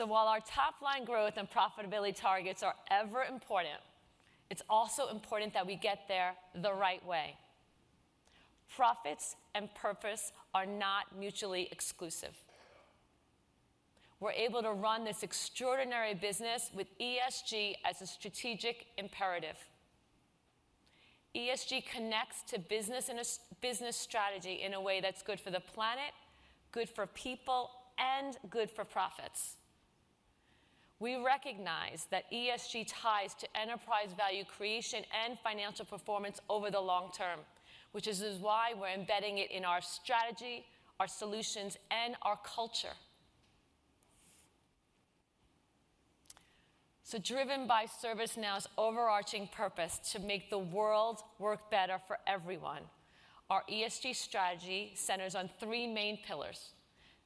While our top-line growth and profitability targets are ever important, it's also important that we get there the right way. Profits and purpose are not mutually exclusive. We're able to run this extraordinary business with ESG as a strategic imperative. ESG connects to business strategy in a way that's good for the planet, good for people, and good for profits. We recognize that ESG ties to enterprise value creation and financial performance over the long term, which is why we're embedding it in our strategy, our solutions, and our culture. Driven by ServiceNow's overarching purpose to make the world work better for everyone, our ESG strategy centers on three main pillars: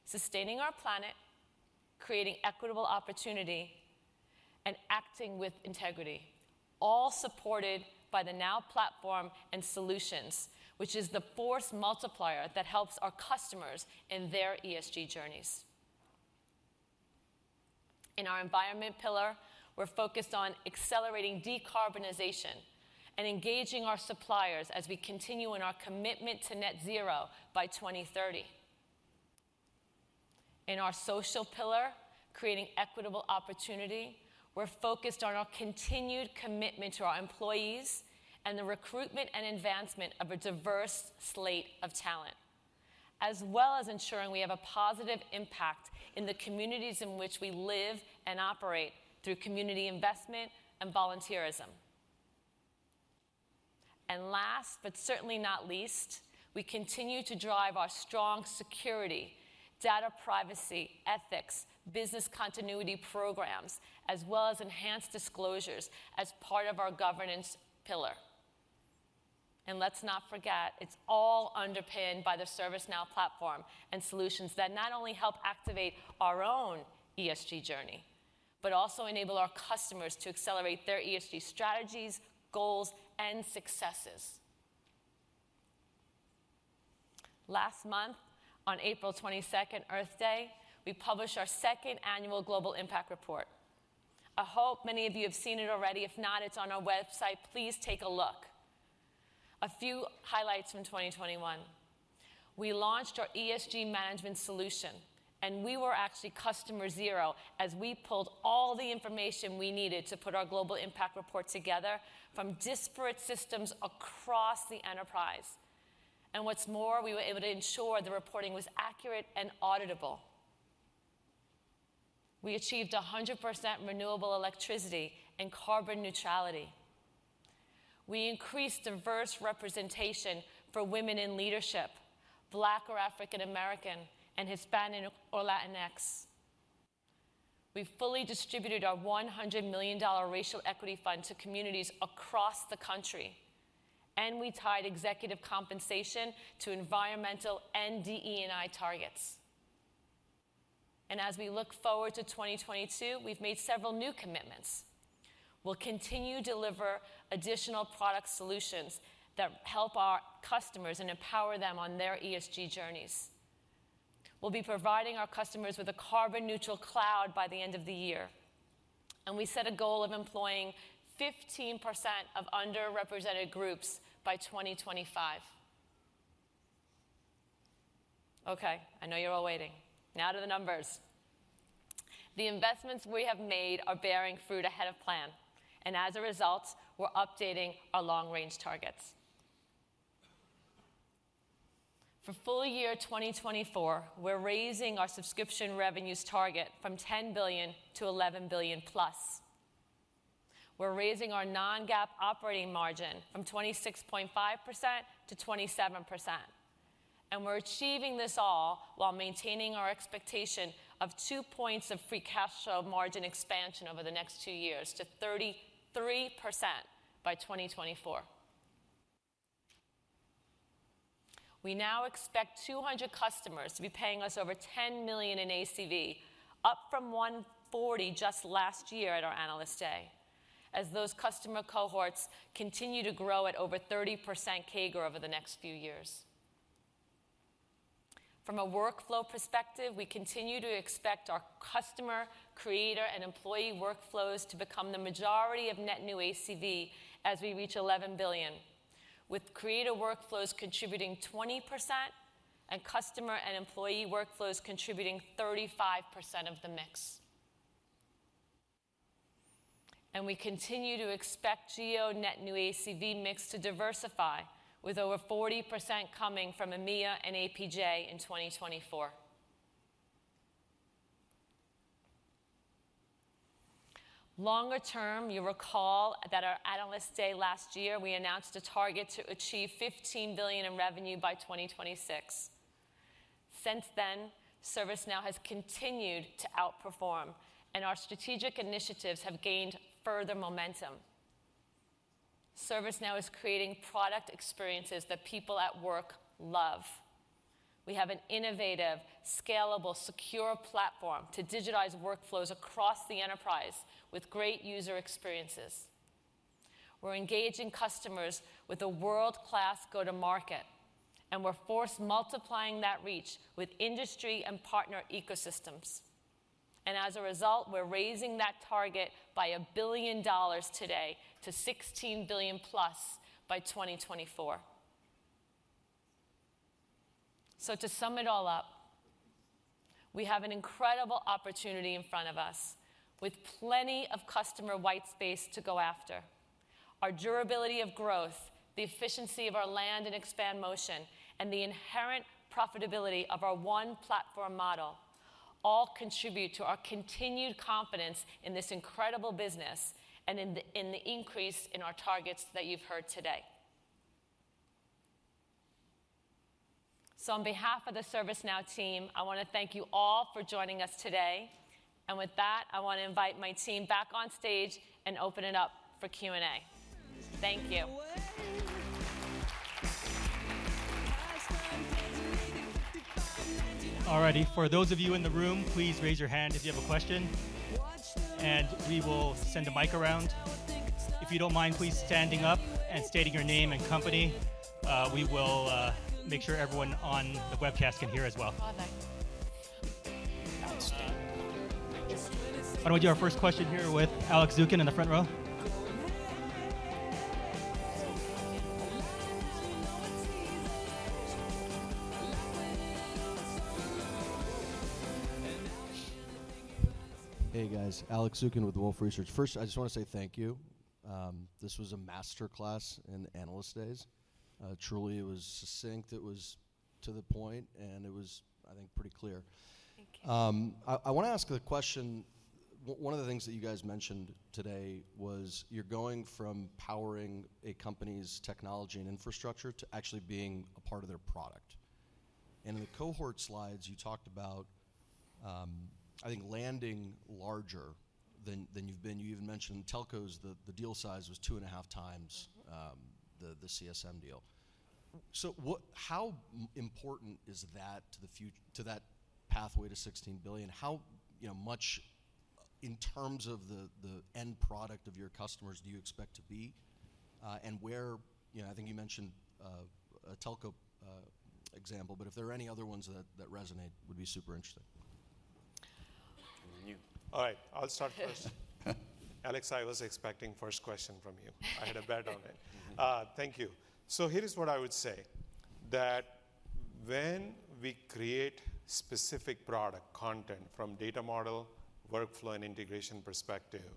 sustaining our planet, creating equitable opportunity, and acting with integrity, all supported by the Now Platform and solutions, which is the force multiplier that helps our customers in their ESG journeys. In our environment pillar, we're focused on accelerating decarbonization and engaging our suppliers as we continue in our commitment to net zero by 2030. In our social pillar, creating equitable opportunity, we're focused on our continued commitment to our employees and the recruitment and advancement of a diverse slate of talent. As well as ensuring we have a positive impact in the communities in which we live and operate through community investment and volunteerism. Last, but certainly not least, we continue to drive our strong security, data privacy, ethics, business continuity programs, as well as enhanced disclosures as part of our governance pillar. Let's not forget, it's all underpinned by the ServiceNow platform and solutions that not only help activate our own ESG journey but also enable our customers to accelerate their ESG strategies, goals, and successes. Last month, on April 22nd, Earth Day, we published our second annual Global Impact Report. I hope many of you have seen it already. If not, it's on our website. Please take a look. A few highlights from 2021. We launched our ESG Management solution, and we were actually customer zero as we pulled all the information we needed to put our global impact report together from disparate systems across the enterprise. What's more, we were able to ensure the reporting was accurate and auditable. We achieved 100% renewable electricity and carbon neutrality. We increased diverse representation for women in leadership, Black or African American, and Hispanic or Latinx. We've fully distributed our $100 million racial equity fund to communities across the country, and we tied executive compensation to environmental and DE&I targets. As we look forward to 2022, we've made several new commitments. We'll continue to deliver additional product solutions that help our customers and empower them on their ESG journeys. We'll be providing our customers with a carbon neutral cloud by the end of the year. We set a goal of employing 15% of underrepresented groups by 2025. Okay, I know you're all waiting. Now to the numbers. The investments we have made are bearing fruit ahead of plan, and as a result, we're updating our long-range targets. For full year 2024, we're raising our subscription revenues target from $10 billion to $11 billion+. We're raising our non-GAAP operating margin from 26.5% to 27%. We're achieving this all while maintaining our expectation of 2 points of free cash flow margin expansion over the next two years to 33% by 2024. We now expect 200 customers to be paying us over $10 million in ACV, up from 140 just last year at our Analyst Day, as those customer cohorts continue to grow at over 30% CAGR over the next few years. From a workflow perspective, we continue to expect our customer, creator, and employee workflows to become the majority of net new ACV as we reach $11 billion, with creator workflows contributing 20% and customer and employee workflows contributing 35% of the mix. We continue to expect geo net new ACV mix to diversify with over 40% coming from EMEA and APJ in 2024. Longer term, you recall that our Analyst Day last year, we announced a target to achieve $15 billion in revenue by 2026. Since then, ServiceNow has continued to outperform, and our strategic initiatives have gained further momentum. ServiceNow is creating product experiences that people at work love. We have an innovative, scalable, secure platform to digitize workflows across the enterprise with great user experiences. We're engaging customers with a world-class go-to-market, and we're force multiplying that reach with industry and partner ecosystems. As a result, we're raising that target by $1 billion today to $16 billion+ by 2024. To sum it all up, we have an incredible opportunity in front of us with plenty of customer white space to go after. Our durability of growth, the efficiency of our land and expand motion, and the inherent profitability of our one platform model all contribute to our continued confidence in this incredible business and in the increase in our targets that you've heard today. On behalf of the ServiceNow team, I wanna thank you all for joining us today. With that, I wanna invite my team back on stage and open it up for Q&A. Thank you. All righty. For those of you in the room, please raise your hand if you have a question, and we will send a mic around. If you don't mind, please stand up and state your name and company. We will make sure everyone on the webcast can hear as well. Why don't we do our first question here with Alex Zukin in the front row? Hey guys, Alex Zukin with Wolfe Research. First, I just wanna say thank you. This was a master class in Analyst Days. Truly it was succinct, it was to the point, and it was, I think, pretty clear. Thank you. I wanna ask a question. One of the things that you guys mentioned today was you're going from powering a company's technology and infrastructure to actually being a part of their product. In the cohort slides, you talked about, I think, landing larger than you've been. You even mentioned telcos, the deal size was 2.5x the CSM deal. How important is that to that pathway to $16 billion? How, you know, much in terms of the end product of your customers do you expect to be? Where, you know, I think you mentioned a telco example, but if there are any other ones that resonate would be super interesting. You. All right, I'll start first. Alex, I was expecting first question from you. I had a bet on it. Thank you. Here is what I would say, that when we create specific product content from data model, workflow, and integration perspective,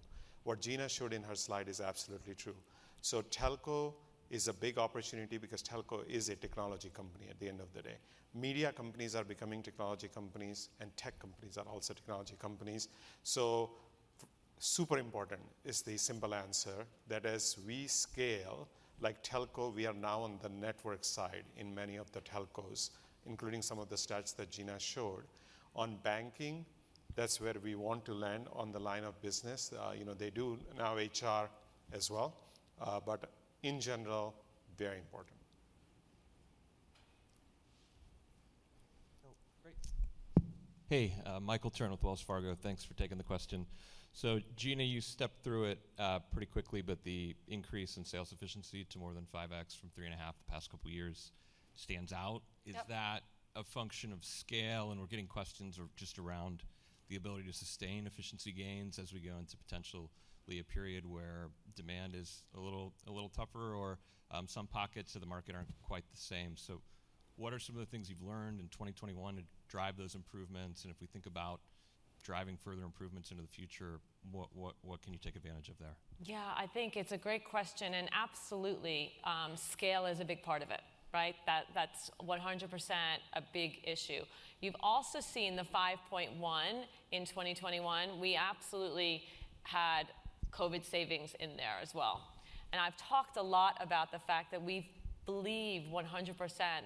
what Gina showed in her slide is absolutely true. Telco is a big opportunity because telco is a technology company at the end of the day. Media companies are becoming technology companies, and tech companies are also technology companies. Super important is the simple answer, that as we scale, like telco, we are now on the network side in many of the telcos, including some of the stats that Gina showed. On banking, that's where we want to land on the line of business. You know, they do now HR as well. But in general, very important. Hey, Michael Turrin with Wells Fargo. Thanks for taking the question. Gina, you stepped through it pretty quickly, but the increase in sales efficiency to more than 5x from 3.5x the past couple of years stands out. Yep. Is that a function of scale? We're getting questions or just around the ability to sustain efficiency gains as we go into potentially a period where demand is a little tougher, or some pockets of the market aren't quite the same. What are some of the things you've learned in 2021 to drive those improvements? If we think about driving further improvements into the future, what can you take advantage of there? Yeah, I think it's a great question, and absolutely, scale is a big part of it, right? That's 100% a big issue. You've also seen the 5.1% in 2021. We absolutely had COVID savings in there as well. I've talked a lot about the fact that we believe 100%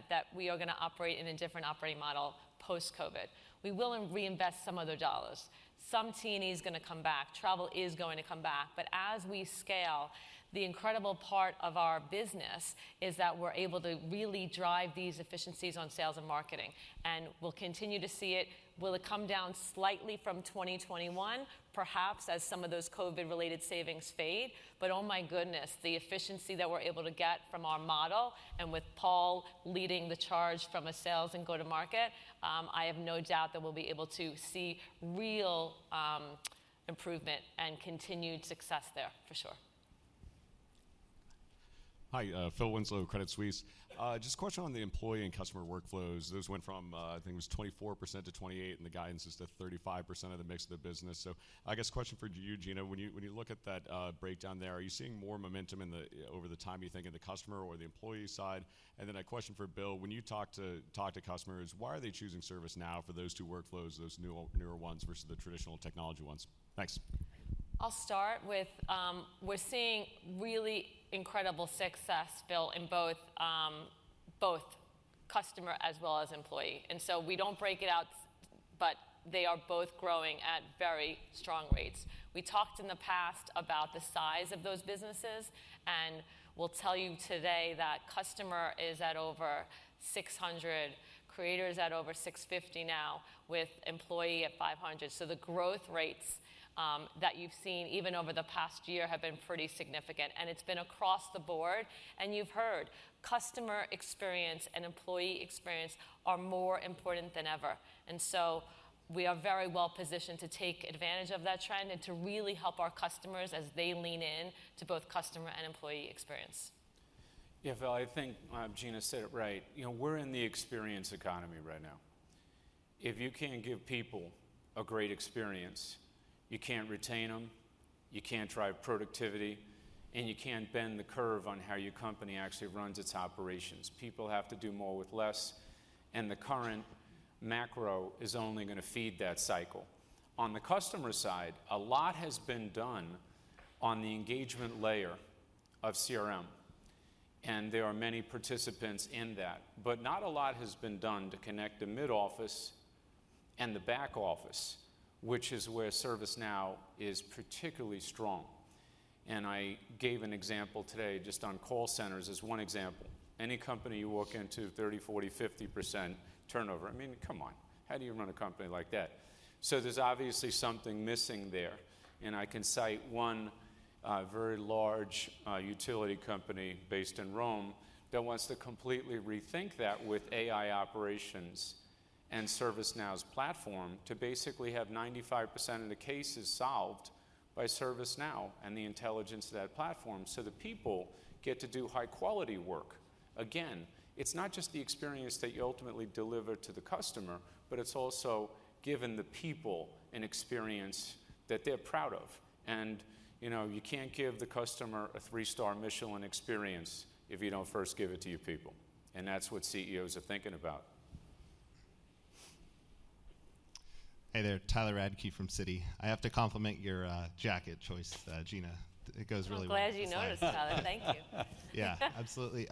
that we are gonna operate in a different operating model post-COVID. We will reinvest some of the dollars. Some T&E is gonna come back, travel is going to come back, but as we scale, the incredible part of our business is that we're able to really drive these efficiencies on sales and marketing, and we'll continue to see it. Will it come down slightly from 2021? Perhaps, as some of those COVID-related savings fade. Oh my goodness, the efficiency that we're able to get from our model, and with Paul leading the charge from a sales and go-to-market, I have no doubt that we'll be able to see real, improvement and continued success there, for sure. Hi, Phil Winslow, Credit Suisse. Just a question on the employee and customer workflows. Those went from, I think it was 24% to 28%, and the guidance is to 35% of the mix of the business. I guess question for you, Gina, when you look at that breakdown there, are you seeing more momentum in one over the other, you think, in the customer or the employee side? Then a question for Bill. When you talk to customers, why are they choosing ServiceNow for those two workflows, those newer ones versus the traditional technology ones? Thanks. I'll start with we're seeing really incredible success, Phil, in both customer as well as employee. We don't break it out, but they are both growing at very strong rates. We talked in the past about the size of those businesses, and we'll tell you today that customer is at over 600, creator is at over 650 now, with employee at 500. The growth rates that you've seen even over the past year have been pretty significant, and it's been across the board. You've heard customer experience and employee experience are more important than ever. We are very well positioned to take advantage of that trend and to really help our customers as they lean in to both customer and employee experience. Yeah, Phil, I think, Gina said it right. You know, we're in the experience economy right now. If you can't give people a great experience, you can't retain them, you can't drive productivity, and you can't bend the curve on how your company actually runs its operations. People have to do more with less, and the current macro is only gonna feed that cycle. On the customer side, a lot has been done on the engagement layer of CRM, and there are many participants in that. But not a lot has been done to connect the mid office and the back office, which is where ServiceNow is particularly strong. I gave an example today just on call centers as one example. Any company you walk into, 30%, 40%, 50% turnover. I mean, come on. How do you run a company like that? There's obviously something missing there. I can cite one very large utility company based in Rome that wants to completely rethink that with AI operations and ServiceNow's platform to basically have 95% of the cases solved by ServiceNow and the intelligence of that platform so the people get to do high-quality work. Again, it's not just the experience that you ultimately deliver to the customer, but it's also given the people an experience that they're proud of. You know, you can't give the customer a three-star Michelin experience if you don't first give it to your people. That's what CEOs are thinking about. Hey there, Tyler Radke from Citi. I have to compliment your jacket choice, Gina. It goes really well with the slide. I'm glad you noticed, Tyler. Thank you. Yeah, absolutely.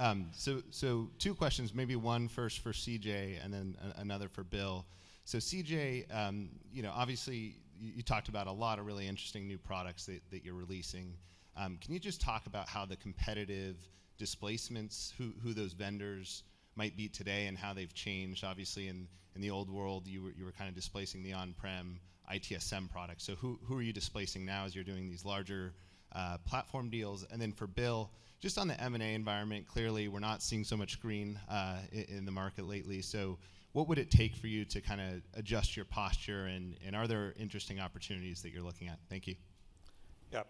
Two questions, maybe one first for CJ and then another for Bill. CJ, you know, obviously you talked about a lot of really interesting new products that you're releasing. Can you just talk about how the competitive displacements, who those vendors might be today and how they've changed? Obviously, in the old world, you were kind of displacing the on-prem ITSM products. Who are you displacing now as you're doing these larger platform deals? Then for Bill, just on the M&A environment, clearly we're not seeing so much green in the market lately. What would it take for you to kinda adjust your posture, and are there interesting opportunities that you're looking at? Thank you. Yeah.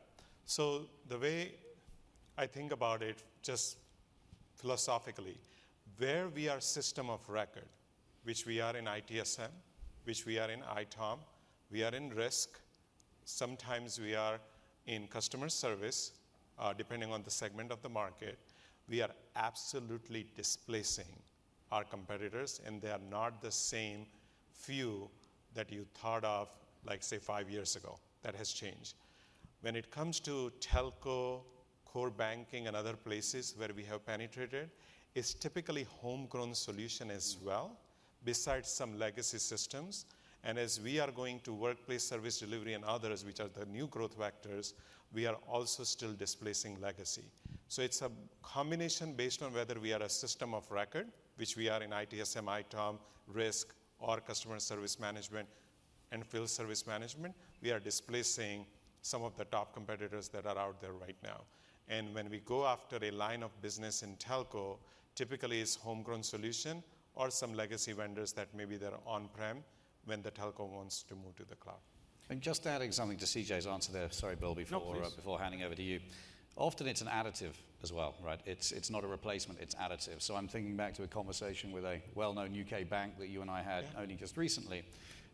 The way I think about it, just philosophically, where we are system of record, which we are in ITSM, which we are in ITOM, we are in risk. Sometimes we are in customer service, depending on the segment of the market. We are absolutely displacing our competitors, and they are not the same few that you thought of, like, say, five years ago. That has changed. When it comes to telco, core banking and other places where we have penetrated, it's typically homegrown solution as well, besides some legacy systems. As we are going to Workplace Service Delivery and others, which are the new growth vectors, we are also still displacing legacy. It's a combination based on whether we are a system of record, which we are in ITSM, ITOM, risk or Customer Service Management and Field Service Management. We are displacing some of the top competitors that are out there right now. When we go after a line of business in telco, typically it's homegrown solution or some legacy vendors that maybe they're on-prem when the telco wants to move to the cloud. Just adding something to CJ's answer there. Sorry, Bill, before– No, please. Before handing over to you. Often it's an additive as well, right? It's not a replacement, it's additive. I'm thinking back to a conversation with a well-known U.K. bank that you and I had. Yeah. Only just recently,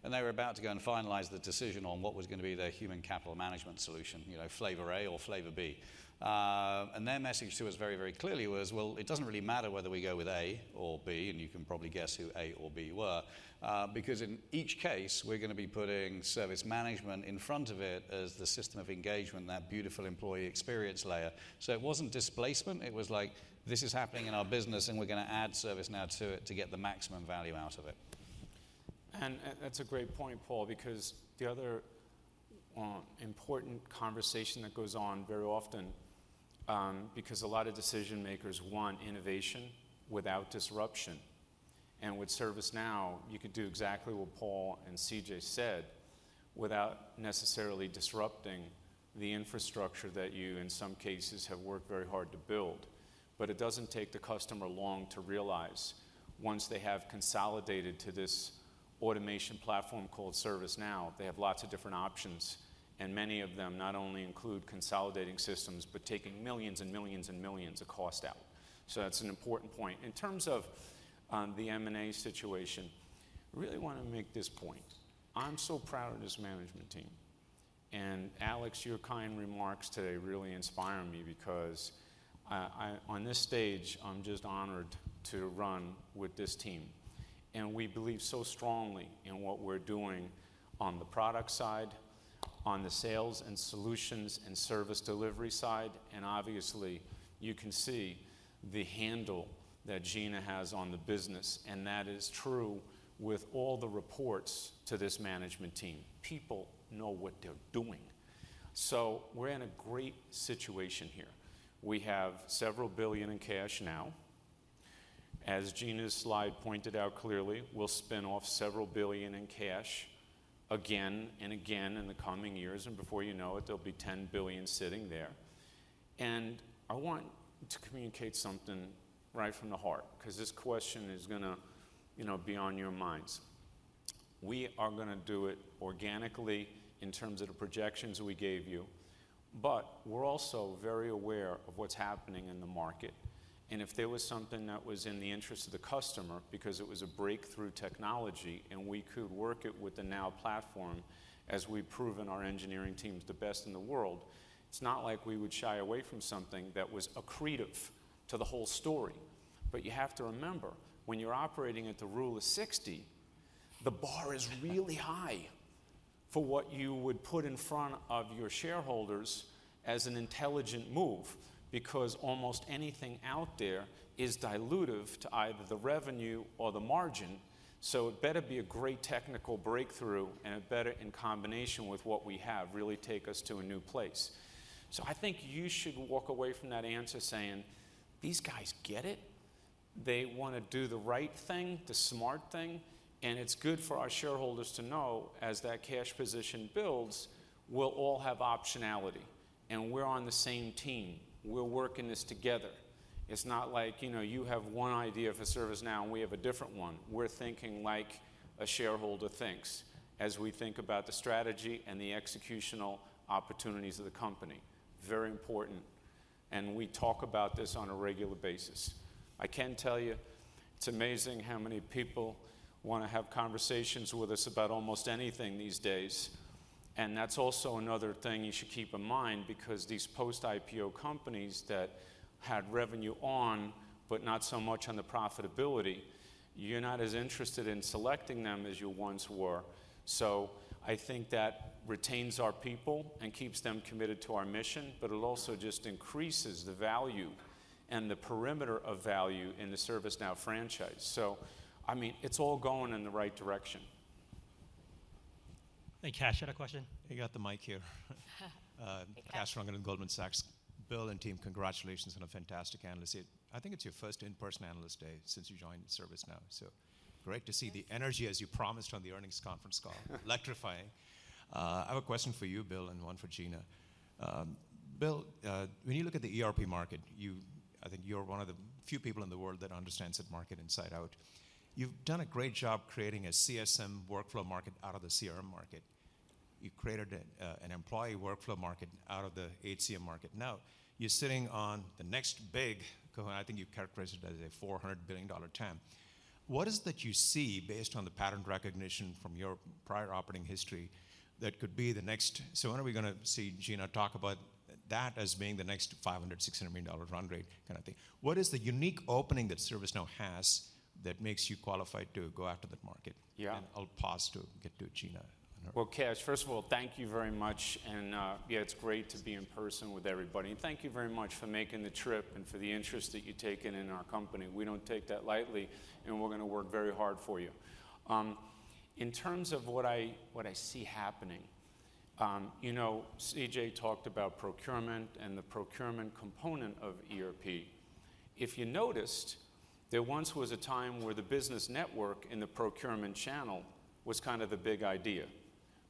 they were about to go and finalize the decision on what was gonna be their human capital management solution, you know, flavor A or flavor B. Their message to us very, very clearly was, "Well, it doesn't really matter whether we go with A or B," and you can probably guess who A or B were, because in each case, we're gonna be putting service management in front of it as the system of engagement, that beautiful employee experience layer. It wasn't displacement, it was like, this is happening in our business, and we're gonna add ServiceNow to it to get the maximum value out of it. That's a great point, Paul, because the other important conversation that goes on very often because a lot of decision makers want innovation without disruption. With ServiceNow, you could do exactly what Paul and CJ said without necessarily disrupting the infrastructure that you, in some cases, have worked very hard to build. It doesn't take the customer long to realize once they have consolidated to this automation platform called ServiceNow, they have lots of different options, and many of them not only include consolidating systems, but taking millions and millions and millions of cost out. That's an important point. In terms of the M&A situation, I really wanna make this point. I'm so proud of this management team, and Alex, your kind remarks today really inspire me because I, on this stage, I'm just honored to run with this team, and we believe so strongly in what we're doing on the product side, on the sales and solutions and service delivery side, and obviously you can see the handle that Gina has on the business, and that is true with all the reports to this management team. People know what they're doing. We're in a great situation here. We have several billion in cash now. As Gina's slide pointed out clearly, we'll spin off several billion in cash again and again in the coming years, and before you know it, there'll be $10 billion sitting there. I want to communicate something right from the heart, 'cause this question is gonna, you know, be on your minds. We are gonna do it organically in terms of the projections we gave you. We're also very aware of what's happening in the market, and if there was something that was in the interest of the customer because it was a breakthrough technology and we could work it with the Now Platform, as we've proven our engineering team's the best in the world, it's not like we would shy away from something that was accretive to the whole story. You have to remember, when you're operating at the Rule of 60, the bar is really high for what you would put in front of your shareholders as an intelligent move, because almost anything out there is dilutive to either the revenue or the margin. It better be a great technical breakthrough and it better, in combination with what we have, really take us to a new place. I think you should walk away from that answer saying, "These guys get it. They wanna do the right thing, the smart thing." It's good for our shareholders to know as that cash position builds, we'll all have optionality, and we're on the same team. We're working this together. It's not like, you know, you have one idea for ServiceNow and we have a different one. We're thinking like a shareholder thinks as we think about the strategy and the executional opportunities of the company. Very important, and we talk about this on a regular basis. I can tell you it's amazing how many people wanna have conversations with us about almost anything these days, and that's also another thing you should keep in mind because these post-IPO companies that had revenue on, but not so much on the profitability, you're not as interested in selecting them as you once were. I think that retains our people and keeps them committed to our mission, but it also just increases the value and the perimeter of value in the ServiceNow franchise. I mean, it's all going in the right direction. Hey, Kash. You had a question? I got the mic here. Hey, Kash. Kash Rangan at Goldman Sachs. Bill and team, congratulations on a fantastic analyst day. I think it's your first in-person analyst day since you joined ServiceNow, so great to see the energy as you promised on the earnings conference call. Electrifying. I have a question for you, Bill, and one for Gina. Bill, when you look at the ERP market, I think you're one of the few people in the world that understands that market inside out. You've done a great job creating a CSM workflow market out of the CRM market. You've created an employee workflow market out of the HCM market. Now, you're sitting on the next big, I think you've characterized it as a $400 billion TAM. What is it that you see based on the pattern recognition from your prior operating history that could be the next... When are we gonna see Gina talk about that as being the next $500 million-$600 million run rate kind of thing? What is the unique opening that ServiceNow has that makes you qualified to go after that market? Yeah. I'll pause to get to Gina on her– Well, Kash, first of all, thank you very much and, yeah, it's great to be in person with everybody. Thank you very much for making the trip and for the interest that you've taken in our company. We don't take that lightly, and we're gonna work very hard for you. In terms of what I see happening, you know, CJ talked about procurement and the procurement component of ERP. If you noticed, there once was a time where the business network in the procurement channel was kind of the big idea,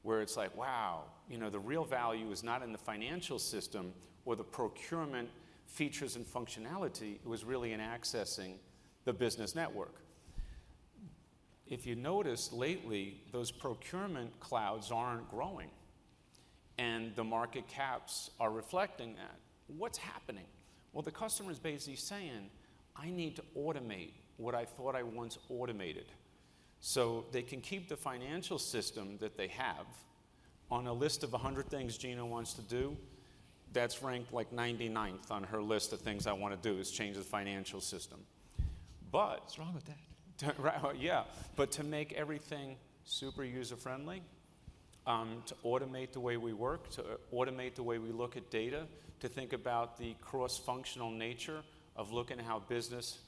where it's like, wow, you know, the real value is not in the financial system or the procurement features and functionality, it was really in accessing the business network. If you noticed lately, those procurement clouds aren't growing, and the market caps are reflecting that. What's happening? Well, the customer's basically saying, "I need to automate what I thought I once automated." They can keep the financial system that they have. On a list of 100 things Gina wants to do, that's ranked like 99th on her list of things I wanna do, is change the financial system. What's wrong with that? Right. Yeah. To make everything super user-friendly, to automate the way we work, to automate the way we look at data, to think about the cross-functional nature of looking at how business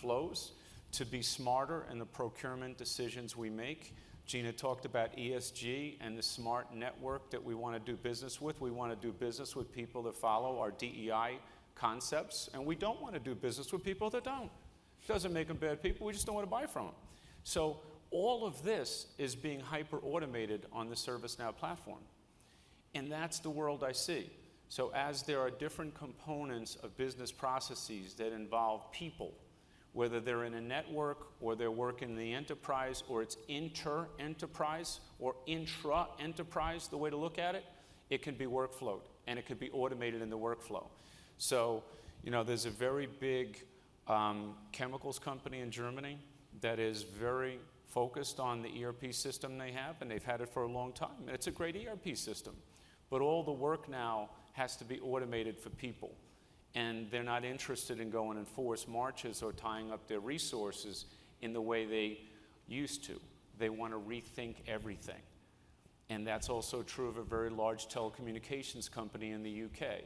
flows, to be smarter in the procurement decisions we make. Gina talked about ESG and the smart network that we wanna do business with. We wanna do business with people that follow our DEI concepts, and we don't wanna do business with people that don't. Doesn't make them bad people. We just don't wanna buy from them. All of this is being hyper-automated on the ServiceNow platform, and that's the world I see. As there are different components of business processes that involve people, whether they're in a network or they work in the enterprise or it's inter-enterprise or intra-enterprise, the way to look at it could be workflowed and it could be automated in the workflow. You know, there's a very big chemicals company in Germany that is very focused on the ERP system they have, and they've had it for a long time, and it's a great ERP system. But all the work now has to be automated for people, and they're not interested in going in forced marches or tying up their resources in the way they used to. They wanna rethink everything. That's also true of a very large telecommunications company in the U.K.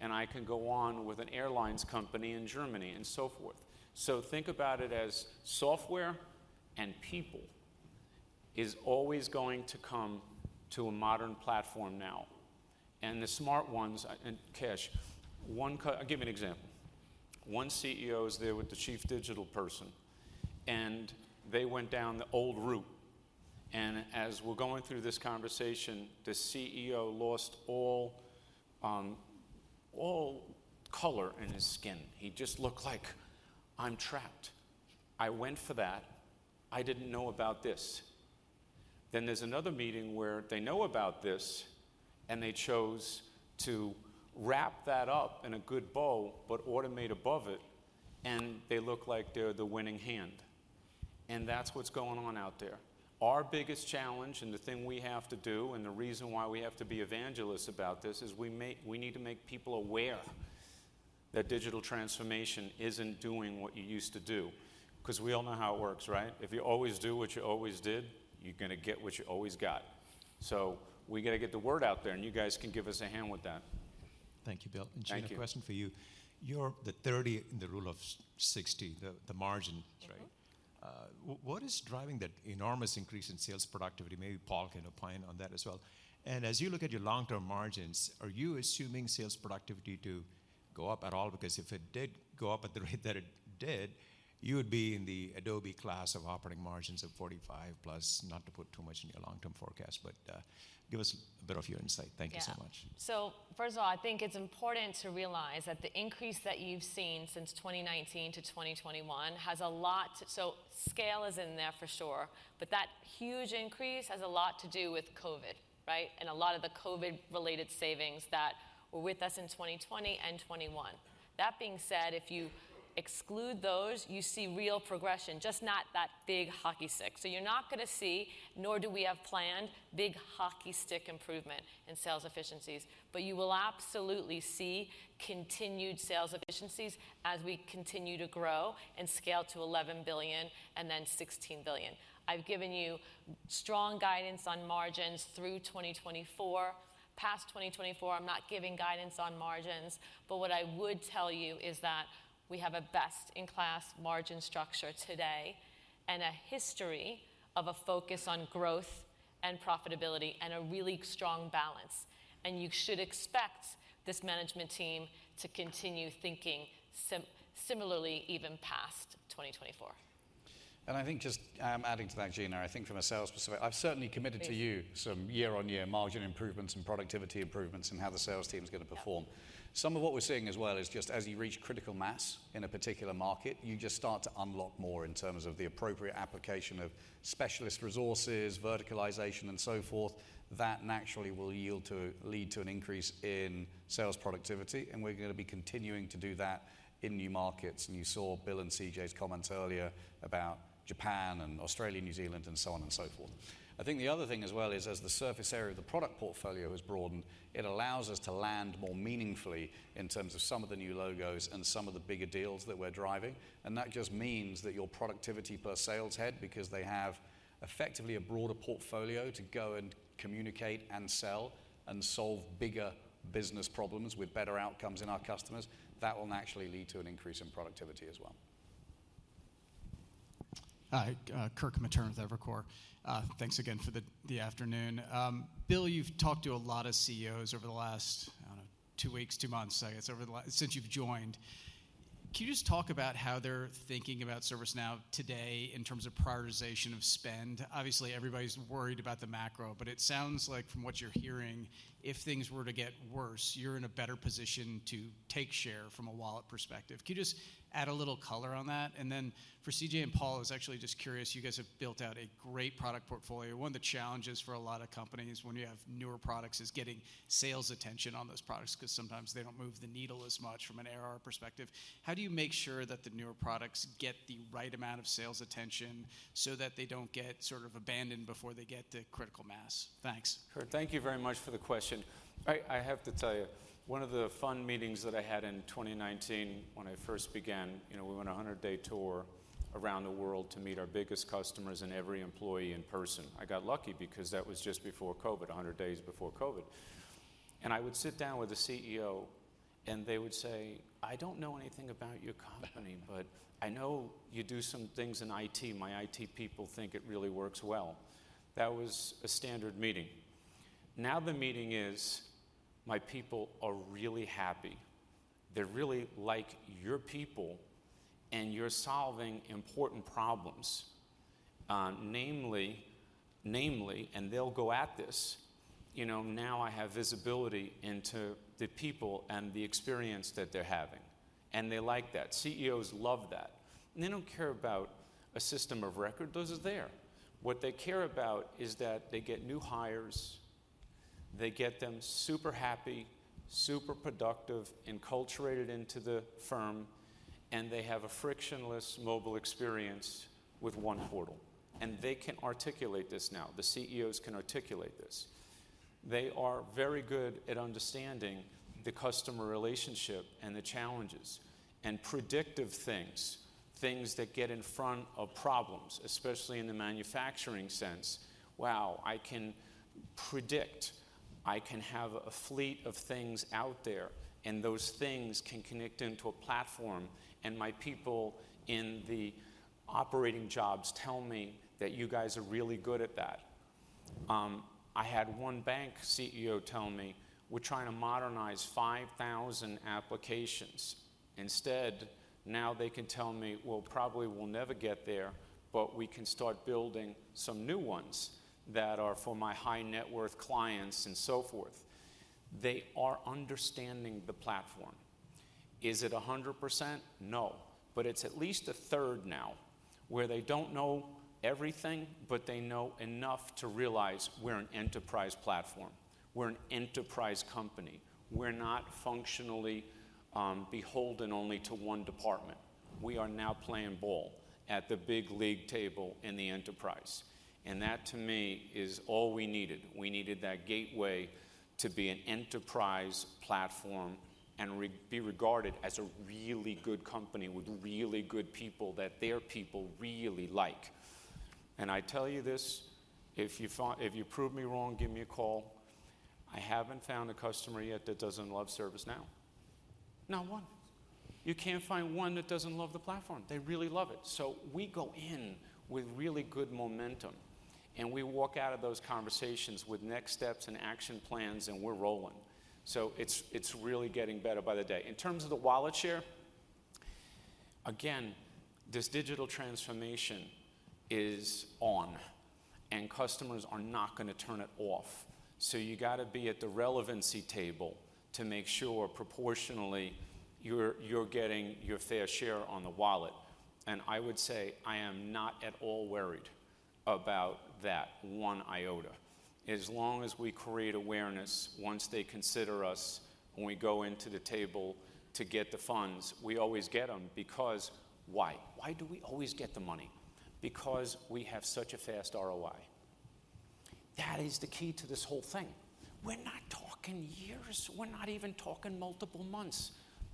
I can go on with an airlines company in Germany and so forth. Think about it as software and people is always going to come to a modern platform now. The smart ones. Kash, I'll give you an example. One CEO is there with the chief digital person, and they went down the old route, and as we're going through this conversation, the CEO lost all color in his skin. He just looked like, "I'm trapped. I went for that. I didn't know about this." There's another meeting where they know about this, and they chose to wrap that up in a good bow, but automate above it, and they look like they're the winning hand. That's what's going on out there. Our biggest challenge and the thing we have to do and the reason why we have to be evangelists about this is we need to make people aware that digital transformation isn't doing what you used to do. 'Cause we all know how it works, right? If you always do what you always did, you're gonna get what you always got. So we gotta get the word out there, and you guys can give us a hand with that. Thank you, Bill. Thank you. Gina, a question for you. You're the 30 in the Rule of 60, the margin, right? Mm-hmm. What is driving that enormous increase in sales productivity? Maybe Paul can opine on that as well. As you look at your long-term margins, are you assuming sales productivity to go up at all? Because if it did go up at the rate that it did, you would be in the Adobe class of operating margins of 45+, not to put too much in your long-term forecast, but give us a bit of your insight. Thank you so much. Yeah. First of all, I think it's important to realize that the increase that you've seen since 2019 to 2021 has a lot. Scale is in there for sure, but that huge increase has a lot to do with COVID, right? A lot of the COVID-related savings that were with us in 2020 and 2021. That being said, if you exclude those, you see real progression, just not that big hockey stick. You're not gonna see, nor do we have planned, big hockey stick improvement in sales efficiencies. You will absolutely see continued sales efficiencies as we continue to grow and scale to $11 billion and then $16 billion. I've given you strong guidance on margins through 2024. Past 2024, I'm not giving guidance on margins, but what I would tell you is that we have a best-in-class margin structure today and a history of a focus on growth and profitability and a really strong balance. You should expect this management team to continue thinking similarly even past 2024. I think just adding to that, Gina, I think from a sales perspective, I've certainly committed to you some year-on-year margin improvements and productivity improvements and how the sales team's gonna perform. Yeah. Some of what we're seeing as well is just as you reach critical mass in a particular market, you just start to unlock more in terms of the appropriate application of specialist resources, verticalization, and so forth. That naturally will lead to an increase in sales productivity, and we're gonna be continuing to do that in new markets. You saw Bill and CJ's comments earlier about Japan and Australia, New Zealand, and so on and so forth. I think the other thing as well is as the surface area of the product portfolio has broadened, it allows us to land more meaningfully in terms of some of the new logos and some of the bigger deals that we're driving. That just means that your productivity per sales head, because they have effectively a broader portfolio to go and communicate and sell and solve bigger business problems with better outcomes in our customers, that will naturally lead to an increase in productivity as well. Hi. Kirk Materne with Evercore. Thanks again for the afternoon. Bill, you've talked to a lot of CEOs over the last, I don't know, two weeks, two months, I guess, since you've joined. Can you just talk about how they're thinking about ServiceNow today in terms of prioritization of spend? Obviously, everybody's worried about the macro, but it sounds like from what you're hearing, if things were to get worse, you're in a better position to take share from a wallet perspective. Can you just add a little color on that? For CJ and Paul, I was actually just curious, you guys have built out a great product portfolio. One of the challenges for a lot of companies when you have newer products is getting sales attention on those products, 'cause sometimes they don't move the needle as much from an ARR perspective. How do you make sure that the newer products get the right amount of sales attention so that they don't get sort of abandoned before they get to critical mass? Thanks. Kirk, thank you very much for the question. I have to tell you, one of the fun meetings that I had in 2019 when I first began, you know, we went on a 100-day tour around the world to meet our biggest customers and every employee in person. I got lucky because that was just before COVID, 100 days before COVID. I would sit down with the CEO and they would say, "I don't know anything about your company, but I know you do some things in IT. My IT people think it really works well." That was a standard meeting. Now the meeting is, "My people are really happy. They really like your people, and you're solving important problems, namely, and they'll go at this, "you know, now I have visibility into the people and the experience that they're having," and they like that. CEOs love that. They don't care about a system of record. Those are there. What they care about is that they get new hires, they get them super happy, super productive, enculturated into the firm, and they have a frictionless mobile experience with one portal. They can articulate this now. The CEOs can articulate this. They are very good at understanding the customer relationship and the challenges and predictive things that get in front of problems, especially in the manufacturing sense. "Wow, I can predict. I can have a fleet of things out there, and those things can connect into a platform, and my people in the operating jobs tell me that you guys are really good at that. I had one bank CEO tell me, "We're trying to modernize 5,000 applications." Instead, now they can tell me, "Well, probably we'll never get there, but we can start building some new ones that are for my high-net-worth clients and so forth." They are understanding the platform. Is it 100%? No. But it's at least a third now, where they don't know everything, but they know enough to realize we're an enterprise platform. We're an enterprise company. We're not functionally beholden only to one department. We are now playing ball at the big league table in the enterprise. That to me is all we needed. We needed that gateway to be an enterprise platform and be regarded as a really good company with really good people that their people really like. I tell you this, if you prove me wrong, give me a call. I haven't found a customer yet that doesn't love ServiceNow. No one. You can't find one that doesn't love the platform. They really love it. We go in with really good momentum, and we walk out of those conversations with next steps and action plans, and we're rolling. It's really getting better by the day. In terms of the wallet share, again, this digital transformation is on, and customers are not gonna turn it off. You gotta be at the relevancy table to make sure proportionally you're getting your fair share on the wallet. I would say I am not at all worried about that one iota. As long as we create awareness, once they consider us, when we go into the table to get the funds, we always get 'em because why? Why do we always get the money? Because we have such a fast ROI. That is the key to this whole thing. We're not talking years. We're not even talking multiple months.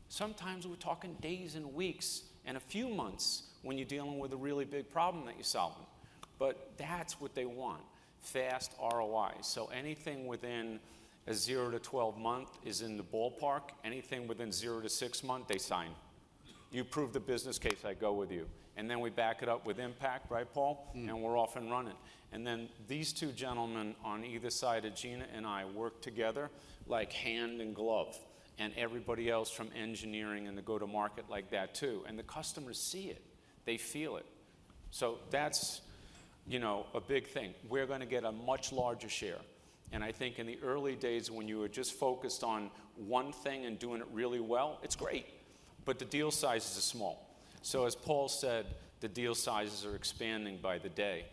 Sometimes we're talking days and weeks and a few months when you're dealing with a really big problem that you're solving. That's what they want: fast ROI. Anything within a zero to 12 month is in the ballpark. Anything within zero to six month, they sign. You prove the business case, I go with you. Then we back it up with impact, right, Paul? Mm-hmm. We're off and running. These two gentlemen on either side of Gina and I work together like hand and glove, and everybody else from engineering and the go-to-market like that too, and the customers see it. They feel it. That's, you know, a big thing. We're gonna get a much larger share. I think in the early days when you were just focused on one thing and doing it really well, it's great, but the deal sizes are small. As Paul said, the deal sizes are expanding by the day.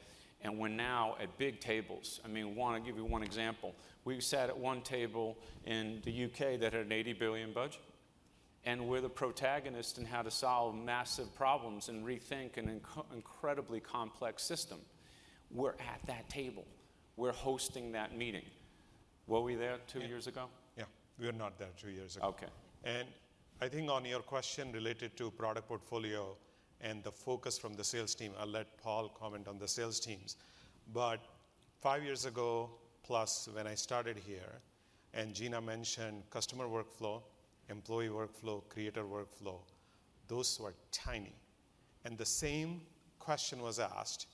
We're now at big tables. I mean, wanna give you one example. We sat at one table in the U.K. that had an $80 billion budget, and we're the protagonist in how to solve massive problems and rethink an incredibly complex system. We're at that table. We're hosting that meeting. Were we there two years ago? Yeah. We were not there two years ago. Okay. I think on your question related to product portfolio and the focus from the sales team, I'll let Paul comment on the sales teams. Five years ago plus, when I started here, and Gina mentioned customer workflow, employee workflow, creator workflow, those were tiny. The same question was asked.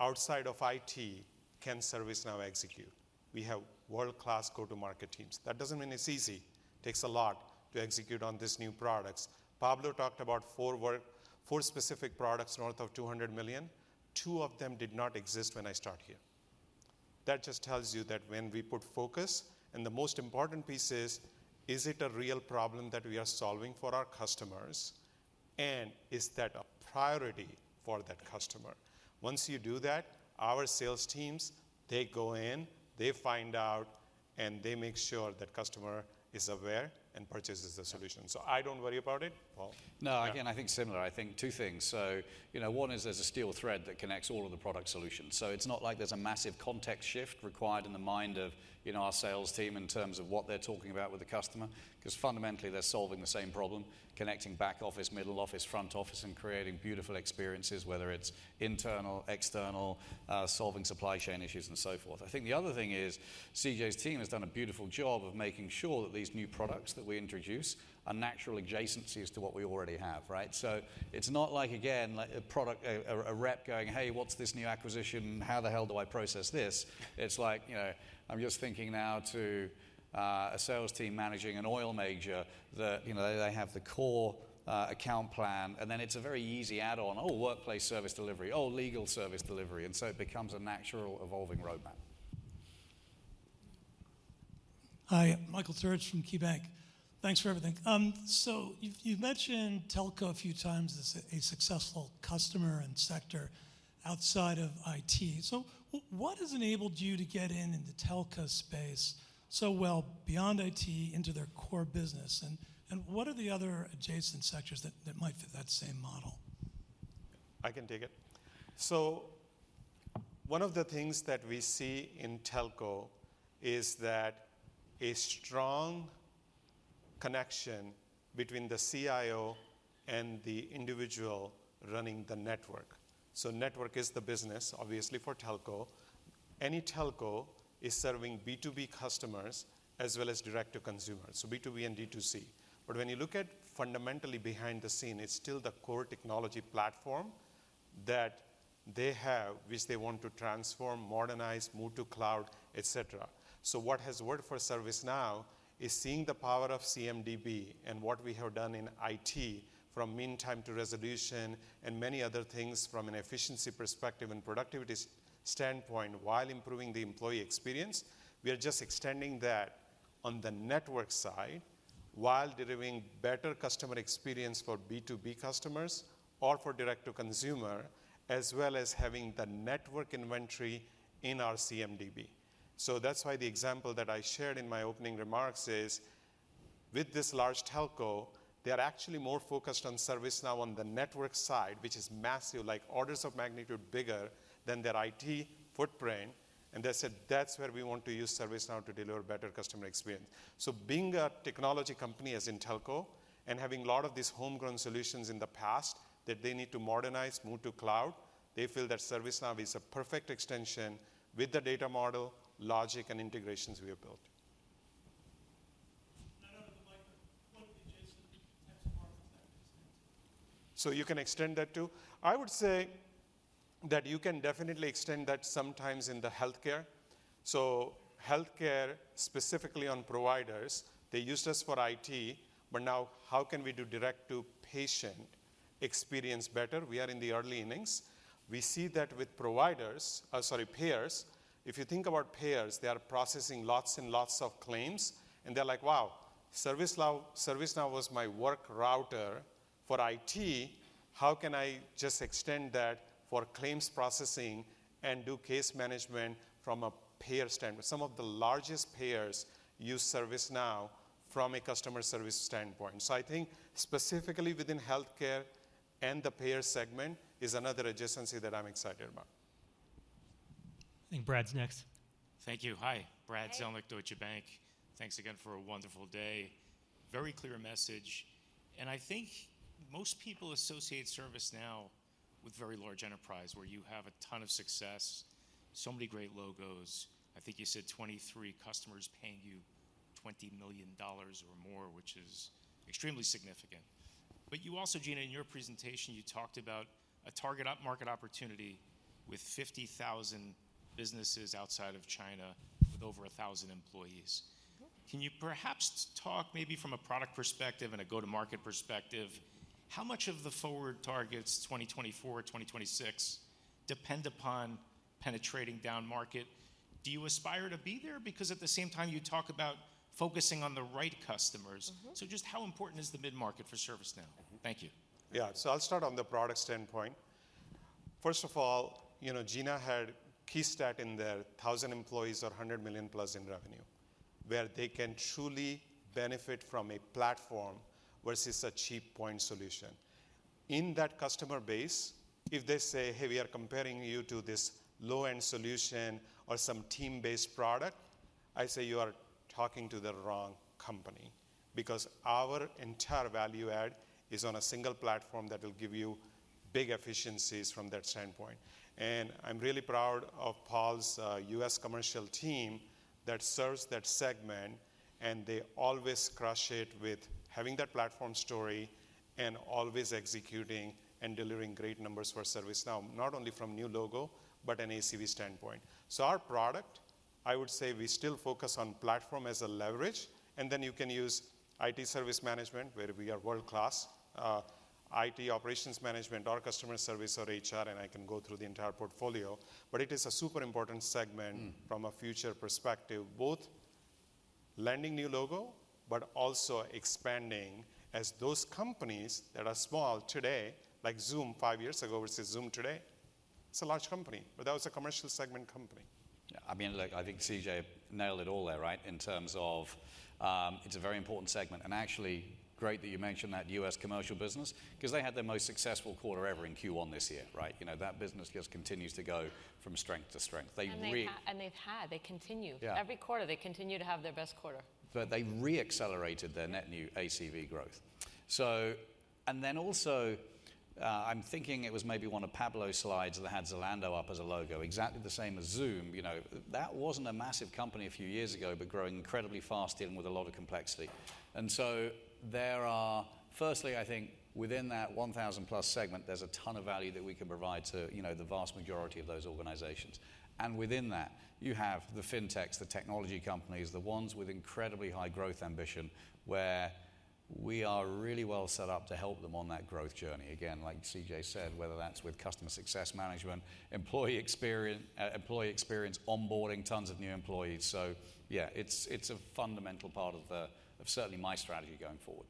Outside of IT, can ServiceNow execute? We have world-class go-to-market teams. That doesn't mean it's easy. Takes a lot to execute on these new products. Pablo talked about four specific products north of $200 million. Two of them did not exist when I start here. That just tells you that when we put focus, and the most important piece is it a real problem that we are solving for our customers, and is that a priority for that customer? Once you do that, our sales teams, they go in, they find out, and they make sure that customer is aware and purchases the solution. I don't worry about it. Paul? No. Again, I think similar. I think two things. You know, one is there's a steel thread that connects all of the product solutions. It's not like there's a massive context shift required in the mind of, you know, our sales team in terms of what they're talking about with the customer, 'cause fundamentally, they're solving the same problem, connecting back office, middle office, front office, and creating beautiful experiences, whether it's internal, external, solving supply chain issues and so forth. I think the other thing is CJ's team has done a beautiful job of making sure that these new products that we introduce are natural adjacencies to what we already have, right? It's not like, again, like a product, a rep going, "Hey, what's this new acquisition? How the hell do I process this?" It's like, you know, I'm just thinking now to a sales team managing an oil major that, you know, they have the core account plan, and then it's a very easy add-on. "Oh, Workplace Service Delivery. Oh, Legal Service Delivery." It becomes a natural evolving roadmap. Hi. Michael Turits from KeyBanc. Thanks for everything. You've mentioned telco a few times as a successful customer and sector outside of IT. What has enabled you to get in the telco space so well beyond IT into their core business? What are the other adjacent sectors that might fit that same model? I can take it. One of the things that we see in telco is that a strong connection between the CIO and the individual running the network. Network is the business, obviously, for telco. Any telco is serving B2B customers as well as direct to consumers, so B2B and D2C. When you look at fundamentally behind the scenes, it's still the core technology platform that they have, which they want to transform, modernize, move to cloud, et cetera. What has worked for ServiceNow is seeing the power of CMDB and what we have done in IT from mean time to resolution and many other things from an efficiency perspective and productivity standpoint while improving the employee experience. We are just extending that on the network side while delivering better customer experience for B2B customers or for direct to consumer, as well as having the network inventory in our CMDB. That's why the example that I shared in my opening remarks is with this large telco, they are actually more focused on ServiceNow on the network side, which is massive, like orders of magnitude bigger than their IT footprint. They said, "That's where we want to use ServiceNow to deliver better customer experience." Being a technology company as in telco and having a lot of these homegrown solutions in the past that they need to modernize, move to cloud, they feel that ServiceNow is a perfect extension with the data model, logic, and integrations we have built. You can extend that too. I would say that you can definitely extend that sometimes in the healthcare. Healthcare, specifically on providers, they used us for IT, but now how can we do direct to patient experience better? We are in the early innings. We see that with payers. If you think about payers, they are processing lots and lots of claims, and they're like, "Wow, ServiceNow was my workflow for IT. How can I just extend that for claims processing and do case management from a payer standpoint?" Some of the largest payers use ServiceNow from a customer service standpoint. I think specifically within healthcare and the payer segment is another adjacency that I'm excited about. I think Brad's next. Thank you. Hi. Hey. Brad Zelnick, Deutsche Bank. Thanks again for a wonderful day. Very clear message. I think most people associate ServiceNow with very large enterprise, where you have a ton of success, so many great logos. I think you said 23 customers paying you $20 million or more, which is extremely significant. You also, Gina, in your presentation, you talked about a target upmarket opportunity with 50,000 businesses outside of China with over 1,000 employees. Mm-hmm. Can you perhaps talk maybe from a product perspective and a go-to-market perspective, how much of the forward targets, 2024, 2026, depend upon penetrating downmarket? Do you aspire to be there? Because at the same time, you talk about focusing on the right customers. Mm-hmm. Just how important is the mid-market for ServiceNow? Mm-hmm. Thank you. Yeah. I'll start on the product standpoint. First of all, you know, Gina had key stat in there, 1,000 employees or $100 million+ in revenue, where they can truly benefit from a platform versus a cheap point solution. In that customer base, if they say, "Hey, we are comparing you to this low-end solution or some team-based product," I say, "You are talking to the wrong company." Because our entire value add is on a single platform that will give you big efficiencies from that standpoint. I'm really proud of Paul's U.S. Commercial team that serves that segment, and they always crush it with having that platform story and always executing and delivering great numbers for ServiceNow, not only from new logo, but an ACV standpoint. Our product, I would say we still focus on platform as a lever, and then you can use IT Service Management, where we are world-class, IT Operations Management or Customer Service Management or HR, and I can go through the entire portfolio. It is a super important segment from a future perspective, both landing new logo, but also expanding as those companies that are small today, like Zoom five years ago versus Zoom today, it's a large company. That was a commercial segment company. Yeah. I mean, look, I think CJ nailed it all there, right? In terms of, it's a very important segment. Actually, great that you mentioned that U.S. commercial business, 'cause they had their most successful quarter ever in Q1 this year, right? You know, that business just continues to go from strength to strength. They re– They've had. They continue. Yeah. Every quarter, they continue to have their best quarter. They re-accelerated their net new ACV growth. I'm thinking it was maybe one of Pablo's slides that had Zalando up as a logo, exactly the same as Zoom. You know, that wasn't a massive company a few years ago, but growing incredibly fast, dealing with a lot of complexity. There are firstly, I think within that 1,000+ segment, there's a ton of value that we can provide to, you know, the vast majority of those organizations. Within that, you have the fintechs, the technology companies, the ones with incredibly high growth ambition, where we are really well set up to help them on that growth journey. Again, like CJ said, whether that's with customer success management, employee experience, onboarding tons of new employees. Yeah, it's a fundamental part of certainly my strategy going forward.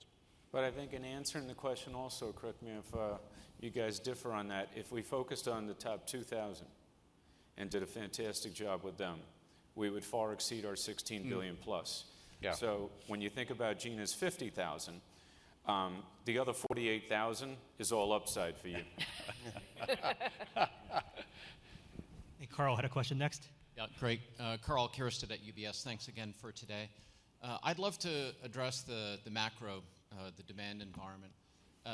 I think in answering the question also, correct me if you guys differ on that, if we focused on the top 2,000 and did a fantastic job with them, we would far exceed our $16 billion+. Yeah. When you think about Gina's $50,000, the other $48,000 is all upside for you. I think Karl Keirstead had a question next. Yeah, great. Karl Keirstead at UBS. Thanks again for today. I'd love to address the macro, the demand environment.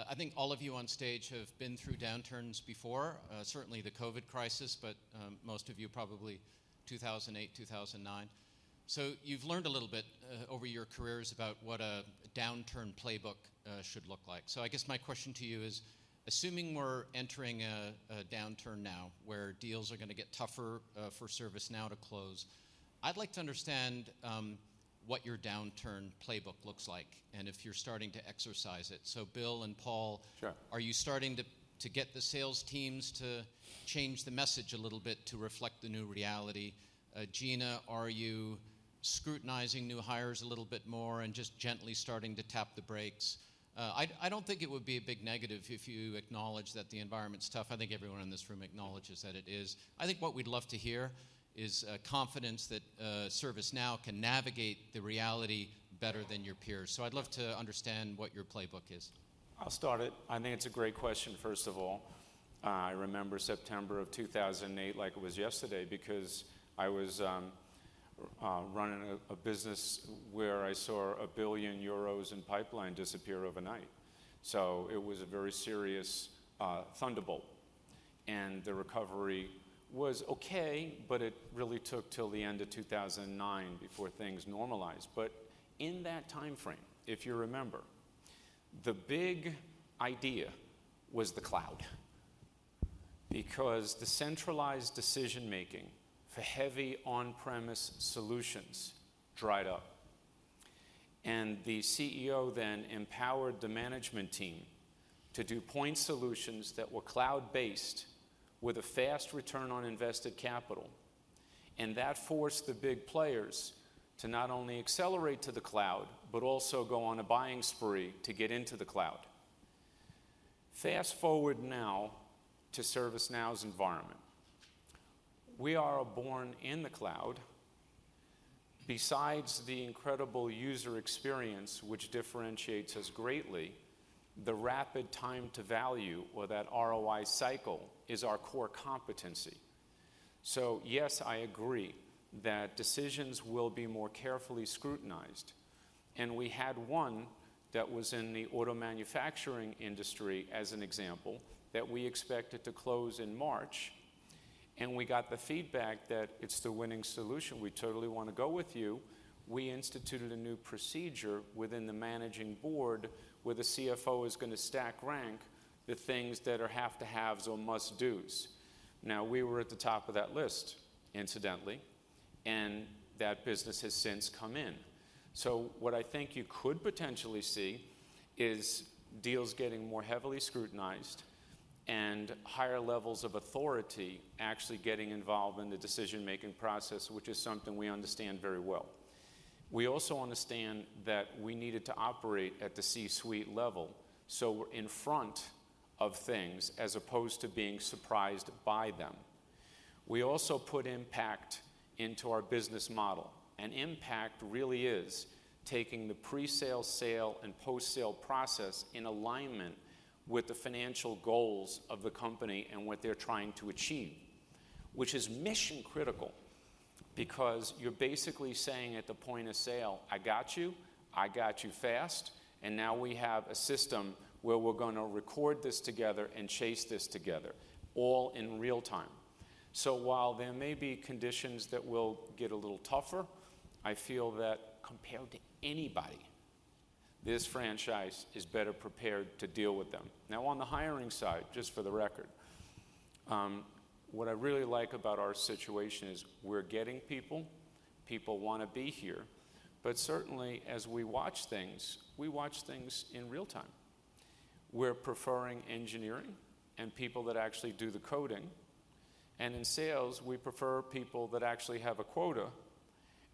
I think all of you on stage have been through downturns before, certainly the COVID crisis, but most of you probably 2008, 2009. You've learned a little bit over your careers about what a downturn playbook should look like. I guess my question to you is, assuming we're entering a downturn now, where deals are gonna get tougher for ServiceNow to close, I'd like to understand what your downturn playbook looks like, and if you're starting to exercise it. Bill and Paul– Sure. Are you starting to get the sales teams to change the message a little bit to reflect the new reality? Gina, are you scrutinizing new hires a little bit more and just gently starting to tap the brakes? I don't think it would be a big negative if you acknowledge that the environment's tough. I think everyone in this room acknowledges that it is. I think what we'd love to hear is confidence that ServiceNow can navigate the reality better than your peers. I'd love to understand what your playbook is. I'll start it. I think it's a great question, first of all. I remember September of 2008 like it was yesterday, because I was running a business where I saw 1 billion euros in pipeline disappear overnight. It was a very serious thunderbolt. The recovery was okay, but it really took till the end of 2009 before things normalized. In that time frame, if you remember, the big idea was the cloud. Because the centralized decision-making for heavy on-premise solutions dried up. The CEO then empowered the management team to do point solutions that were cloud-based with a fast return on invested capital. That forced the big players to not only accelerate to the cloud, but also go on a buying spree to get into the cloud. Fast-forward now to ServiceNow's environment. We are born in the cloud. Besides the incredible user experience which differentiates us greatly, the rapid time to value or that ROI cycle is our core competency. Yes, I agree that decisions will be more carefully scrutinized, and we had one that was in the auto manufacturing industry as an example, that we expected to close in March, and we got the feedback that it's the winning solution. We totally wanna go with you. We instituted a new procedure within the managing board where the CFO is gonna stack rank the things that are have-to-haves or must-dos. Now, we were at the top of that list, incidentally, and that business has since come in. What I think you could potentially see is deals getting more heavily scrutinized and higher levels of authority actually getting involved in the decision-making process, which is something we understand very well. We also understand that we needed to operate at the C-suite level, so we're in front of things as opposed to being surprised by them. We also put impact into our business model, and impact really is taking the pre-sale, sale, and post-sale process in alignment with the financial goals of the company and what they're trying to achieve, which is mission critical, because you're basically saying at the point of sale, "I got you, I got you fast, and now we have a system where we're gonna record this together and chase this together all in real time." While there may be conditions that will get a little tougher, I feel that compared to anybody, this franchise is better prepared to deal with them. Now, on the hiring side, just for the record, what I really like about our situation is we're getting people wanna be here, but certainly, as we watch things in real time. We're preferring engineering and people that actually do the coding, and in sales, we prefer people that actually have a quota,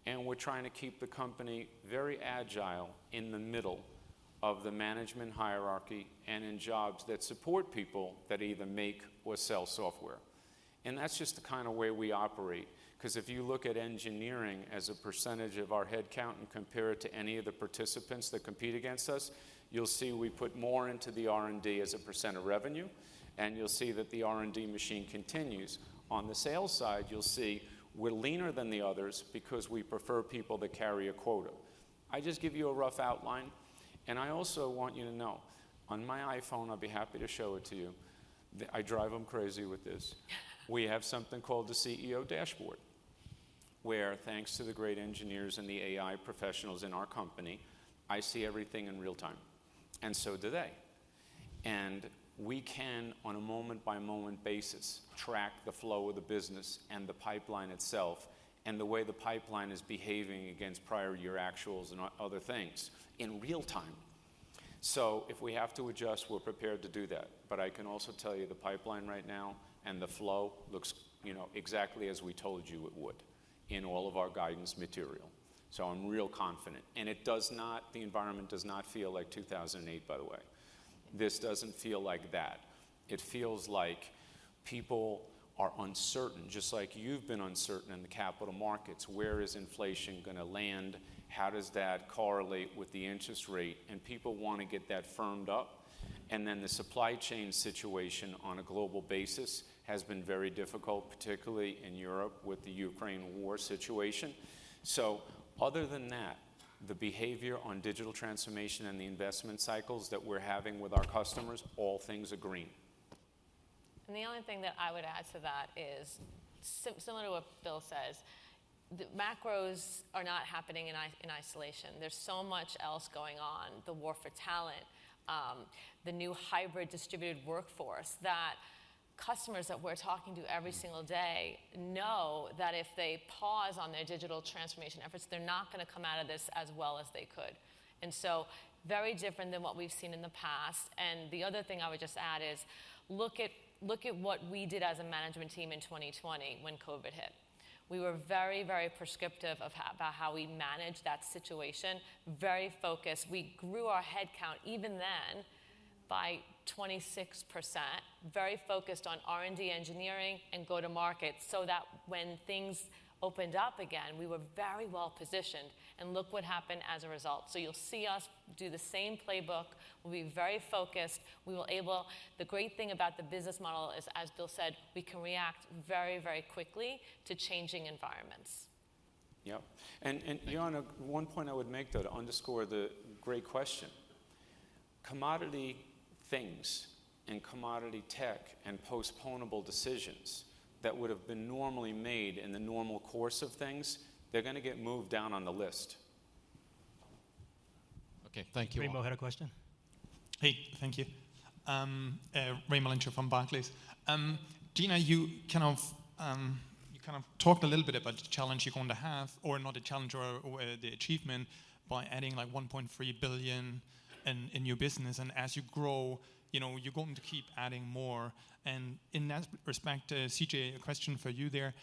and we're trying to keep the company very agile in the middle of the management hierarchy and in jobs that support people that either make or sell software. And that's just the kinda way we operate. 'Cause if you look at engineering as a percentage of our headcount and compare it to any of the participants that compete against us, you'll see we put more into the R&D as a percent of revenue, and you'll see that the R&D machine continues. On the sales side, you'll see we're leaner than the others because we prefer people that carry a quota. I just give you a rough outline, and I also want you to know, on my iPhone, I'll be happy to show it to you. I drive them crazy with this. We have something called the CEO Dashboard, where thanks to the great engineers and the AI professionals in our company, I see everything in real time, and so do they. We can, on a moment-by-moment basis, track the flow of the business and the pipeline itself and the way the pipeline is behaving against prior year actuals and other things in real time. If we have to adjust, we're prepared to do that. I can also tell you the pipeline right now and the flow looks, you know, exactly as we told you it would in all of our guidance material. I'm real confident. It does not, the environment does not feel like 2008, by the way. This doesn't feel like that. It feels like people are uncertain, just like you've been uncertain in the capital markets. Where is inflation gonna land? How does that correlate with the interest rate? People wanna get that firmed up. The supply chain situation on a global basis has been very difficult, particularly in Europe with the Ukraine war situation. Other than that, the behavior on digital transformation and the investment cycles that we're having with our customers, all things are green. The only thing that I would add to that is similar to what Bill says, the macros are not happening in isolation. There's so much else going on, the war for talent, the new hybrid distributed workforce, that customers that we're talking to every single day know that if they pause on their digital transformation efforts, they're not gonna come out of this as well as they could. Very different than what we've seen in the past. The other thing I would just add is look at what we did as a management team in 2020 when COVID hit. We were very prescriptive about how we managed that situation, very focused. We grew our head count even then by 26%. Very focused on R&D engineering and go to market, so that when things opened up again, we were very well positioned, and look what happened as a result. You'll see us do the same playbook. We'll be very focused. The great thing about the business model is, as Bill said, we can react very, very quickly to changing environments. Yep. And, one point I would make, though, to underscore the great question. Commodity things and commodity tech and postponable decisions that would have been normally made in the normal course of things, they're gonna get moved down on the list. Okay, thank you. Raimo had a question. Hey, thank you. Raimo Lenschow from Barclays. Gina, you kind of talked a little bit about the challenge you're going to have or not a challenge or the achievement by adding like $1.3 billion in your business and as you grow, you know, you're going to keep adding more. In that respect, CJ, a question for you there.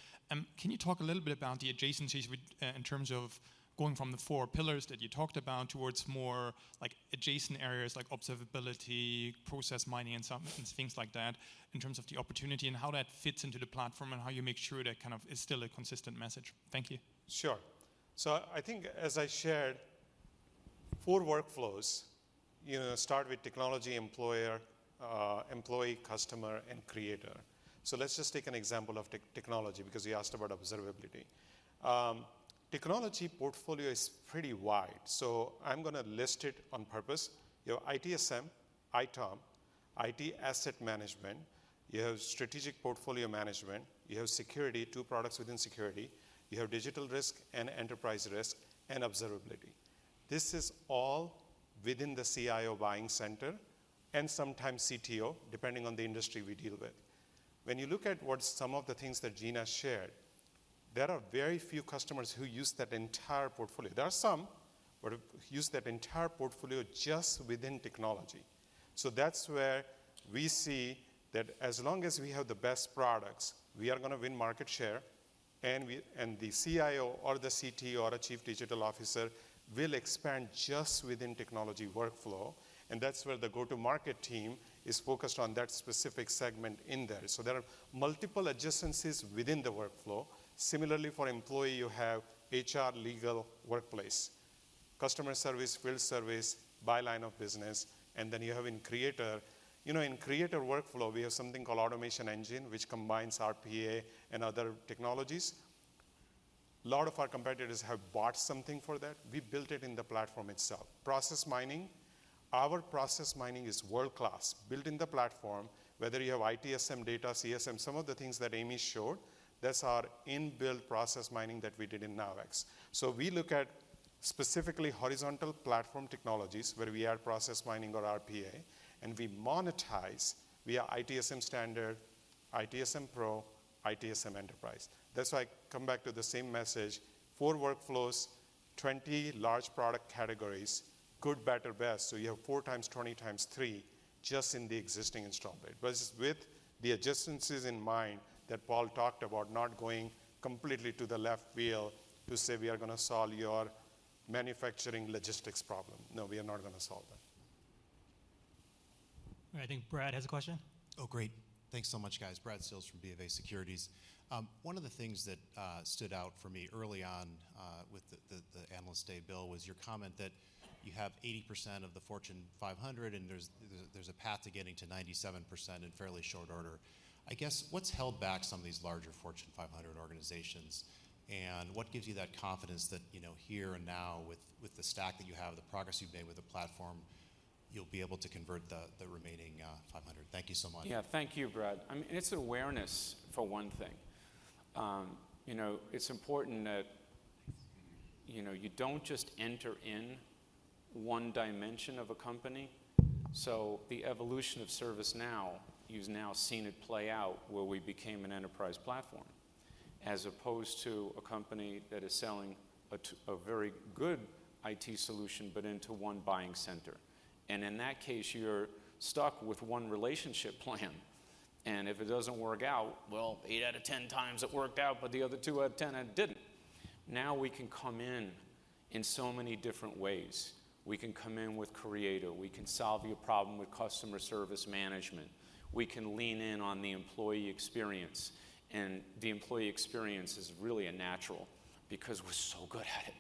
Can you talk a little bit about the adjacencies with in terms of going from the four pillars that you talked about towards more like adjacent areas like observability, process mining and some and things like that in terms of the opportunity and how that fits into the platform and how you make sure that kind of is still a consistent message? Thank you. Sure. I think as I shared, four workflows, you know, start with technology, HR, employee, customer and creator. Let's just take an example of technology because you asked about observability. Technology portfolio is pretty wide, so I'm gonna list it on purpose. You have ITSM, ITOM, IT asset management, you have Strategic Portfolio Management, you have security, two products within security, you have digital risk and enterprise risk and observability. This is all within the CIO buying center and sometimes CTO, depending on the industry we deal with. When you look at what some of the things that Gina shared, there are very few customers who use that entire portfolio. There are some who use that entire portfolio just within technology. That's where we see that as long as we have the best products, we are gonna win market share, and the CIO or the CTO or the chief digital officer will expand just within technology workflow, and that's where the go-to-market team is focused on that specific segment in there. There are multiple adjacencies within the workflow. Similarly, for employee, you have HR, legal, workplace. Customer service, field service by line of business, and then you have in creator. You know, in creator workflow, we have something called Automation Engine, which combines RPA and other technologies. A lot of our competitors have bought something for that. We built it in the platform itself. Process Mining. Our Process Mining is world-class. Built in the platform, whether you have ITSM data, CSM, some of the things that Amy showed, that's our in-built Process Mining that we did in Now UX. We look at specifically horizontal platform technologies where we are Process Mining or RPA, and we monetize via ITSM Standard, ITSM Pro, ITSM Enterprise. That's why I come back to the same message, 4 workflows, 20 large product categories, good, better, best. You have 4 x 20 x 3 just in the existing install base. With the adjacencies in mind that Paul talked about, not going completely to the left field to say we are gonna solve your manufacturing logistics problem. No, we are not gonna solve that. I think Brad has a question. Oh, great. Thanks so much, guys. Brad Sills from BofA Securities. One of the things that stood out for me early on with the Analyst Day, Bill was your comment that you have 80% of the Fortune 500 and there's a path to getting to 97% in fairly short order. I guess, what's held back some of these larger Fortune 500 organizations, and what gives you that confidence that, you know, here and now with the stack that you have, the progress you've made with the platform, you'll be able to convert the remaining 500? Thank you so much. Yeah. Thank you, Brad. I mean, it's awareness for one thing. You know, it's important that, you know, you don't just enter in one dimension of a company. The evolution of ServiceNow, you've now seen it play out where we became an enterprise platform as opposed to a company that is selling a very good IT solution but into one buying center. In that case, you're stuck with one relationship plan, and if it doesn't work out, well, eight out of 10 times it worked out, but the other two out of 10 it didn't. Now we can come in in so many different ways. We can come in with Creator. We can solve your problem with Customer Service Management. We can lean in on the employee experience, and the employee experience is really a natural because we're so good at it,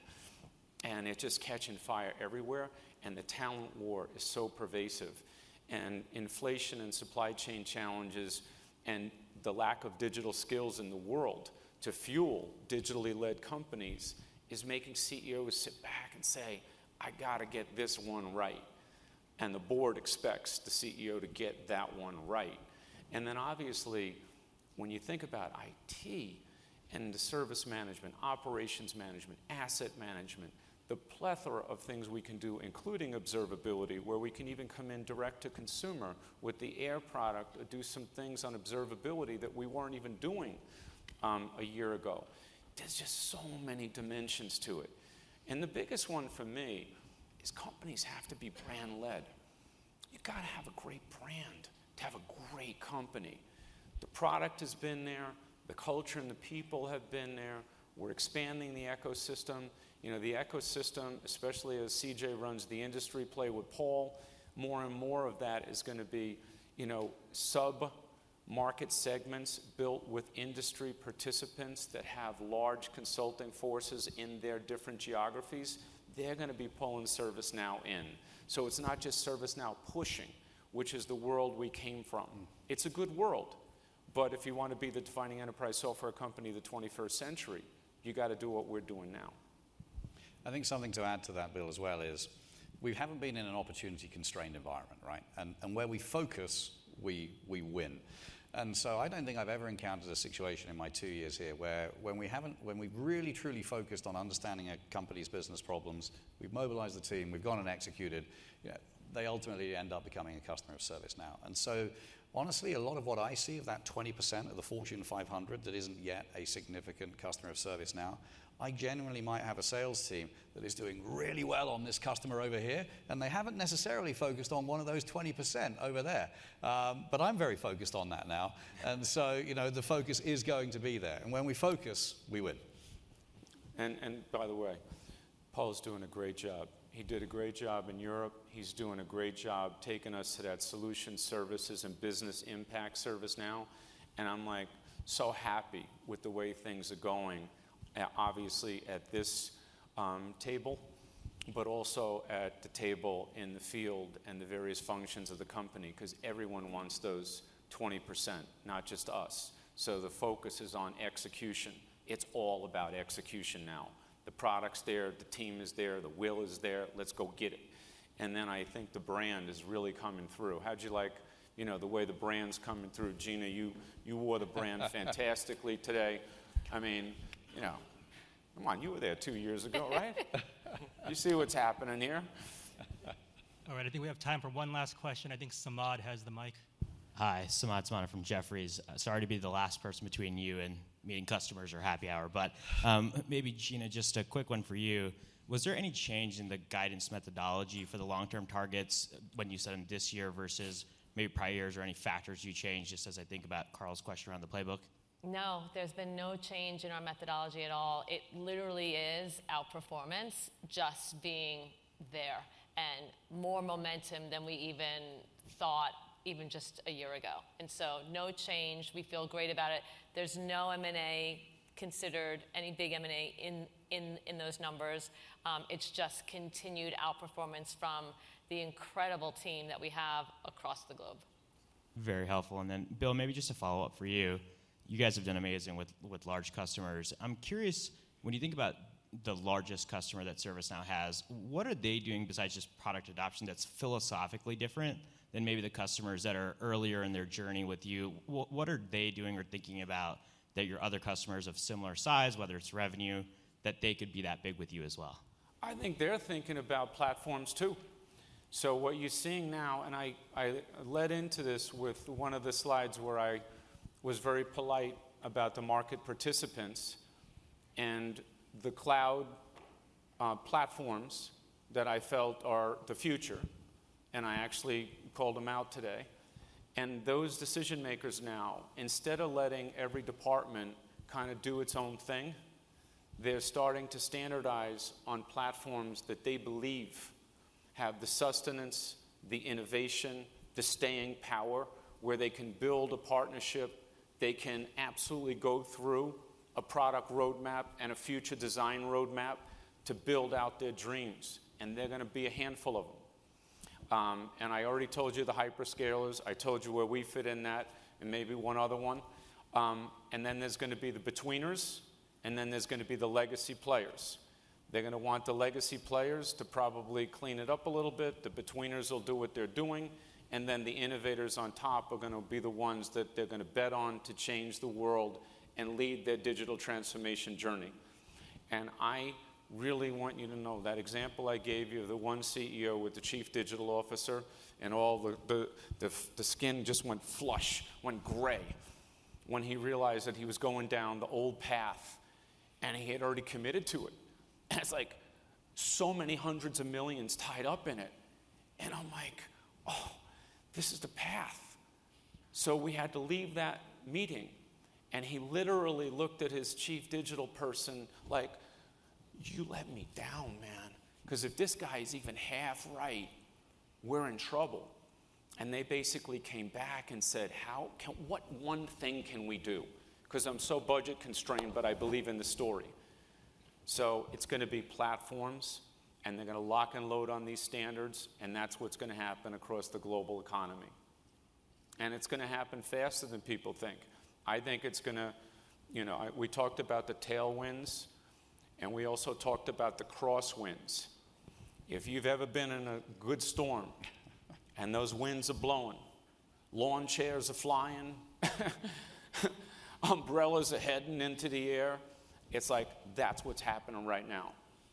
and it's just catching fire everywhere, and the talent war is so pervasive, and inflation and supply chain challenges and the lack of digital skills in the world to fuel digitally led companies is making CEOs sit back and say, "I gotta get this one right." The board expects the CEO to get that one right. Obviously, when you think about IT and the service management, operations management, asset management, the plethora of things we can do, including observability, where we can even come in direct to consumer with the AIOps product or do some things on observability that we weren't even doing, a year ago. There's just so many dimensions to it. The biggest one for me is companies have to be brand led. You've gotta have a great brand to have a great company. The product has been there, the culture and the people have been there. We're expanding the ecosystem. You know, the ecosystem, especially as CJ runs the industry play with Paul, more and more of that is gonna be, you know, sub-market segments built with industry participants that have large consulting forces in their different geographies. They're gonna be pulling ServiceNow in. So it's not just ServiceNow pushing, which is the world we came from. It's a good world. But if you want to be the defining enterprise software company of the twenty-first century, you got to do what we're doing now. I think something to add to that, Bill, as well, is we haven't been in an opportunity-constrained environment, right? Where we focus, we win. I don't think I've ever encountered a situation in my two years here where we've really truly focused on understanding a company's business problems, we've mobilized the team, we've gone and executed. Yeah, they ultimately end up becoming a customer of ServiceNow. Honestly, a lot of what I see of that 20% of the Fortune 500 that isn't yet a significant customer of ServiceNow, I genuinely might have a sales team that is doing really well on this customer over here, and they haven't necessarily focused on one of those 20% over there. I'm very focused on that now. You know, the focus is going to be there. When we focus, we win. By the way, Paul's doing a great job. He did a great job in Europe. He's doing a great job taking us to that solution services and business impact ServiceNow, and I'm like so happy with the way things are going, obviously at this table, but also at the table in the field and the various functions of the company, 'cause everyone wants those 20%, not just us. The focus is on execution. It's all about execution now. The product's there, the team is there, the will is there. Let's go get it. Then I think the brand is really coming through. How'd you like, you know, the way the brand's coming through? Gina, you wore the brand fantastically today. I mean, you know, come on, you were there two years ago, right? You see what's happening here. All right. I think we have time for one last question. I think Samad has the mic. Hi. Samad Samana from Jefferies. Sorry to be the last person between you and me and customers or happy hour. Maybe Gina, just a quick one for you. Was there any change in the guidance methodology for the long-term targets when you set them this year versus maybe prior years, or any factors you changed, just as I think about Karl Keirstead's question around the playbook? No, there's been no change in our methodology at all. It literally is outperformance just being there, and more momentum than we even thought even just a year ago. No change. We feel great about it. There's no M&A considered, any big M&A in those numbers. It's just continued outperformance from the incredible team that we have across the globe. Very helpful. Bill, maybe just a follow-up for you. You guys have done amazing with large customers. I'm curious, when you think about the largest customer that ServiceNow has, what are they doing besides just product adoption that's philosophically different than maybe the customers that are earlier in their journey with you? What are they doing or thinking about that your other customers of similar size, whether it's revenue, that they could be that big with you as well? I think they're thinking about platforms too. What you're seeing now, and I led into this with one of the slides where I was very polite about the market participants and the cloud platforms that I felt are the future, and I actually called them out today. Those decision makers now, instead of letting every department kind of do its own thing, they're starting to standardize on platforms that they believe have the sustenance, the innovation, the staying power, where they can build a partnership, they can absolutely go through a product roadmap and a future design roadmap to build out their dreams. There are gonna be a handful of them. I already told you the hyperscalers. I told you where we fit in that and maybe one other one. There's gonna be the betweeners, and then there's gonna be the legacy players. They're gonna want the legacy players to probably clean it up a little bit. The betweeners will do what they're doing. The innovators on top are gonna be the ones that they're gonna bet on to change the world and lead their digital transformation journey. I really want you to know that example I gave you of the one CEO with the chief digital officer and all the skin just went flush, went gray, when he realized that he was going down the old path, and he had already committed to it. It's like so many hundreds of millions tied up in it. I'm like, "Oh, this is the path." We had to leave that meeting, and he literally looked at his chief digital person like, "You let me down, man, 'cause if this guy is even half right, we're in trouble." They basically came back and said, "What one thing can we do? 'Cause I'm so budget-constrained, but I believe in the story." It's gonna be platforms, and they're gonna lock and load on these standards, and that's what's gonna happen across the global economy. It's gonna happen faster than people think. I think it's gonna. You know, we talked about the tailwinds, and we also talked about the crosswinds. If you've ever been in a good storm and those winds are blowing, lawn chairs are flying, umbrellas are heading into the air. It's like that's what's happening right now.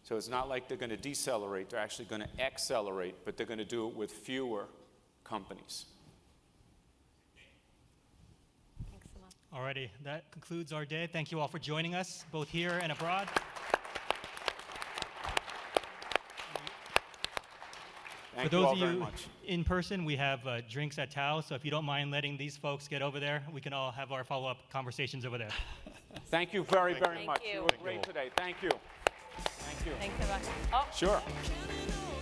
It's not like they're gonna decelerate. They're actually gonna accelerate, but they're gonna do it with fewer companies. Thanks a lot. All righty. That concludes our day. Thank you all for joining us both here and abroad. Thank you all very much. For those of you in person, we have drinks at Tao. If you don't mind letting these folks get over there, we can all have our follow-up conversations over there. Thank you very, very much. Thank you. You were great today. Thank you. Thank you. Thanks so much. Oh. Sure.